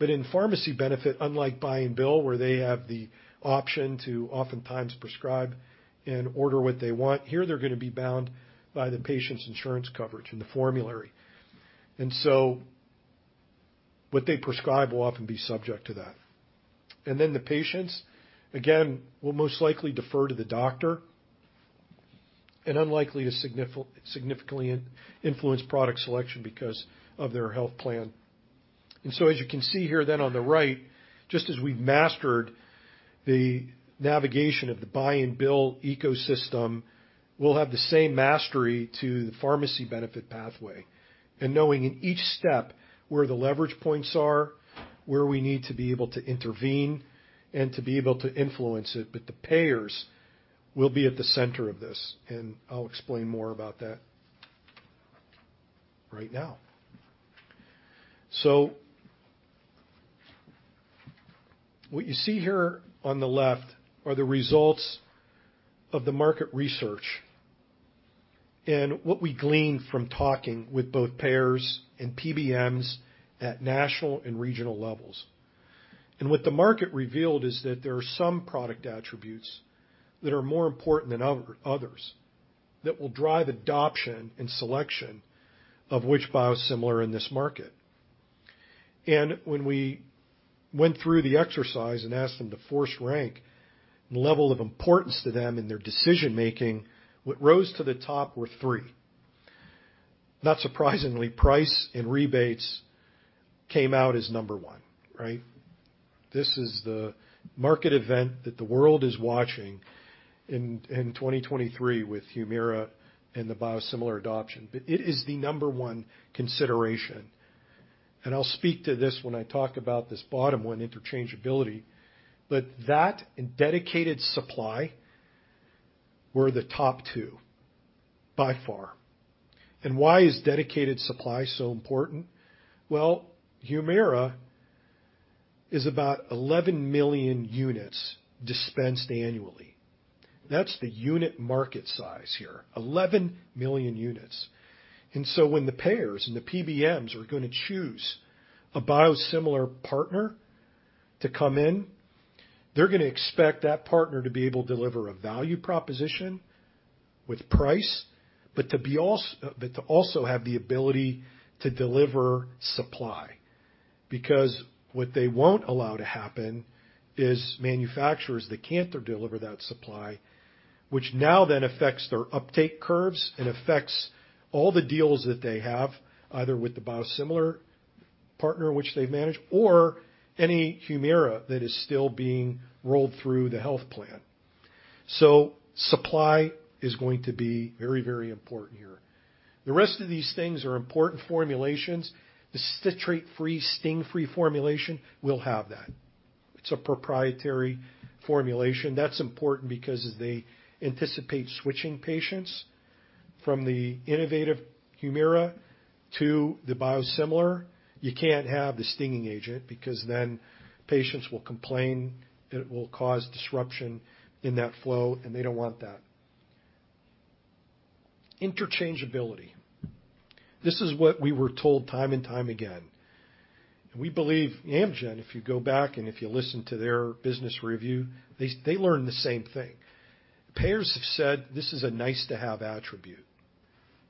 [SPEAKER 6] In pharmacy benefit, unlike buy and bill, where they have the option to oftentimes prescribe and order what they want, here they're gonna be bound by the patient's insurance coverage and the formulary. What they prescribe will often be subject to that. The patients, again, will most likely defer to the doctor and unlikely to significantly influence product selection because of their health plan. As you can see here then on the right, just as we've mastered the navigation of the buy and bill ecosystem, we'll have the same mastery to the pharmacy benefit pathway. Knowing in each step where the leverage points are, where we need to be able to intervene and to be able to influence it. The payers will be at the center of this, and I'll explain more about that right now. What you see here on the left are the results of the market research and what we gleaned from talking with both payers and PBMs at national and regional levels. What the market revealed is that there are some product attributes that are more important than others, that will drive adoption and selection of which biosimilar in this market. When we went through the exercise and asked them to force rank the level of importance to them in their decision-making, what rose to the top were three. Not surprisingly, price and rebates came out as number one, right? This is the market event that the world is watching in 2023 with HUMIRA and the biosimilar adoption. It is the number one consideration, and I'll speak to this when I talk about this bottom one, interchangeability. That and dedicated supply were the top two by far. Why is dedicated supply so important? Well, HUMIRA is about 11 million units dispensed annually. That's the unit market size here, 11 million units. When the payers and the PBMs are gonna choose a biosimilar partner to come in, they're gonna expect that partner to be able to deliver a value proposition with price, but to also have the ability to deliver supply. Because what they won't allow to happen is manufacturers that can't deliver that supply, which now then affects their uptake curves and affects all the deals that they have, either with the biosimilar partner in which they've managed or any HUMIRA that is still being rolled through the health plan. Supply is going to be very, very important here. The rest of these things are important formulations. The citrate-free, sting-free formulation, we'll have that. It's a proprietary formulation. That's important because as they anticipate switching patients from the innovative HUMIRA to the biosimilar, you can't have the stinging agent because then patients will complain, and it will cause disruption in that flow, and they don't want that. Interchangeability. This is what we were told time and time again. We believe Amgen, if you go back and if you listen to their business review, they learn the same thing. Payers have said this is a nice-to-have attribute.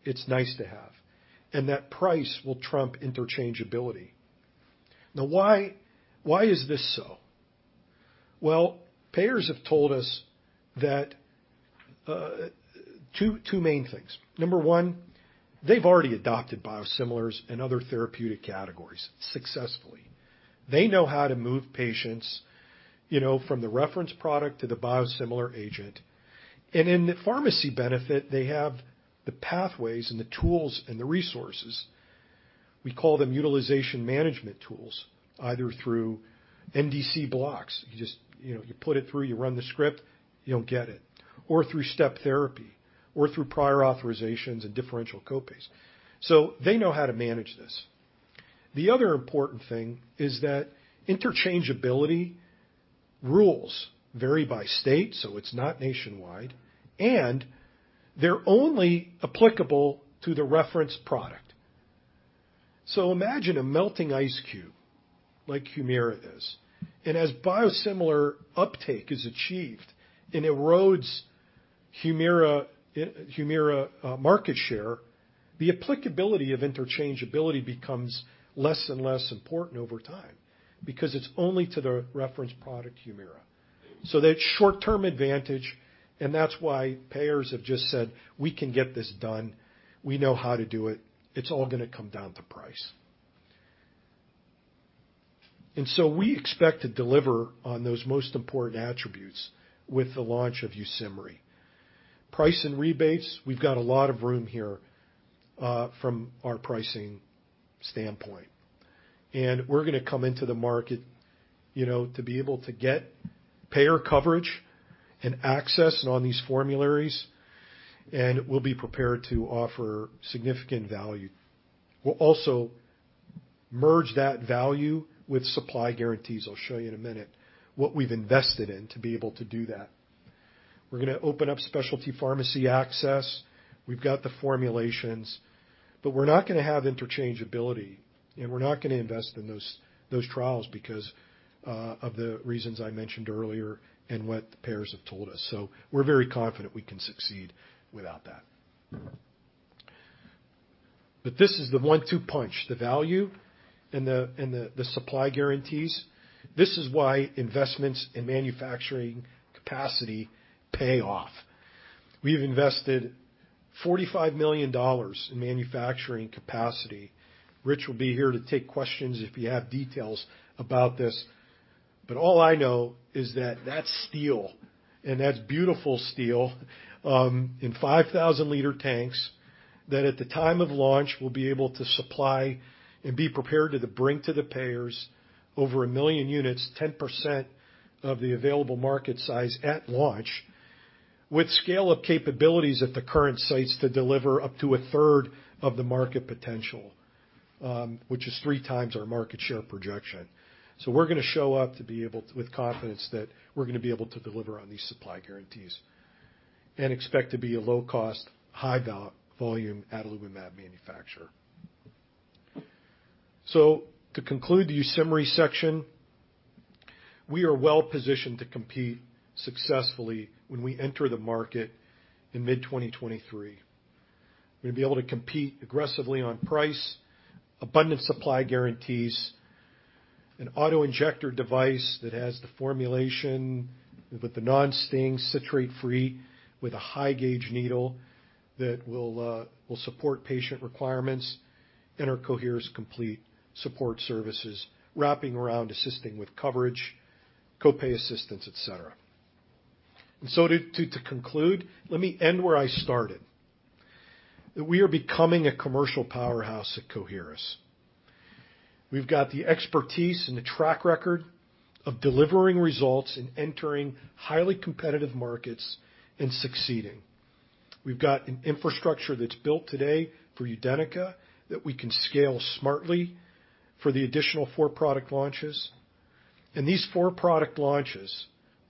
[SPEAKER 6] It's nice to have. That price will trump interchangeability. Now, why is this so? Well, payers have told us that, two main things. Number one, they've already adopted biosimilars in other therapeutic categories successfully. They know how to move patients, you know, from the reference product to the biosimilar agent. In the pharmacy benefit, they have the pathways and the tools and the resources. We call them utilization management tools, either through NDC blocks. You just, you know, you put it through, you run the script, you'll get it, or through step therapy or through prior authorizations and differential copays. They know how to manage this. The other important thing is that interchangeability rules vary by state, so it's not nationwide, and they're only applicable to the reference product. Imagine a melting ice cube like HUMIRA is, and as biosimilar uptake is achieved and erodes HUMIRA market share, the applicability of interchangeability becomes less and less important over time because it's only to the reference product, HUMIRA. That short-term advantage, and that's why payers have just said, "We can get this done. We know how to do it. It's all gonna come down to price." We expect to deliver on those most important attributes with the launch of YUSIMRY. Price and rebates, we've got a lot of room here, from our pricing standpoint. We're gonna come into the market, you know, to be able to get payer coverage and access and on these formularies, and we'll be prepared to offer significant value. We'll also merge that value with supply guarantees. I'll show you in a minute what we've invested in to be able to do that. We're gonna open up specialty pharmacy access. We've got the formulations, but we're not gonna have interchangeability, and we're not gonna invest in those trials because of the reasons I mentioned earlier and what the payers have told us. We're very confident we can succeed without that. This is the one-two punch, the value and the supply guarantees. This is why investments in manufacturing capacity pay off. We've invested $45 million in manufacturing capacity. Rich will be here to take questions if you have details about this. All I know is that that's steel, and that's beautiful steel, in 5,000 liter tanks that at the time of launch will be able to supply and be prepared to bring to the payers over 1 million units, 10% of the available market size at launch, with scale-up capabilities at the current sites to deliver up to a third of the market potential, which is 3x our market share projection. We're gonna show up with confidence that we're gonna be able to deliver on these supply guarantees and expect to be a low-cost, high-volume adalimumab manufacturer. To conclude the YUSIMRY section, we are well-positioned to compete successfully when we enter the market in mid-2023. We're gonna be able to compete aggressively on price, abundant supply guarantees, an auto-injector device that has the formulation with the non-sting, citrate-free, with a high-gauge needle that will support patient requirements, and our Coherus Complete support services wrapping around assisting with coverage, copay assistance, et cetera. To conclude, let me end where I started, that we are becoming a commercial powerhouse at Coherus. We've got the expertise and the track record of delivering results and entering highly competitive markets and succeeding. We've got an infrastructure that's built today for UDENYCA that we can scale smartly for the additional four product launches. These four product launches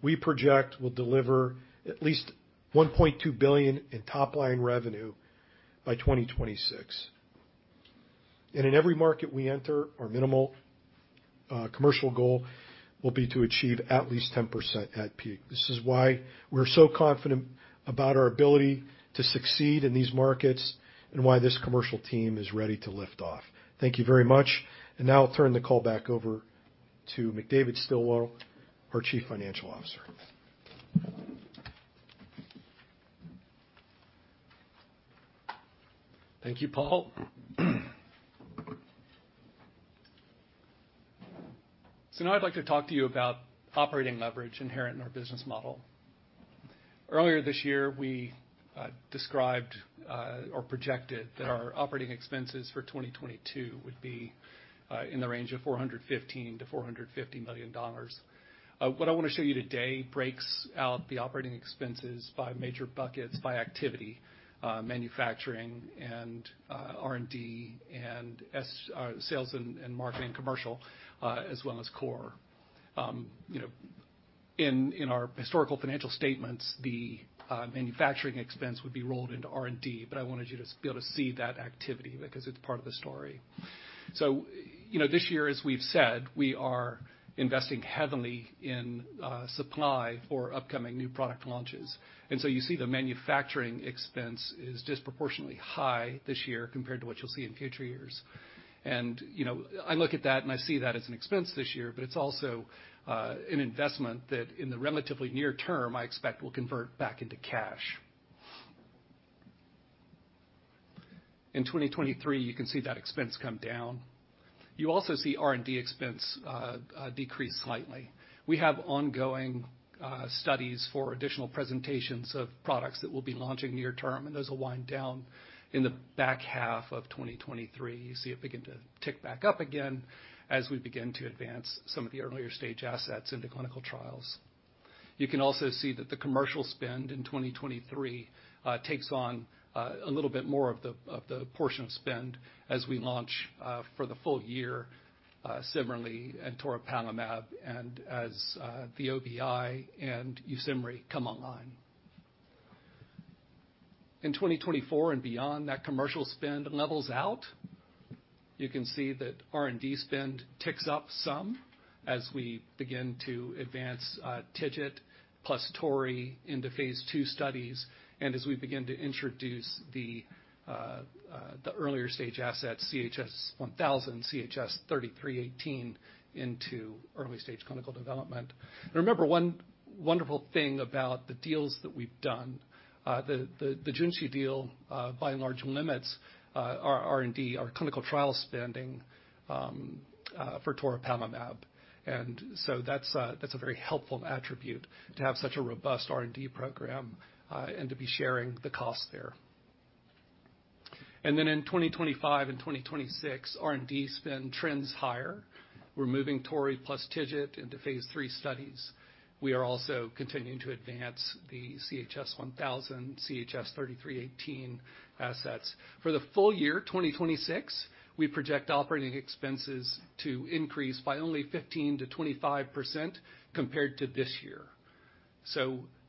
[SPEAKER 6] we project will deliver at least $1.2 billion in top-line revenue by 2026. In every market we enter, our minimal commercial goal will be to achieve at least 10% at peak. This is why we're so confident about our ability to succeed in these markets and why this commercial team is ready to lift off. Thank you very much. Now I'll turn the call back over to McDavid Stilwell, our Chief Financial Officer.
[SPEAKER 1] Thank you, Paul. Now I'd like to talk to you about operating leverage inherent in our business model. Earlier this year, we described or projected that our operating expenses for 2022 would be in the range of $415 million-$450 million. What I wanna show you today breaks out the operating expenses by major buckets, by activity, manufacturing and R&D and sales and marketing and commercial, as well as core. You know, in our historical financial statements, the manufacturing expense would be rolled into R&D, but I wanted you to be able to see that activity because it's part of the story. You know, this year, as we've said, we are investing heavily in supply for upcoming new product launches. You see the manufacturing expense is disproportionately high this year compared to what you'll see in future years. You know, I look at that, and I see that as an expense this year, but it's also an investment that in the relatively near term, I expect will convert back into cash. In 2023, you can see that expense come down. You also see R&D expense decrease slightly. We have ongoing studies for additional presentations of products that we'll be launching near term, and those will wind down in the back half of 2023. You see it begin to tick back up again as we begin to advance some of the earlier stage assets into clinical trials. You can also see that the commercial spend in 2023 takes on a little bit more of the portion of spend as we launch for the full year CIMERLI and toripalimab, and as the OBI and YUSIMRY come online. In 2024 and beyond, that commercial spend levels out. You can see that R&D spend ticks up some as we begin to advance TIGIT plus toripalimab into phase II studies and as we begin to introduce the earlier stage assets, CHS-1000, CHS-3318, into early-stage clinical development. Remember, one wonderful thing about the deals that we've done, the Junshi deal, by and large limits our R&D, our clinical trial spending, for toripalimab. That's a very helpful attribute to have such a robust R&D program and to be sharing the cost there. In 2025 and 2026, R&D spend trends higher. We're moving toripalimab plus TIGIT into phase III studies. We are also continuing to advance the CHS-1000, CHS-3318 assets. For the full year 2026, we project operating expenses to increase by only 15%-25% compared to this year.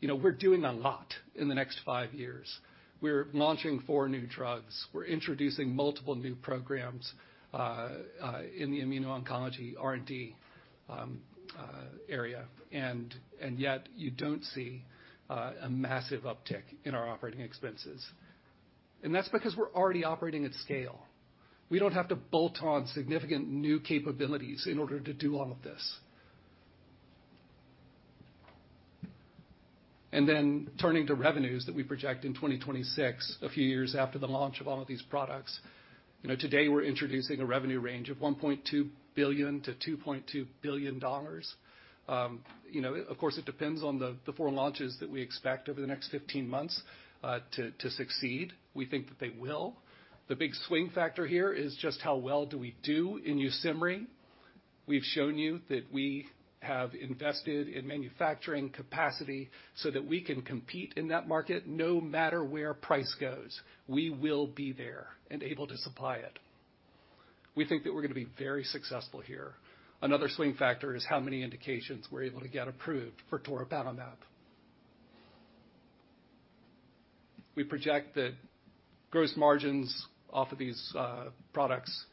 [SPEAKER 1] You know, we're doing a lot in the next five years. We're launching four new drugs. We're introducing multiple new programs in the immuno-oncology R&D area. Yet you don't see a massive uptick in our operating expenses. That's because we're already operating at scale. We don't have to bolt on significant new capabilities in order to do all of this. Turning to revenues that we project in 2026, a few years after the launch of all of these products. You know, today we're introducing a revenue range of $1.2 billion-$2.2 billion. You know, of course, it depends on the four launches that we expect over the next 15 months to succeed. We think that they will. The big swing factor here is just how well do we do in YUSIMRY. We've shown you that we have invested in manufacturing capacity so that we can compete in that market. No matter where price goes, we will be there and able to supply it. We think that we're gonna be very successful here. Another swing factor is how many indications we're able to get approved for toripalimab. We project that gross margins off of these products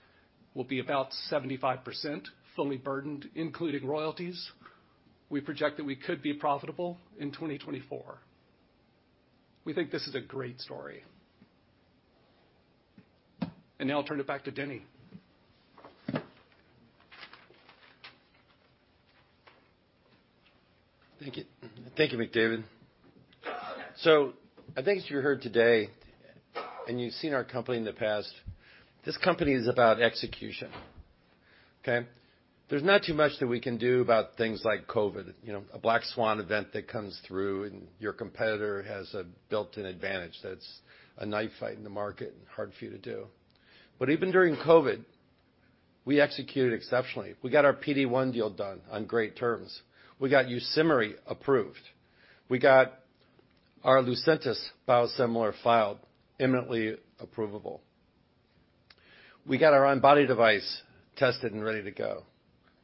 [SPEAKER 1] will be about 75%, fully burdened, including royalties. We project that we could be profitable in 2024. We think this is a great story. Now I'll turn it back to Denny.
[SPEAKER 2] Thank you. Thank you, McDavid. I think as you heard today, and you've seen our company in the past, this company is about execution, okay? There's not too much that we can do about things like COVID, you know, a black swan event that comes through and your competitor has a built-in advantage that's a knife fight in the market and hard for you to do. But even during COVID, we executed exceptionally. We got our PD-1 deal done on great terms. We got YUSIMRY approved. We got our Lucentis biosimilar filed imminently approvable. We got our on-body device tested and ready to go.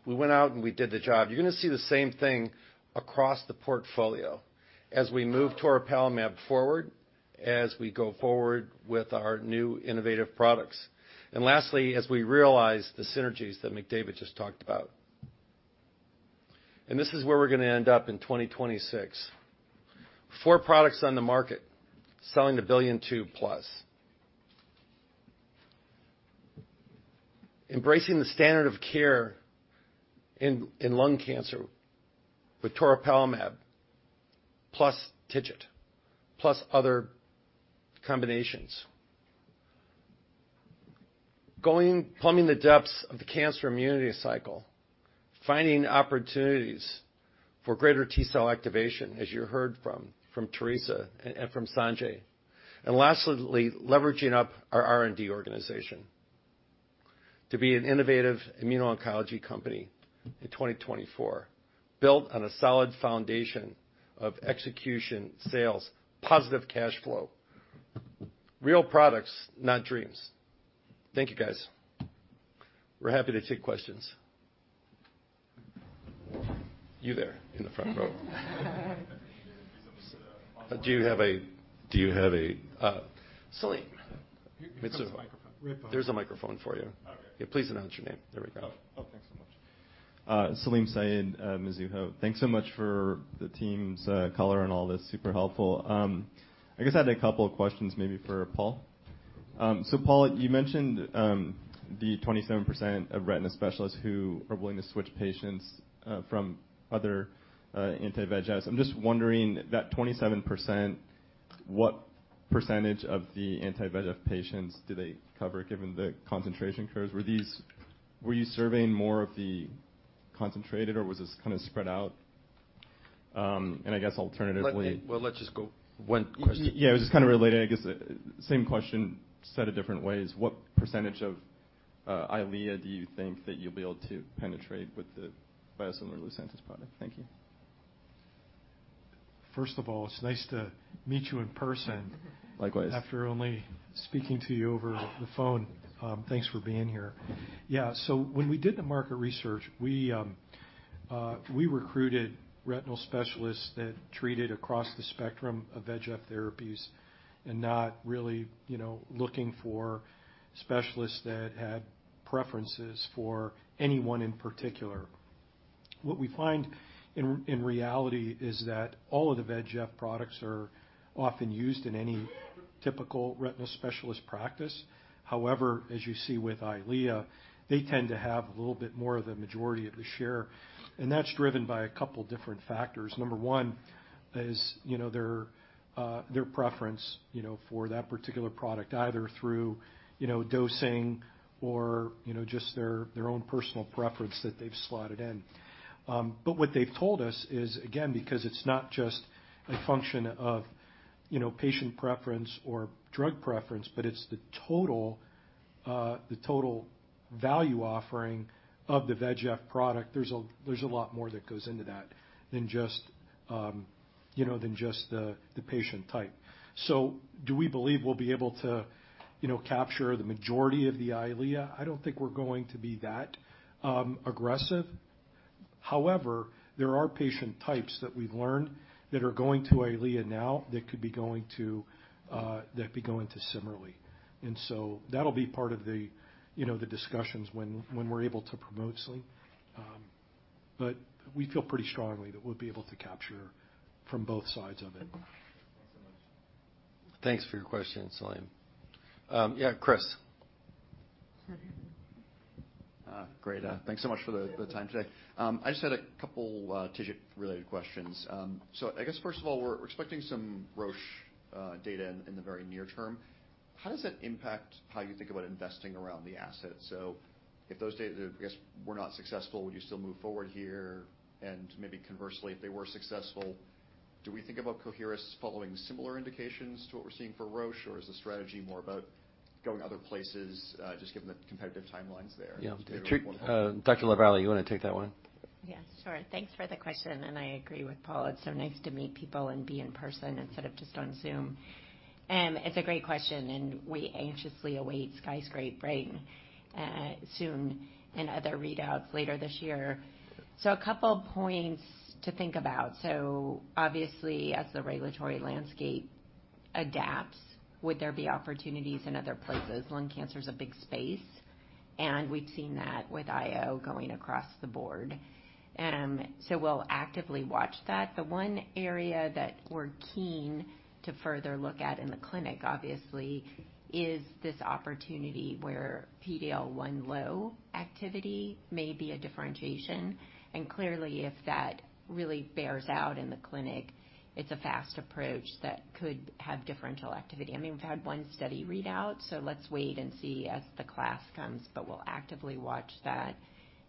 [SPEAKER 2] We went out and we did the job. You're gonna see the same thing across the portfolio as we move toripalimab forward, as we go forward with our new innovative products. Lastly, as we realize the synergies that McDavid just talked about. This is where we're gonna end up in 2026. Four products on the market selling to $2 billion plus. Embracing the standard of care in lung cancer with toripalimab plus TIGIT, plus other combinations. Plumbing the depths of the cancer immunity cycle, finding opportunities for greater T-cell activation, as you heard from Theresa and from Sanjay. Lastly, leveraging up our R&D organization to be an innovative immuno-oncology company in 2024, built on a solid foundation of execution, sales, positive cash flow. Real products, not dreams. Thank you, guys. We're happy to take questions. You there in ,the front row. Do you have a, Salim.
[SPEAKER 1] Here's a microphone.
[SPEAKER 2] There's a microphone for you.
[SPEAKER 7] Okay.
[SPEAKER 2] Please announce your name. There we go.
[SPEAKER 7] Thanks so much. Salim Syed, Mizuho. Thanks so much for the team's color on all this. Super helpful. I guess I had a couple of questions maybe for Paul. Paul, you mentioned the 27% of retina specialists who are willing to switch patients from other anti-VEGF. I'm just wondering, that 27%, what percentage of the anti-VEGF patients do they cover, given the concentration curves? Were you surveying more of the concentrated or was this kinda spread out? I guess alternatively-
[SPEAKER 6] Let's just go one question.
[SPEAKER 7] Yeah, it was just kinda related, I guess. Same question said a different way is, what percentage of EYLEA do you think that you'll be able to penetrate with the biosimilar Lucentis product? Thank you.
[SPEAKER 6] First of all, it's nice to meet you in person.
[SPEAKER 7] Likewise
[SPEAKER 6] After only speaking to you over the phone. Thanks for being here. Yeah. When we did the market research, we recruited retinal specialists that treated across the spectrum of VEGF therapies and not really, you know, looking for specialists that had preferences for anyone in particular. What we find in reality is that all of the VEGF products are often used in any typical retinal specialist practice. However, as you see with EYLEA, they tend to have a little bit more of the majority of the share, and that's driven by a couple different factors. Number one is, you know, their preference, you know, for that particular product, either through, you know, dosing or, you know, just their own personal preference that they've slotted in. What they've told us is, again, because it's not just a function of, you know, patient preference or drug preference, but it's the total value offering of the VEGF product. There's a lot more that goes into that than just the patient type. Do we believe we'll be able to, you know, capture the majority of the EYLEA? I don't think we're going to be that aggressive. However, there are patient types that we've learned that are going to EYLEA now that could be going to CIMERLI. That'll be part of the discussions when we're able to promote CIM. We feel pretty strongly that we'll be able to capture from both sides of it. Thanks for your question, Salim. Yeah, Chris.
[SPEAKER 8] Great. Thanks so much for the time today. I just had a couple TIGIT-related questions. I guess first of all, we're expecting some Roche data in the very near term. How does that impact how you think about investing around the asset? If those data were not successful, would you still move forward here? Maybe conversely, if they were successful, do we think about Coherus following similar indications to what we're seeing for Roche? Is the strategy more about going other places just given the competitive timelines there?
[SPEAKER 6] Yeah. Dr. LaVallee, you wanna take that one?
[SPEAKER 3] Yes, sure. Thanks for the question, and I agree with Paul, it's so nice to meet people and be in person instead of just on Zoom. It's a great question, and we anxiously await SKYSCRAPER-01 soon, and other readouts later this year. A couple points to think about. Obviously, as the regulatory landscape adapts, would there be opportunities in other places? Lung cancer is a big space, and we've seen that with IO going across the board. We'll actively watch that. The one area that we're keen to further look at in the clinic, obviously, is this opportunity where PD-L1 low activity may be a differentiation. Clearly, if that really bears out in the clinic, it's a fast approach that could have differential activity. I mean, we've had one study readout, so let's wait and see as the class comes. We'll actively watch that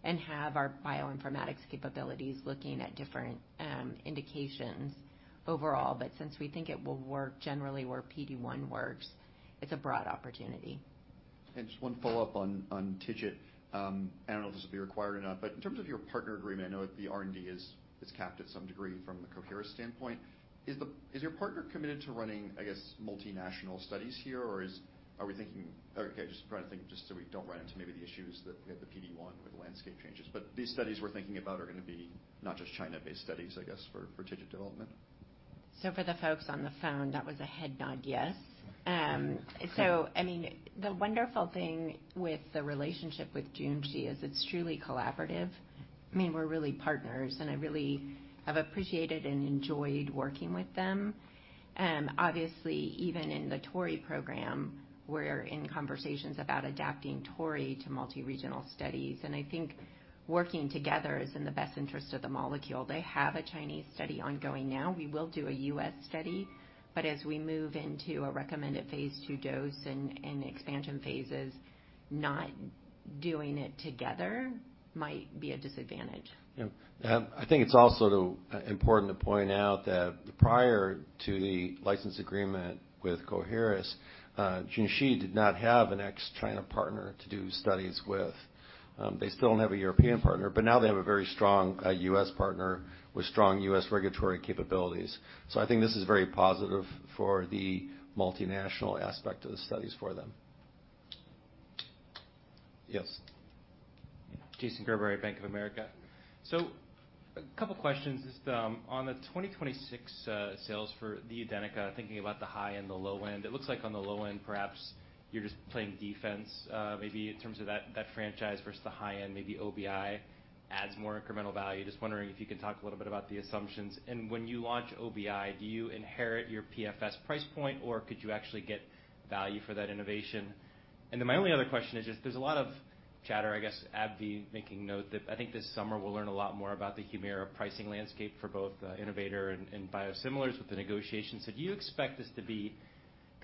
[SPEAKER 3] and have our bioinformatics capabilities looking at different indications overall. Since we think it will work generally where PD-1 works, it's a broad opportunity.
[SPEAKER 8] Just one follow-up on TIGIT. I don't know if this will be required or not, but in terms of your partner agreement, I know the R&D is capped at some degree from the Coherus standpoint. Is your partner committed to running, I guess, multinational studies here? Or are we thinking just so we don't run into maybe the issues that the PD-1, where the landscape changes. But these studies we're thinking about are gonna be not just China-based studies, I guess, for TIGIT development.
[SPEAKER 3] For the folks on the phone, that was a head nod yes. I mean, the wonderful thing with the relationship with Junshi is it's truly collaborative. I mean, we're really partners, and I really have appreciated and enjoyed working with them. Obviously, even in the toripalimab program, we're in conversations about adapting toripalimab to multi-regional studies, and I think working together is in the best interest of the molecule. They have a Chinese study ongoing now. We will do a U.S. study. As we move into a recommended phase II dose and expansion phases, not doing it together might be a disadvantage.
[SPEAKER 6] Yeah. I think it's also too important to point out that prior to the license agreement with Coherus, Junshi did not have an ex-China partner to do studies with. They still don't have a European partner, but now they have a very strong U.S. partner with strong U.S. regulatory capabilities. I think this is very positive for the multinational aspect of the studies for them. Yes.
[SPEAKER 9] Jason Gerberry, Bank of America. A couple of questions. On the 2026 sales for UDENYCA, thinking about the high and the low end, it looks like on the low end, perhaps you're just playing defense, maybe in terms of that franchise versus the high end, maybe OBI adds more incremental value. Just wondering if you could talk a little bit about the assumptions. When you launch OBI, do you inherit your PFS price point, or could you actually get value for that innovation? My only other question is just there's a lot of chatter, I guess, AbbVie making note that I think this summer we'll learn a lot more about the HUMIRA pricing landscape for both innovator and biosimilars with the negotiations. Do you expect this to be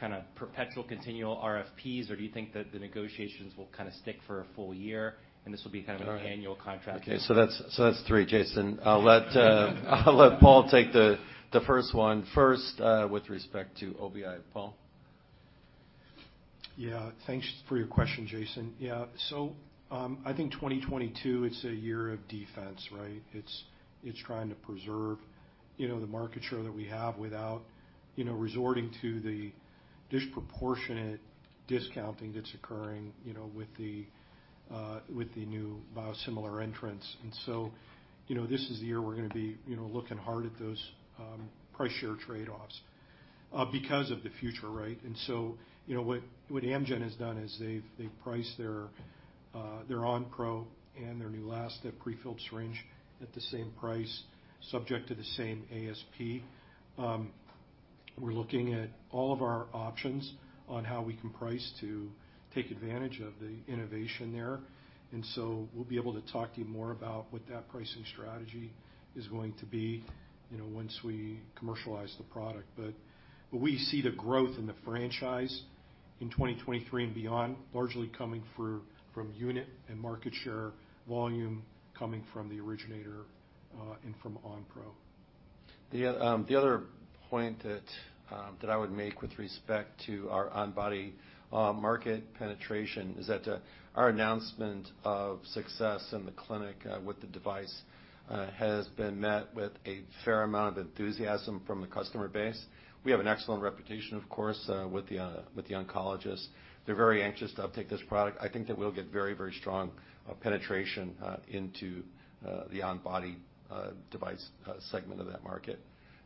[SPEAKER 9] kinda perpetual continual RFPs, or do you think that the negotiations will kinda stick for a full year, and this will be kind of an annual contract?
[SPEAKER 2] Okay. That's three, Jason. I'll let Paul take the first one first with respect to OBI. Paul?
[SPEAKER 6] Yeah. Thanks for your question, Jason. So, I think 2022, it's a year of defense, right? It's trying to preserve, you know, the market share that we have without, you know, resorting to the disproportionate discounting that's occurring, you know, with the new biosimilar entrants. This is the year we're gonna be, you know, looking hard at those price share trade-offs because of the future, right? What Amgen has done is they've priced their Onpro and their Neulasta pre-filled syringe at the same price, subject to the same ASP. We're looking at all of our options on how we can price to take advantage of the innovation there. We'll be able to talk to you more about what that pricing strategy is going to be, you know, once we commercialize the product. We see the growth in the franchise in 2023 and beyond, largely coming through from unit and market share volume coming from the originator, and from Onpro.
[SPEAKER 2] The other point that I would make with respect to our on-body market penetration is that our announcement of success in the clinic with the device has been met with a fair amount of enthusiasm from the customer base. We have an excellent reputation, of course, with the oncologist. They're very anxious to uptake this product. I think that we'll get very, very strong penetration into the on-body device segment of that market.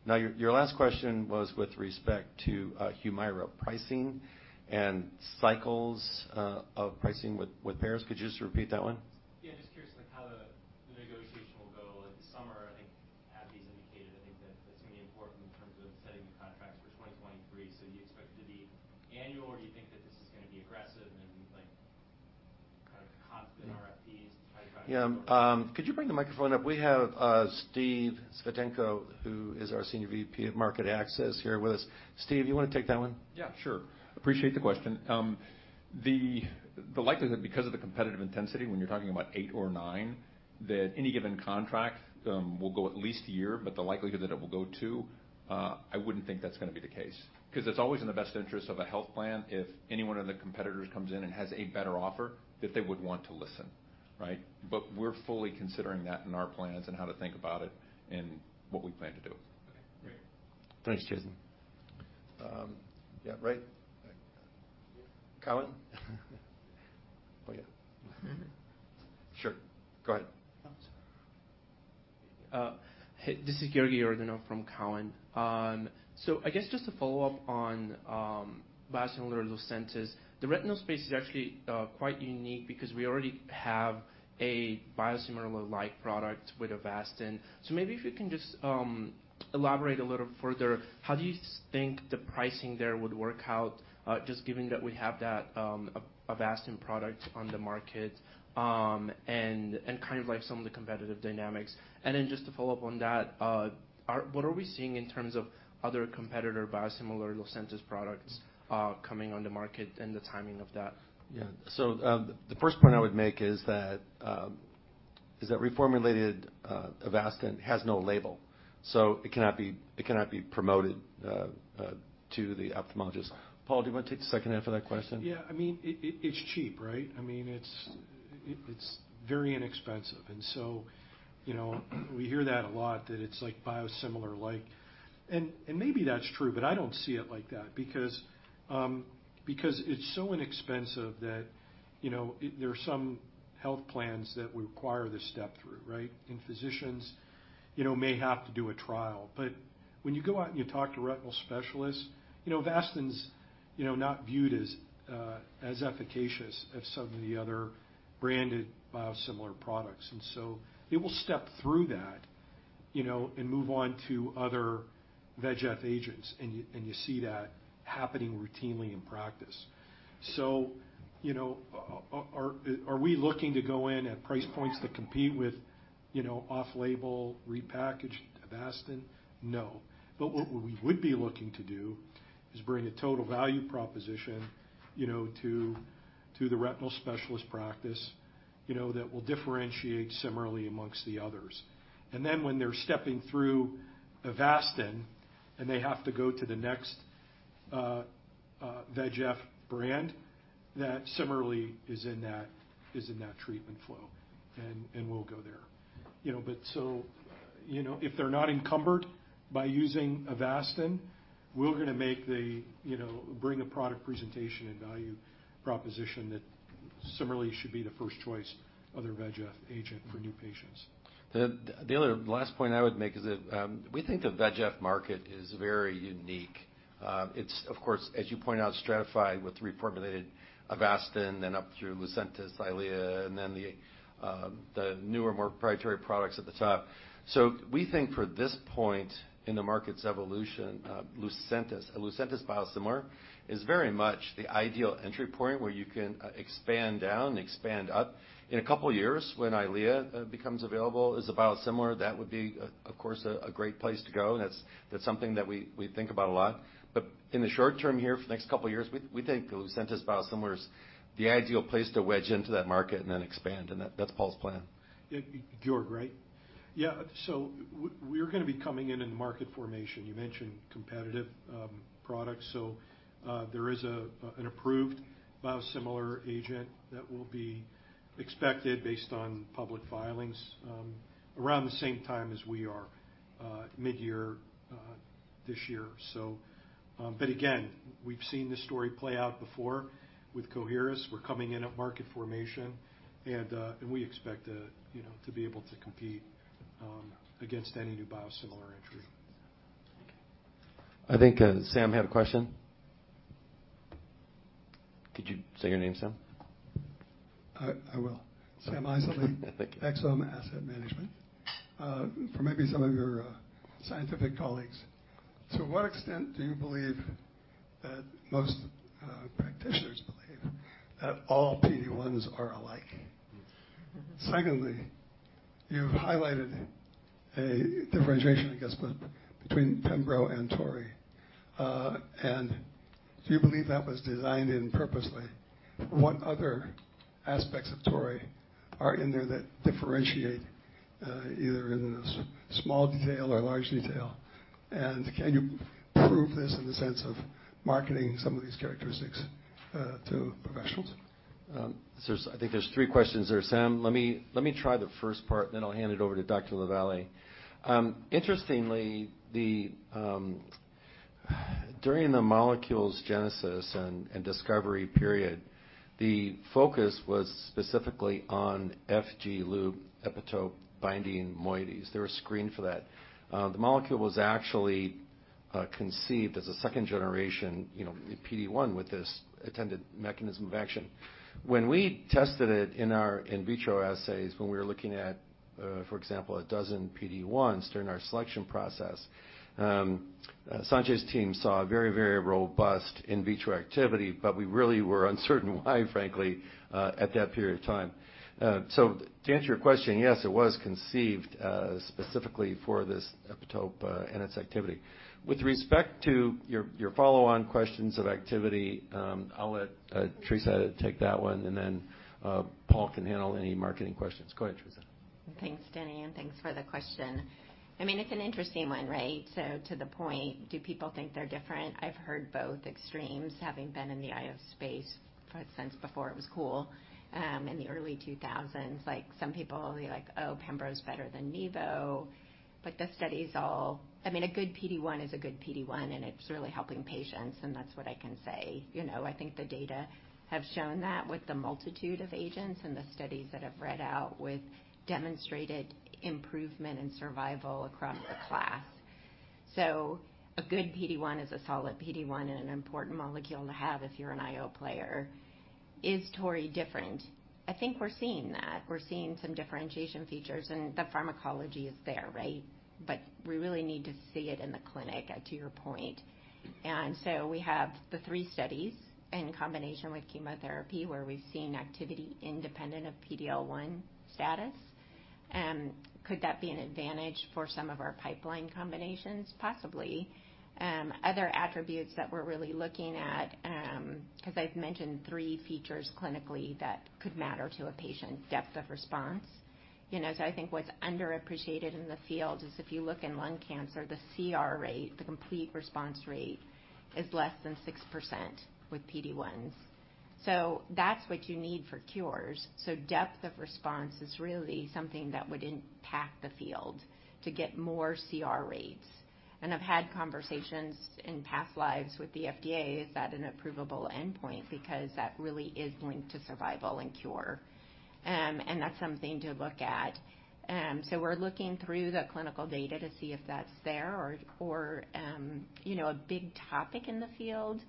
[SPEAKER 2] Now, your last question was with respect to HUMIRA pricing and cycles of pricing with payers. Could you just repeat that one?
[SPEAKER 9] Yeah, just curious, like, how the negotiation will go. At the summer, I think AbbVie's indicated, I think that it's gonna be important in terms of setting the contracts for 2023. Do you expect it to be annual, or do you think that this is gonna be aggressive and, like, kind of constant RFPs to try to drive.
[SPEAKER 2] Yeah. Could you bring the microphone up? We have Steve Svitenko, who is our Senior VP of Market Access here with us. Steve, you wanna take that one?
[SPEAKER 10] Yeah, sure. Appreciate the question. The likelihood because of the competitive intensity when you're talking about eight or nine, that any given contract will go at least a year, but the likelihood that it will go two, I wouldn't think that's gonna be the case. 'Cause it's always in the best interest of a health plan if any one of the competitors comes in and has a better offer, that they would want to listen, right? We're fully considering that in our plans and how to think about it and what we plan to do.
[SPEAKER 9] Okay. Great.
[SPEAKER 2] Thanks, Jason. Yeah, right. Cowen. Oh, yeah. Sure. Go ahead.
[SPEAKER 11] This is Georgi Yordanov from Cowen. I guess just to follow up on biosimilar Lucentis. The retinal space is actually quite unique because we already have a biosimilar-like product with Avastin. Maybe if you can just elaborate a little further, how do you think the pricing there would work out just given that we have that Avastin product on the market and kind of like some of the competitive dynamics? Then just to follow up on that, what are we seeing in terms of other competitor biosimilar Lucentis products coming on the market and the timing of that?
[SPEAKER 2] Yeah. The first point I would make is that reformulated Avastin has no label, so it cannot be promoted to the ophthalmologist. Paul, do you wanna take the second half of that question?
[SPEAKER 6] Yeah. I mean, it's cheap, right? I mean, it's very inexpensive. So, you know, we hear that a lot, that it's like biosimilar-like. And maybe that's true, but I don't see it like that because it's so inexpensive that, you know, it there are some health plans that require the step-through, right? And physicians, you know, may have to do a trial. But when you go out and you talk to retinal specialists, you know, Avastin is not viewed as efficacious as some of the other branded biosimilar products. And so they will step through that, you know, and move on to other VEGF agents. And you see that happening routinely in practice. So, you know, are we looking to go in at price points that compete with, you know, off-label repackaged Avastin? No. What we would be looking to do is bring a total value proposition, you know, to the retinal specialist practice, you know, that will differentiate CIMERLI among the others. Then when they're stepping through Avastin and they have to go to the next VEGF brand, that CIMERLI is in that treatment flow, and we'll go there. You know, if they're not encumbered by using Avastin, we're gonna bring a product presentation and value proposition that CIMERLI should be the first choice other VEGF agent for new patients.
[SPEAKER 2] The other last point I would make is that we think the VEGF market is very unique. It's of course, as you pointed out, stratified with reformulated Avastin and up through Lucentis, EYLEA, and then the newer, more proprietary products at the top. We think for this point in the market's evolution, Lucentis, a Lucentis biosimilar is very much the ideal entry point where you can expand down, expand up. In a couple of years, when EYLEA becomes available as a biosimilar, that would be of course a great place to go, and that's something that we think about a lot. In the short term here, for the next couple of years, we think a Lucentis biosimilar is the ideal place to wedge into that market and then expand, and that's Paul's plan.
[SPEAKER 6] Yeah. Georgi, right? Yeah. We're gonna be coming in in market formation. You mentioned competitive products. There is an approved biosimilar agent that will be expected based on public filings around the same time as we are, mid-year this year. But again, we've seen this story play out before with Coherus. We're coming in at market formation, and we expect you know to be able to compete against any new biosimilar entry.
[SPEAKER 2] I think, Sam had a question. Could you say your name, Sam?
[SPEAKER 12] I will. Sam Eisenberg.
[SPEAKER 2] Thank you.
[SPEAKER 12] Exome Asset Management. For maybe some of your scientific colleagues, to what extent do you believe that most practitioners believe that all PD-1s are alike. Secondly, you've highlighted a differentiation, I guess, between pembrolizumab and toripalimab. Do you believe that was designed purposely? What other aspects of toripalimab are in there that differentiate, either in a small detail or large detail? Can you prove this in the sense of marketing some of these characteristics to professionals?
[SPEAKER 2] I think there's three questions there, Sam. Let me try the first part, then I'll hand it over to Dr. LaVallee. Interestingly, during the molecule's genesis and discovery period, the focus was specifically on FG loop epitope binding moieties. They were screened for that. The molecule was actually conceived as a second generation, you know, PD-1 with this intended mechanism of action. When we tested it in our in vitro assays, when we were looking at, for example, 12 PD-1s during our selection process, Sanjay's team saw a very robust in vitro activity, but we really were uncertain why, frankly, at that period of time. To answer your question, yes, it was conceived specifically for this epitope, and its activity. With respect to your follow-on questions of activity, I'll let Theresa take that one, and then Paul can handle any marketing questions. Go ahead, Theresa.
[SPEAKER 3] Thanks, Denny, and thanks for the question. I mean, it's an interesting one, right? To the point, do people think they're different? I've heard both extremes, having been in the IO space since before it was cool in the early 2000s. Like, some people, they're like, "Oh, pembrolizumab's better than nivolumab." The studies I mean, a good PD-1 is a good PD-1, and it's really helping patients, and that's what I can say. You know, I think the data have shown that with the multitude of agents and the studies that have read out with demonstrated improvement in survival across the class. A good PD-1 is a solid PD-1 and an important molecule to have if you're an IO player. Is toripalimab different? I think we're seeing that. We're seeing some differentiation features, and the pharmacology is there, right? We really need to see it in the clinic, to your point. We have the three studies in combination with chemotherapy, where we've seen activity independent of PD-L1 status. Could that be an advantage for some of our pipeline combinations? Possibly. Other attributes that we're really looking at, 'cause I've mentioned three features clinically that could matter to a patient's depth of response. You know, I think what's underappreciated in the field is if you look in lung cancer, the CR rate, the complete response rate, is less than 6% with PD-1s. That's what you need for cures. Depth of response is really something that would impact the field to get more CR rates. I've had conversations in past lives with the FDA, is that an approvable endpoint? Because that really is linked to survival and cure. That's something to look at. We're looking through the clinical data to see if that's there or, you know, a big topic in the field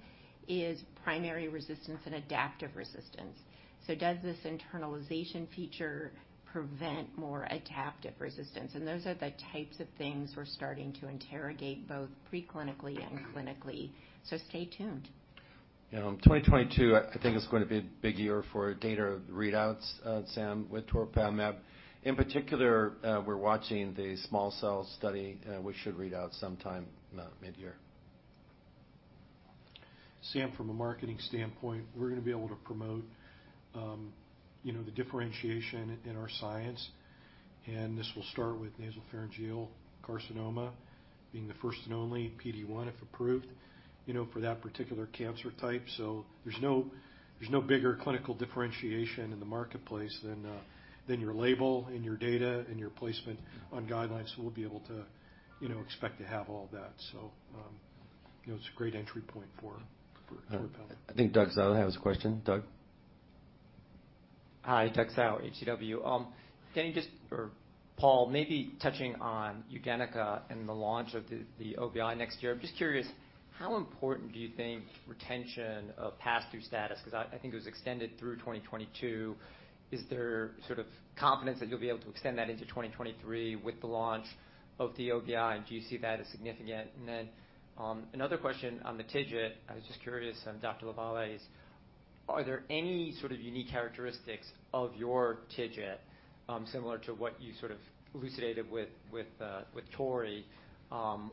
[SPEAKER 3] is primary resistance and adaptive resistance. Does this internalization feature prevent more adaptive resistance? And those are the types of things we're starting to interrogate both pre-clinically and clinically. Stay tuned.
[SPEAKER 2] You know, 2022, I think it's going to be a big year for data readouts, Sam, with toripalimab. In particular, we're watching the small cell study, which should read out sometime mid-year.
[SPEAKER 6] Sam, from a marketing standpoint, we're gonna be able to promote, you know, the differentiation in our science, and this will start with nasopharyngeal carcinoma being the first and only PD-1, if approved, you know, for that particular cancer type. There's no bigger clinical differentiation in the marketplace than your label and your data and your placement on guidelines. We'll be able to, you know, expect to have all that. You know, it's a great entry point for LOQTORZI.
[SPEAKER 2] I think Doug Tsao has a question. Doug?
[SPEAKER 13] Hi, Doug Tsao, H.C. Wainwright. Or Paul, maybe touching on UDENYCA and the launch of the OBI next year, I'm just curious, how important do you think retention of pass-through status, because I think it was extended through 2022? Is there sort of confidence that you'll be able to extend that into 2023 with the launch of the OBI, and do you see that as significant? Another question on the TIGIT. I was just curious on Dr. LaVallee's. Are there any sort of unique characteristics of your TIGIT, similar to what you sort of elucidated with toripalimab?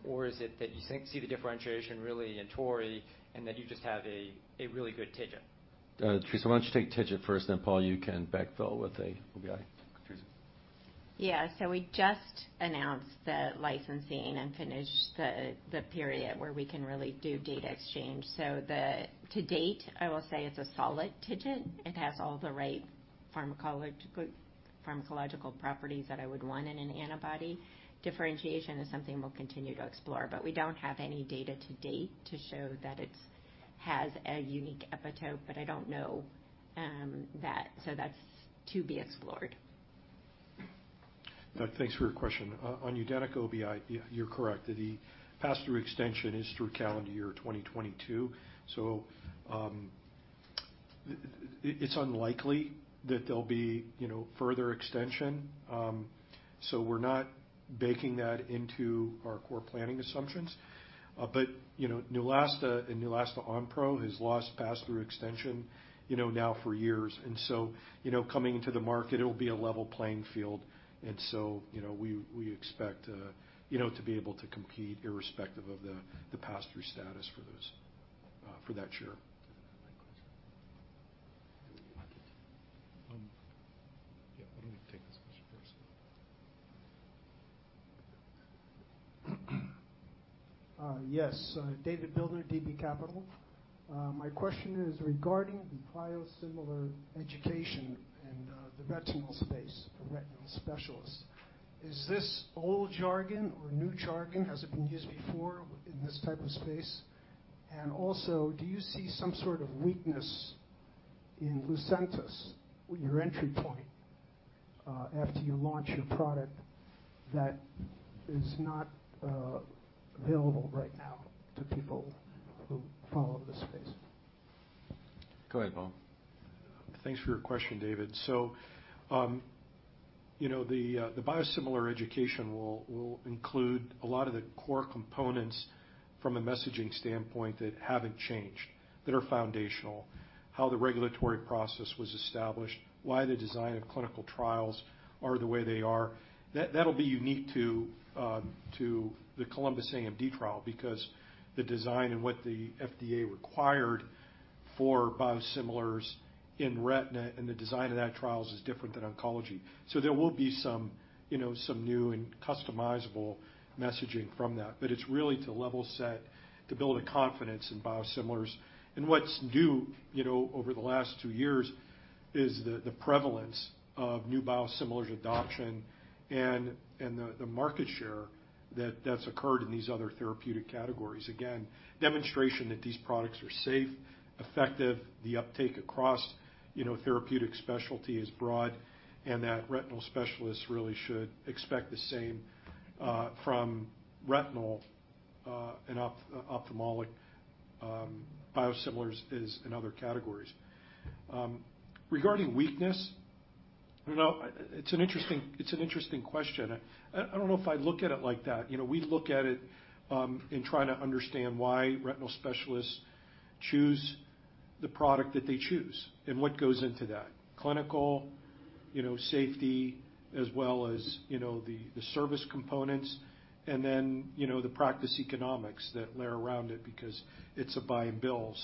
[SPEAKER 13] Or is it that you think see the differentiation really in toripalimab and that you just have a really good TIGIT?
[SPEAKER 2] Theresa, why don't you take TIGIT first, then Paul, you can backfill with the OBI. Theresa.
[SPEAKER 3] We just announced the licensing and finished the period where we can really do data exchange. To date, I will say it's a solid TIGIT. It has all the right pharmacological properties that I would want in an antibody. Differentiation is something we'll continue to explore, but we don't have any data to date to show that it has a unique epitope, but I don't know that, so that's to be explored.
[SPEAKER 6] Doug, thanks for your question. On UDENYCA OBI, yeah, you're correct that the pass-through extension is through calendar year 2022. It's unlikely that there'll be, you know, further extension. We're not baking that into our core planning assumptions. You know, Neulasta and Neulasta Onpro has lost pass-through extension, you know, now for years. You know, we expect, you know, to be able to compete irrespective of the pass-through status for that share. Yeah, why don't you take this question first?
[SPEAKER 14] Yes, David Bildner, DB Capital. My question is regarding the biosimilar education in the retinal space for retinal specialists. Is this old jargon or new jargon? Has it been used before in this type of space? And also, do you see some sort of weakness in Lucentis with your entry point after you launch your product that is not available right now to people who follow the space?
[SPEAKER 1] Go ahead, Paul.
[SPEAKER 6] Thanks for your question, David. You know, the biosimilar education will include a lot of the core components from a messaging standpoint that haven't changed, that are foundational, how the regulatory process was established, why the design of clinical trials are the way they are. That'll be unique to the COLUMBUS-AMD trial because the design and what the FDA required for biosimilars in retina and the design of that trials is different than oncology. There will be some new and customizable messaging from that. But it's really to level set, to build a confidence in biosimilars. What's new over the last two years is the prevalence of new biosimilars adoption and the market share that's occurred in these other therapeutic categories. Again, demonstration that these products are safe, effective, the uptake across, you know, therapeutic specialty is broad, and that retinal specialists really should expect the same from retinal and ophthalmic biosimilars as in other categories. Regarding weakness, you know, it's an interesting question. I don't know if I'd look at it like that. You know, we look at it in trying to understand why retinal specialists choose the product that they choose and what goes into that. Clinical, you know, safety, as well as, you know, the service components, and then, you know, the practice economics that layer around it because it's a buy and bill.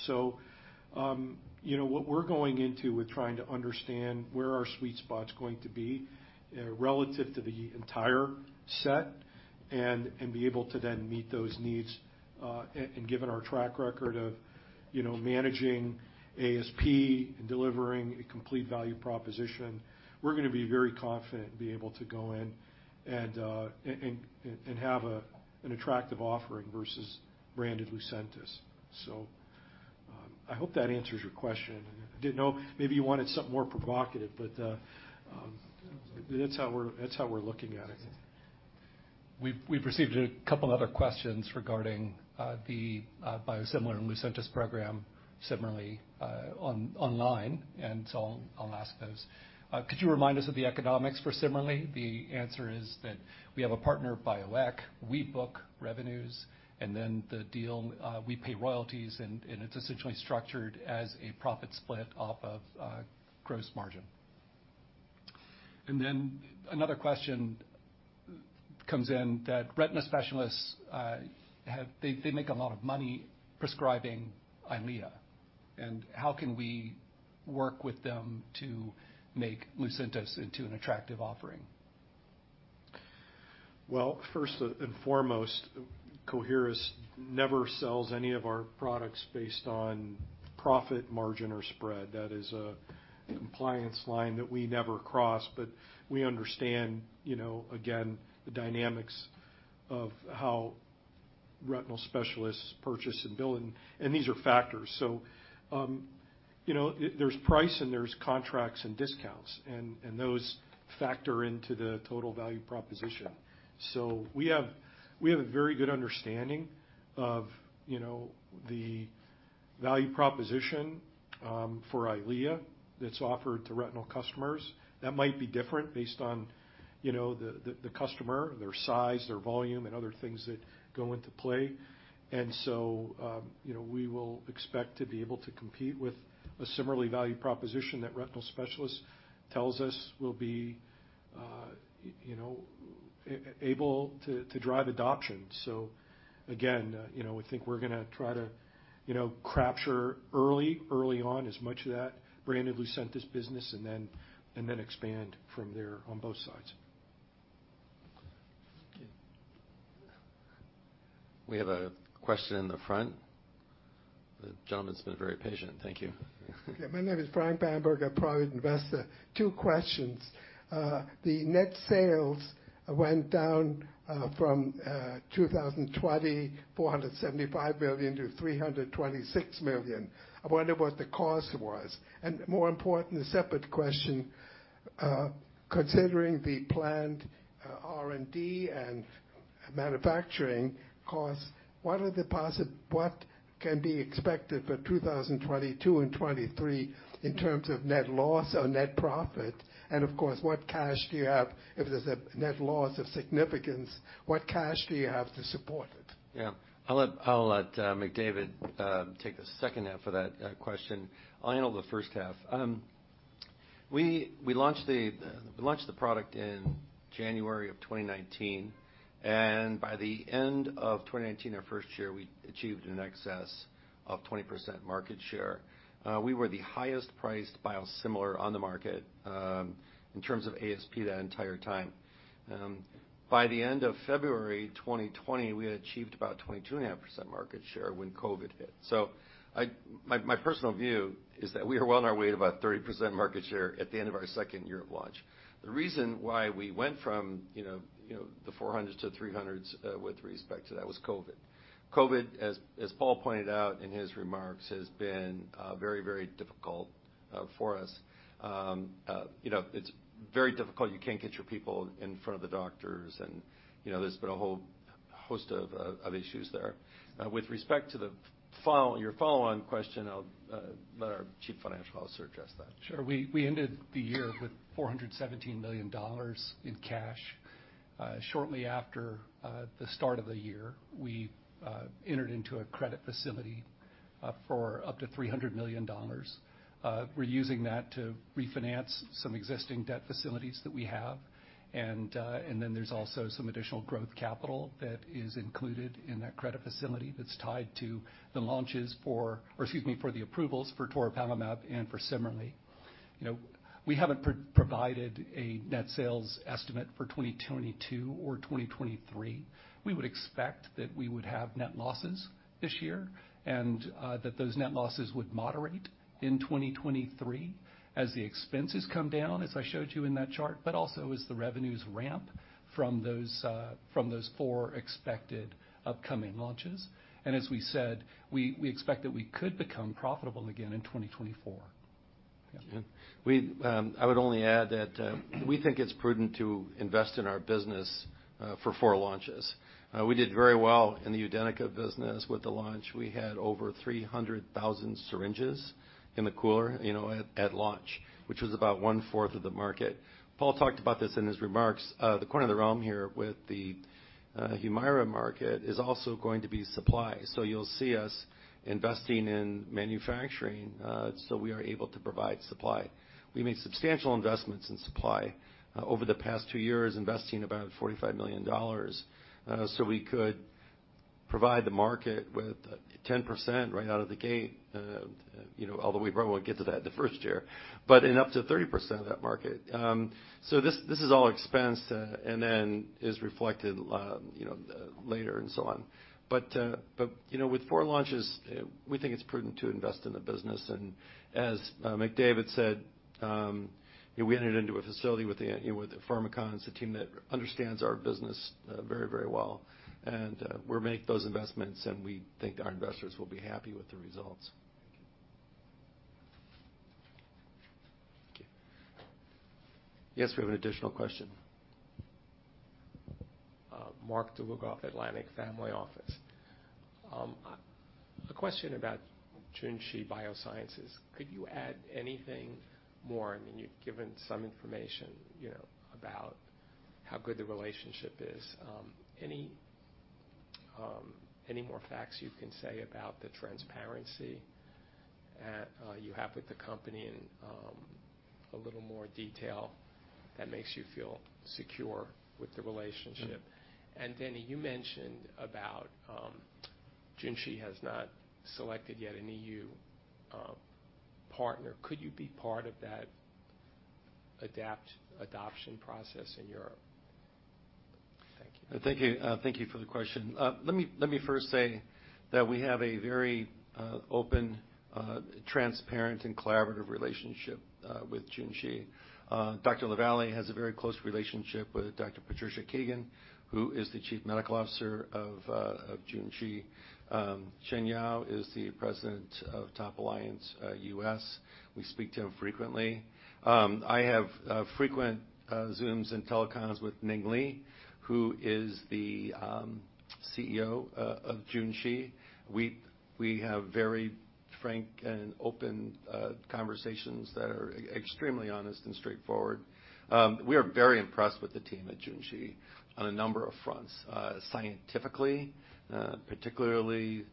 [SPEAKER 6] What we're going into with trying to understand where our sweet spot's going to be relative to the entire set and be able to then meet those needs. Given our track record of, you know, managing ASP and delivering a complete value proposition, we're gonna be very confident and be able to go in and have an attractive offering versus branded Lucentis. I hope that answers your question. I didn't know, maybe you wanted something more provocative. That's how we're looking at it.
[SPEAKER 1] We've received a couple other questions regarding the biosimilar and Lucentis program, CIMERLI, online, so I'll ask those. Could you remind us of the economics for CIMERLI? The answer is that we have a partner, Bioeq. We book revenues, and then the deal, we pay royalties, and it's essentially structured as a profit split off of gross margin. Another question comes in that retina specialists make a lot of money prescribing EYLEA, and how can we work with them to make Lucentis into an attractive offering?
[SPEAKER 6] Well, first and foremost, Coherus never sells any of our products based on profit margin or spread. That is a compliance line that we never cross. We understand, you know, again, the dynamics of how. Retinal specialists purchase and bill, and these are factors. You know, there's price and there's contracts and discounts, and those factor into the total value proposition. We have a very good understanding of, you know, the value proposition for EYLEA that's offered to retinal customers. That might be different based on, you know, the customer, their size, their volume, and other things that go into play. You know, we will expect to be able to compete with a similar value proposition that retinal specialists tells us will be, you know, able to drive adoption. Again, you know, I think we're gonna try to, you know, capture early on as much of that branded Lucentis business and then expand from there on both sides.
[SPEAKER 2] Okay. We have a question in the front. The gentleman's been very patient. Thank you.
[SPEAKER 15] Okay. My name is Brian Bamberger, Private investor. Two questions. The net sales went down from 2020, $475 million to $326 million. I wonder what the cause was. More important, a separate question, considering the planned R&D and manufacturing costs, what can be expected for 2022 and 2023 in terms of net loss or net profit? Of course, what cash do you have? If there's a net loss of significance, what cash do you have to support it?
[SPEAKER 2] I'll let McDavid take the second half of that question. I'll handle the first half. We launched the product in January of 2019, and by the end of 2019, our first year, we achieved in excess of 20% market share. We were the highest priced biosimilar on the market in terms of ASP that entire time. By the end of February 2020, we had achieved about 22.5% market share when COVID hit. My personal view is that we were well on our way to about 30% market share at the end of our second year of launch. The reason why we went from the 400s to the 300s with respect to that was COVID. COVID, as Paul pointed out in his remarks, has been very difficult for us. You know, it's very difficult. You can't get your people in front of the doctors, and you know, there's been a whole host of issues there. With respect to your follow-on question, I'll let our Chief Financial Officer address that.
[SPEAKER 1] Sure. We ended the year with $417 million in cash. Shortly after the start of the year, we entered into a credit facility for up to $300 million. We're using that to refinance some existing debt facilities that we have. Then there's also some additional growth capital that is included in that credit facility that's tied to the approvals for toripalimab and for CIMERLI. You know, we haven't provided a net sales estimate for 2022 or 2023. We would expect that we would have net losses this year, and that those net losses would moderate in 2023 as the expenses come down, as I showed you in that chart, but also as the revenues ramp from those four expected upcoming launches. As we said, we expect that we could become profitable again in 2024. Yeah.
[SPEAKER 2] Yeah. I would only add that we think it's prudent to invest in our business for four launches. We did very well in the UDENYCA business with the launch. We had over 300,000 syringes in the cooler, you know, at launch, which was about 1/4 of the market. Paul talked about this in his remarks. The cornerstone here with the HUMIRA market is also going to be supply. You'll see us investing in manufacturing so we are able to provide supply. We made substantial investments in supply over the past two years, investing about $45 million so we could provide the market with 10% right out of the gate, you know, although we probably won't get to that in the first year, but in up to 30% of that market. This is all expense and then is reflected you know later and so on. With four launches, we think it's prudent to invest in the business. As McDavid said, you know, we entered into a facility with Pharmakon. It's a team that understands our business very well. We'll make those investments, and we think our investors will be happy with the results. Thank you. Yes, we have an additional question.
[SPEAKER 16] Marc Dlugoff, Atlantic Family Office. A question about Junshi Biosciences. Could you add anything more? I mean, you've given some information, you know, about how good the relationship is. Any more facts you can say about the transparency you have with the company and a little more detail that makes you feel secure with the relationship? Denny, you mentioned about Junshi has not selected yet an EU partner. Could you be part of that adoption process in Europe?
[SPEAKER 2] Thank you. Thank you for the question. Let me first say that we have a very open, transparent and collaborative relationship with Junshi. Dr. LaVallee has a very close relationship with Dr. Patricia Keegan, who is the chief medical officer of Junshi. Shen Yao is the president of TopAlliance, U.S. We speak to him frequently. I have frequent Zooms and telecons with Ning Li, who is the CEO of Junshi. We have very frank and open conversations that are extremely honest and straightforward. We are very impressed with the team at Junshi on a number of fronts. Scientifically, particularly,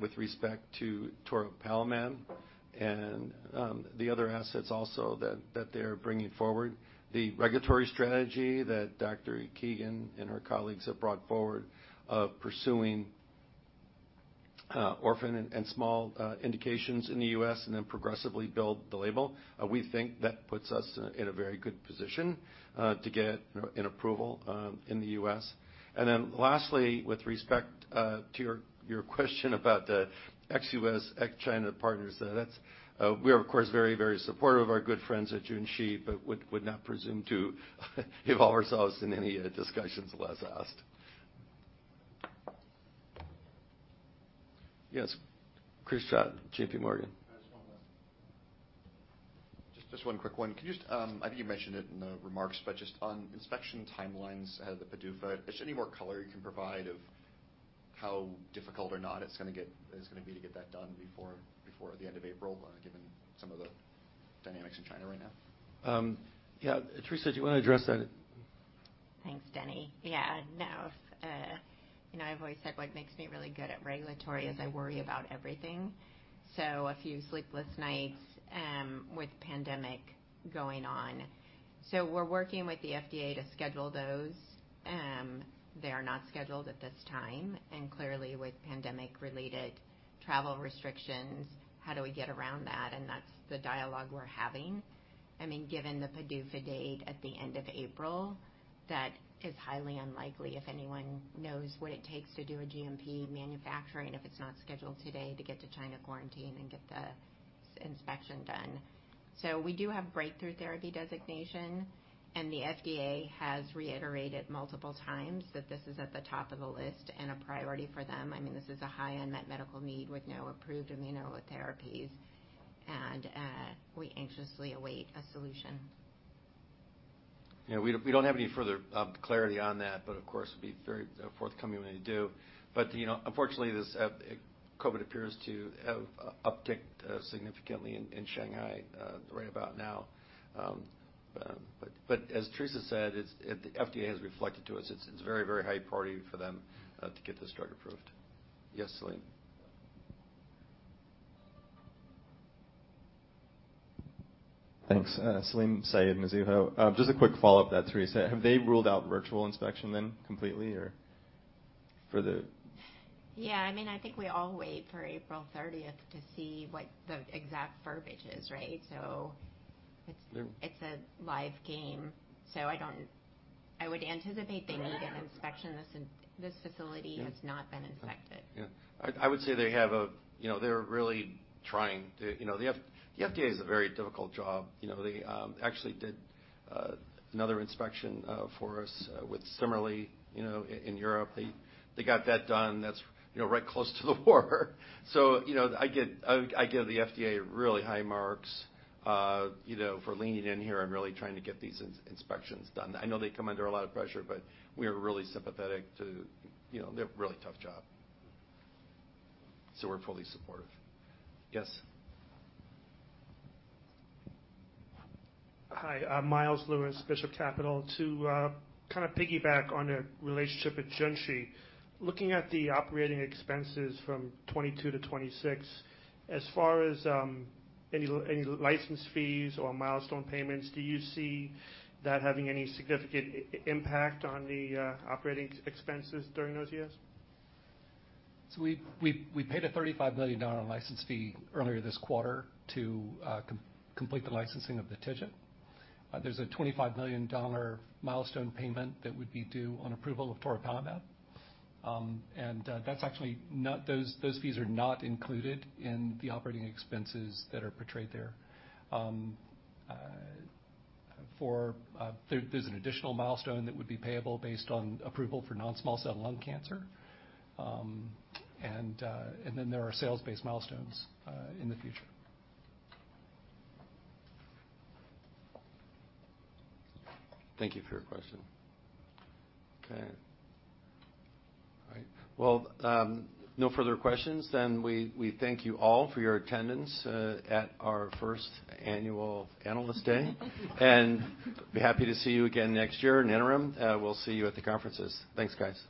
[SPEAKER 2] with respect to toripalimab, and the other assets also that they are bringing forward. The regulatory strategy that Dr. Keegan and her colleagues have brought forward of pursuing orphan and small indications in the U.S. and then progressively build the label. We think that puts us in a very good position to get an approval in the U.S. Then lastly, with respect to your question about the ex-U.S., ex-China partners, that's. We are of course very, very supportive of our good friends at Junshi, but would not presume to involve ourselves in any discussions unless asked. Yes, Chris Schott, JPMorgan.
[SPEAKER 8] Just one quick one. Can you just, I think you mentioned it in the remarks, but just on inspection timelines, the PDUFA, is there any more color you can provide of how difficult or not it's gonna be to get that done before the end of April, given some of the dynamics in China right now?
[SPEAKER 2] Yeah. Theresa, do you wanna address that?
[SPEAKER 3] Thanks, Denny. Yeah. No, you know, I've always said what makes me really good at regulatory is I worry about everything. A few sleepless nights with pandemic going on. We're working with the FDA to schedule those. They are not scheduled at this time. Clearly with pandemic-related travel restrictions, how do we get around that? That's the dialogue we're having. I mean, given the PDUFA date at the end of April, that is highly unlikely if anyone knows what it takes to do a GMP manufacturing, if it's not scheduled today to get to China quarantine and get the site inspection done. We do have breakthrough therapy designation, and the FDA has reiterated multiple times that this is at the top of the list and a priority for them. I mean, this is a high unmet medical need with no approved immunotherapies, and we anxiously await a solution.
[SPEAKER 2] Yeah, we don't have any further clarity on that, but of course we'll be very forthcoming when we do. You know, unfortunately, this COVID appears to have upticked significantly in Shanghai right about now. As Theresa said, the FDA has indicated to us, it's very, very high priority for them to get this drug approved. Yes, Salim.
[SPEAKER 7] Thanks. Salim Syed, Mizuho. Just a quick follow-up to that, Theresa. Have they ruled out virtual inspection then completely or for the-
[SPEAKER 3] Yeah, I mean, I think we all wait for April 30 to see what the exact verbiage is, right?
[SPEAKER 7] Yeah.
[SPEAKER 3] It's a live game, so I would anticipate they need an inspection. This facility has not been inspected.
[SPEAKER 2] You know, the FDA has a very difficult job. You know, they actually did another inspection for us with CIMERLI you know, in Europe. They got that done. That's you know right close to the border. You know, I give the FDA really high marks you know for leaning in here and really trying to get these inspections done. I know they come under a lot of pressure, but we are really sympathetic to you know they have a really tough job. We're fully supportive. Yes.
[SPEAKER 17] Hi, I'm Myles Lewis, Bishop Capital. To kind of piggyback on the relationship with Junshi, looking at the operating expenses from 2022 to 2026, as far as any license fees or milestone payments, do you see that having any significant impact on the operating expenses during those years?
[SPEAKER 1] We paid a $35 million license fee earlier this quarter to complete the licensing of the TIGIT. There's a $25 million milestone payment that would be due on approval of toripalimab. That's actually not included in the operating expenses that are portrayed there. Those fees are not included in the operating expenses that are portrayed there. There's an additional milestone that would be payable based on approval for non-small cell lung cancer. Then there are sales-based milestones in the future.
[SPEAKER 2] Thank you for your question. Okay. All right. Well, no further questions, then we thank you all for your attendance at our first annual analyst day. We'll be happy to see you again next year. In the interim, we'll see you at the conferences. Thanks, guys.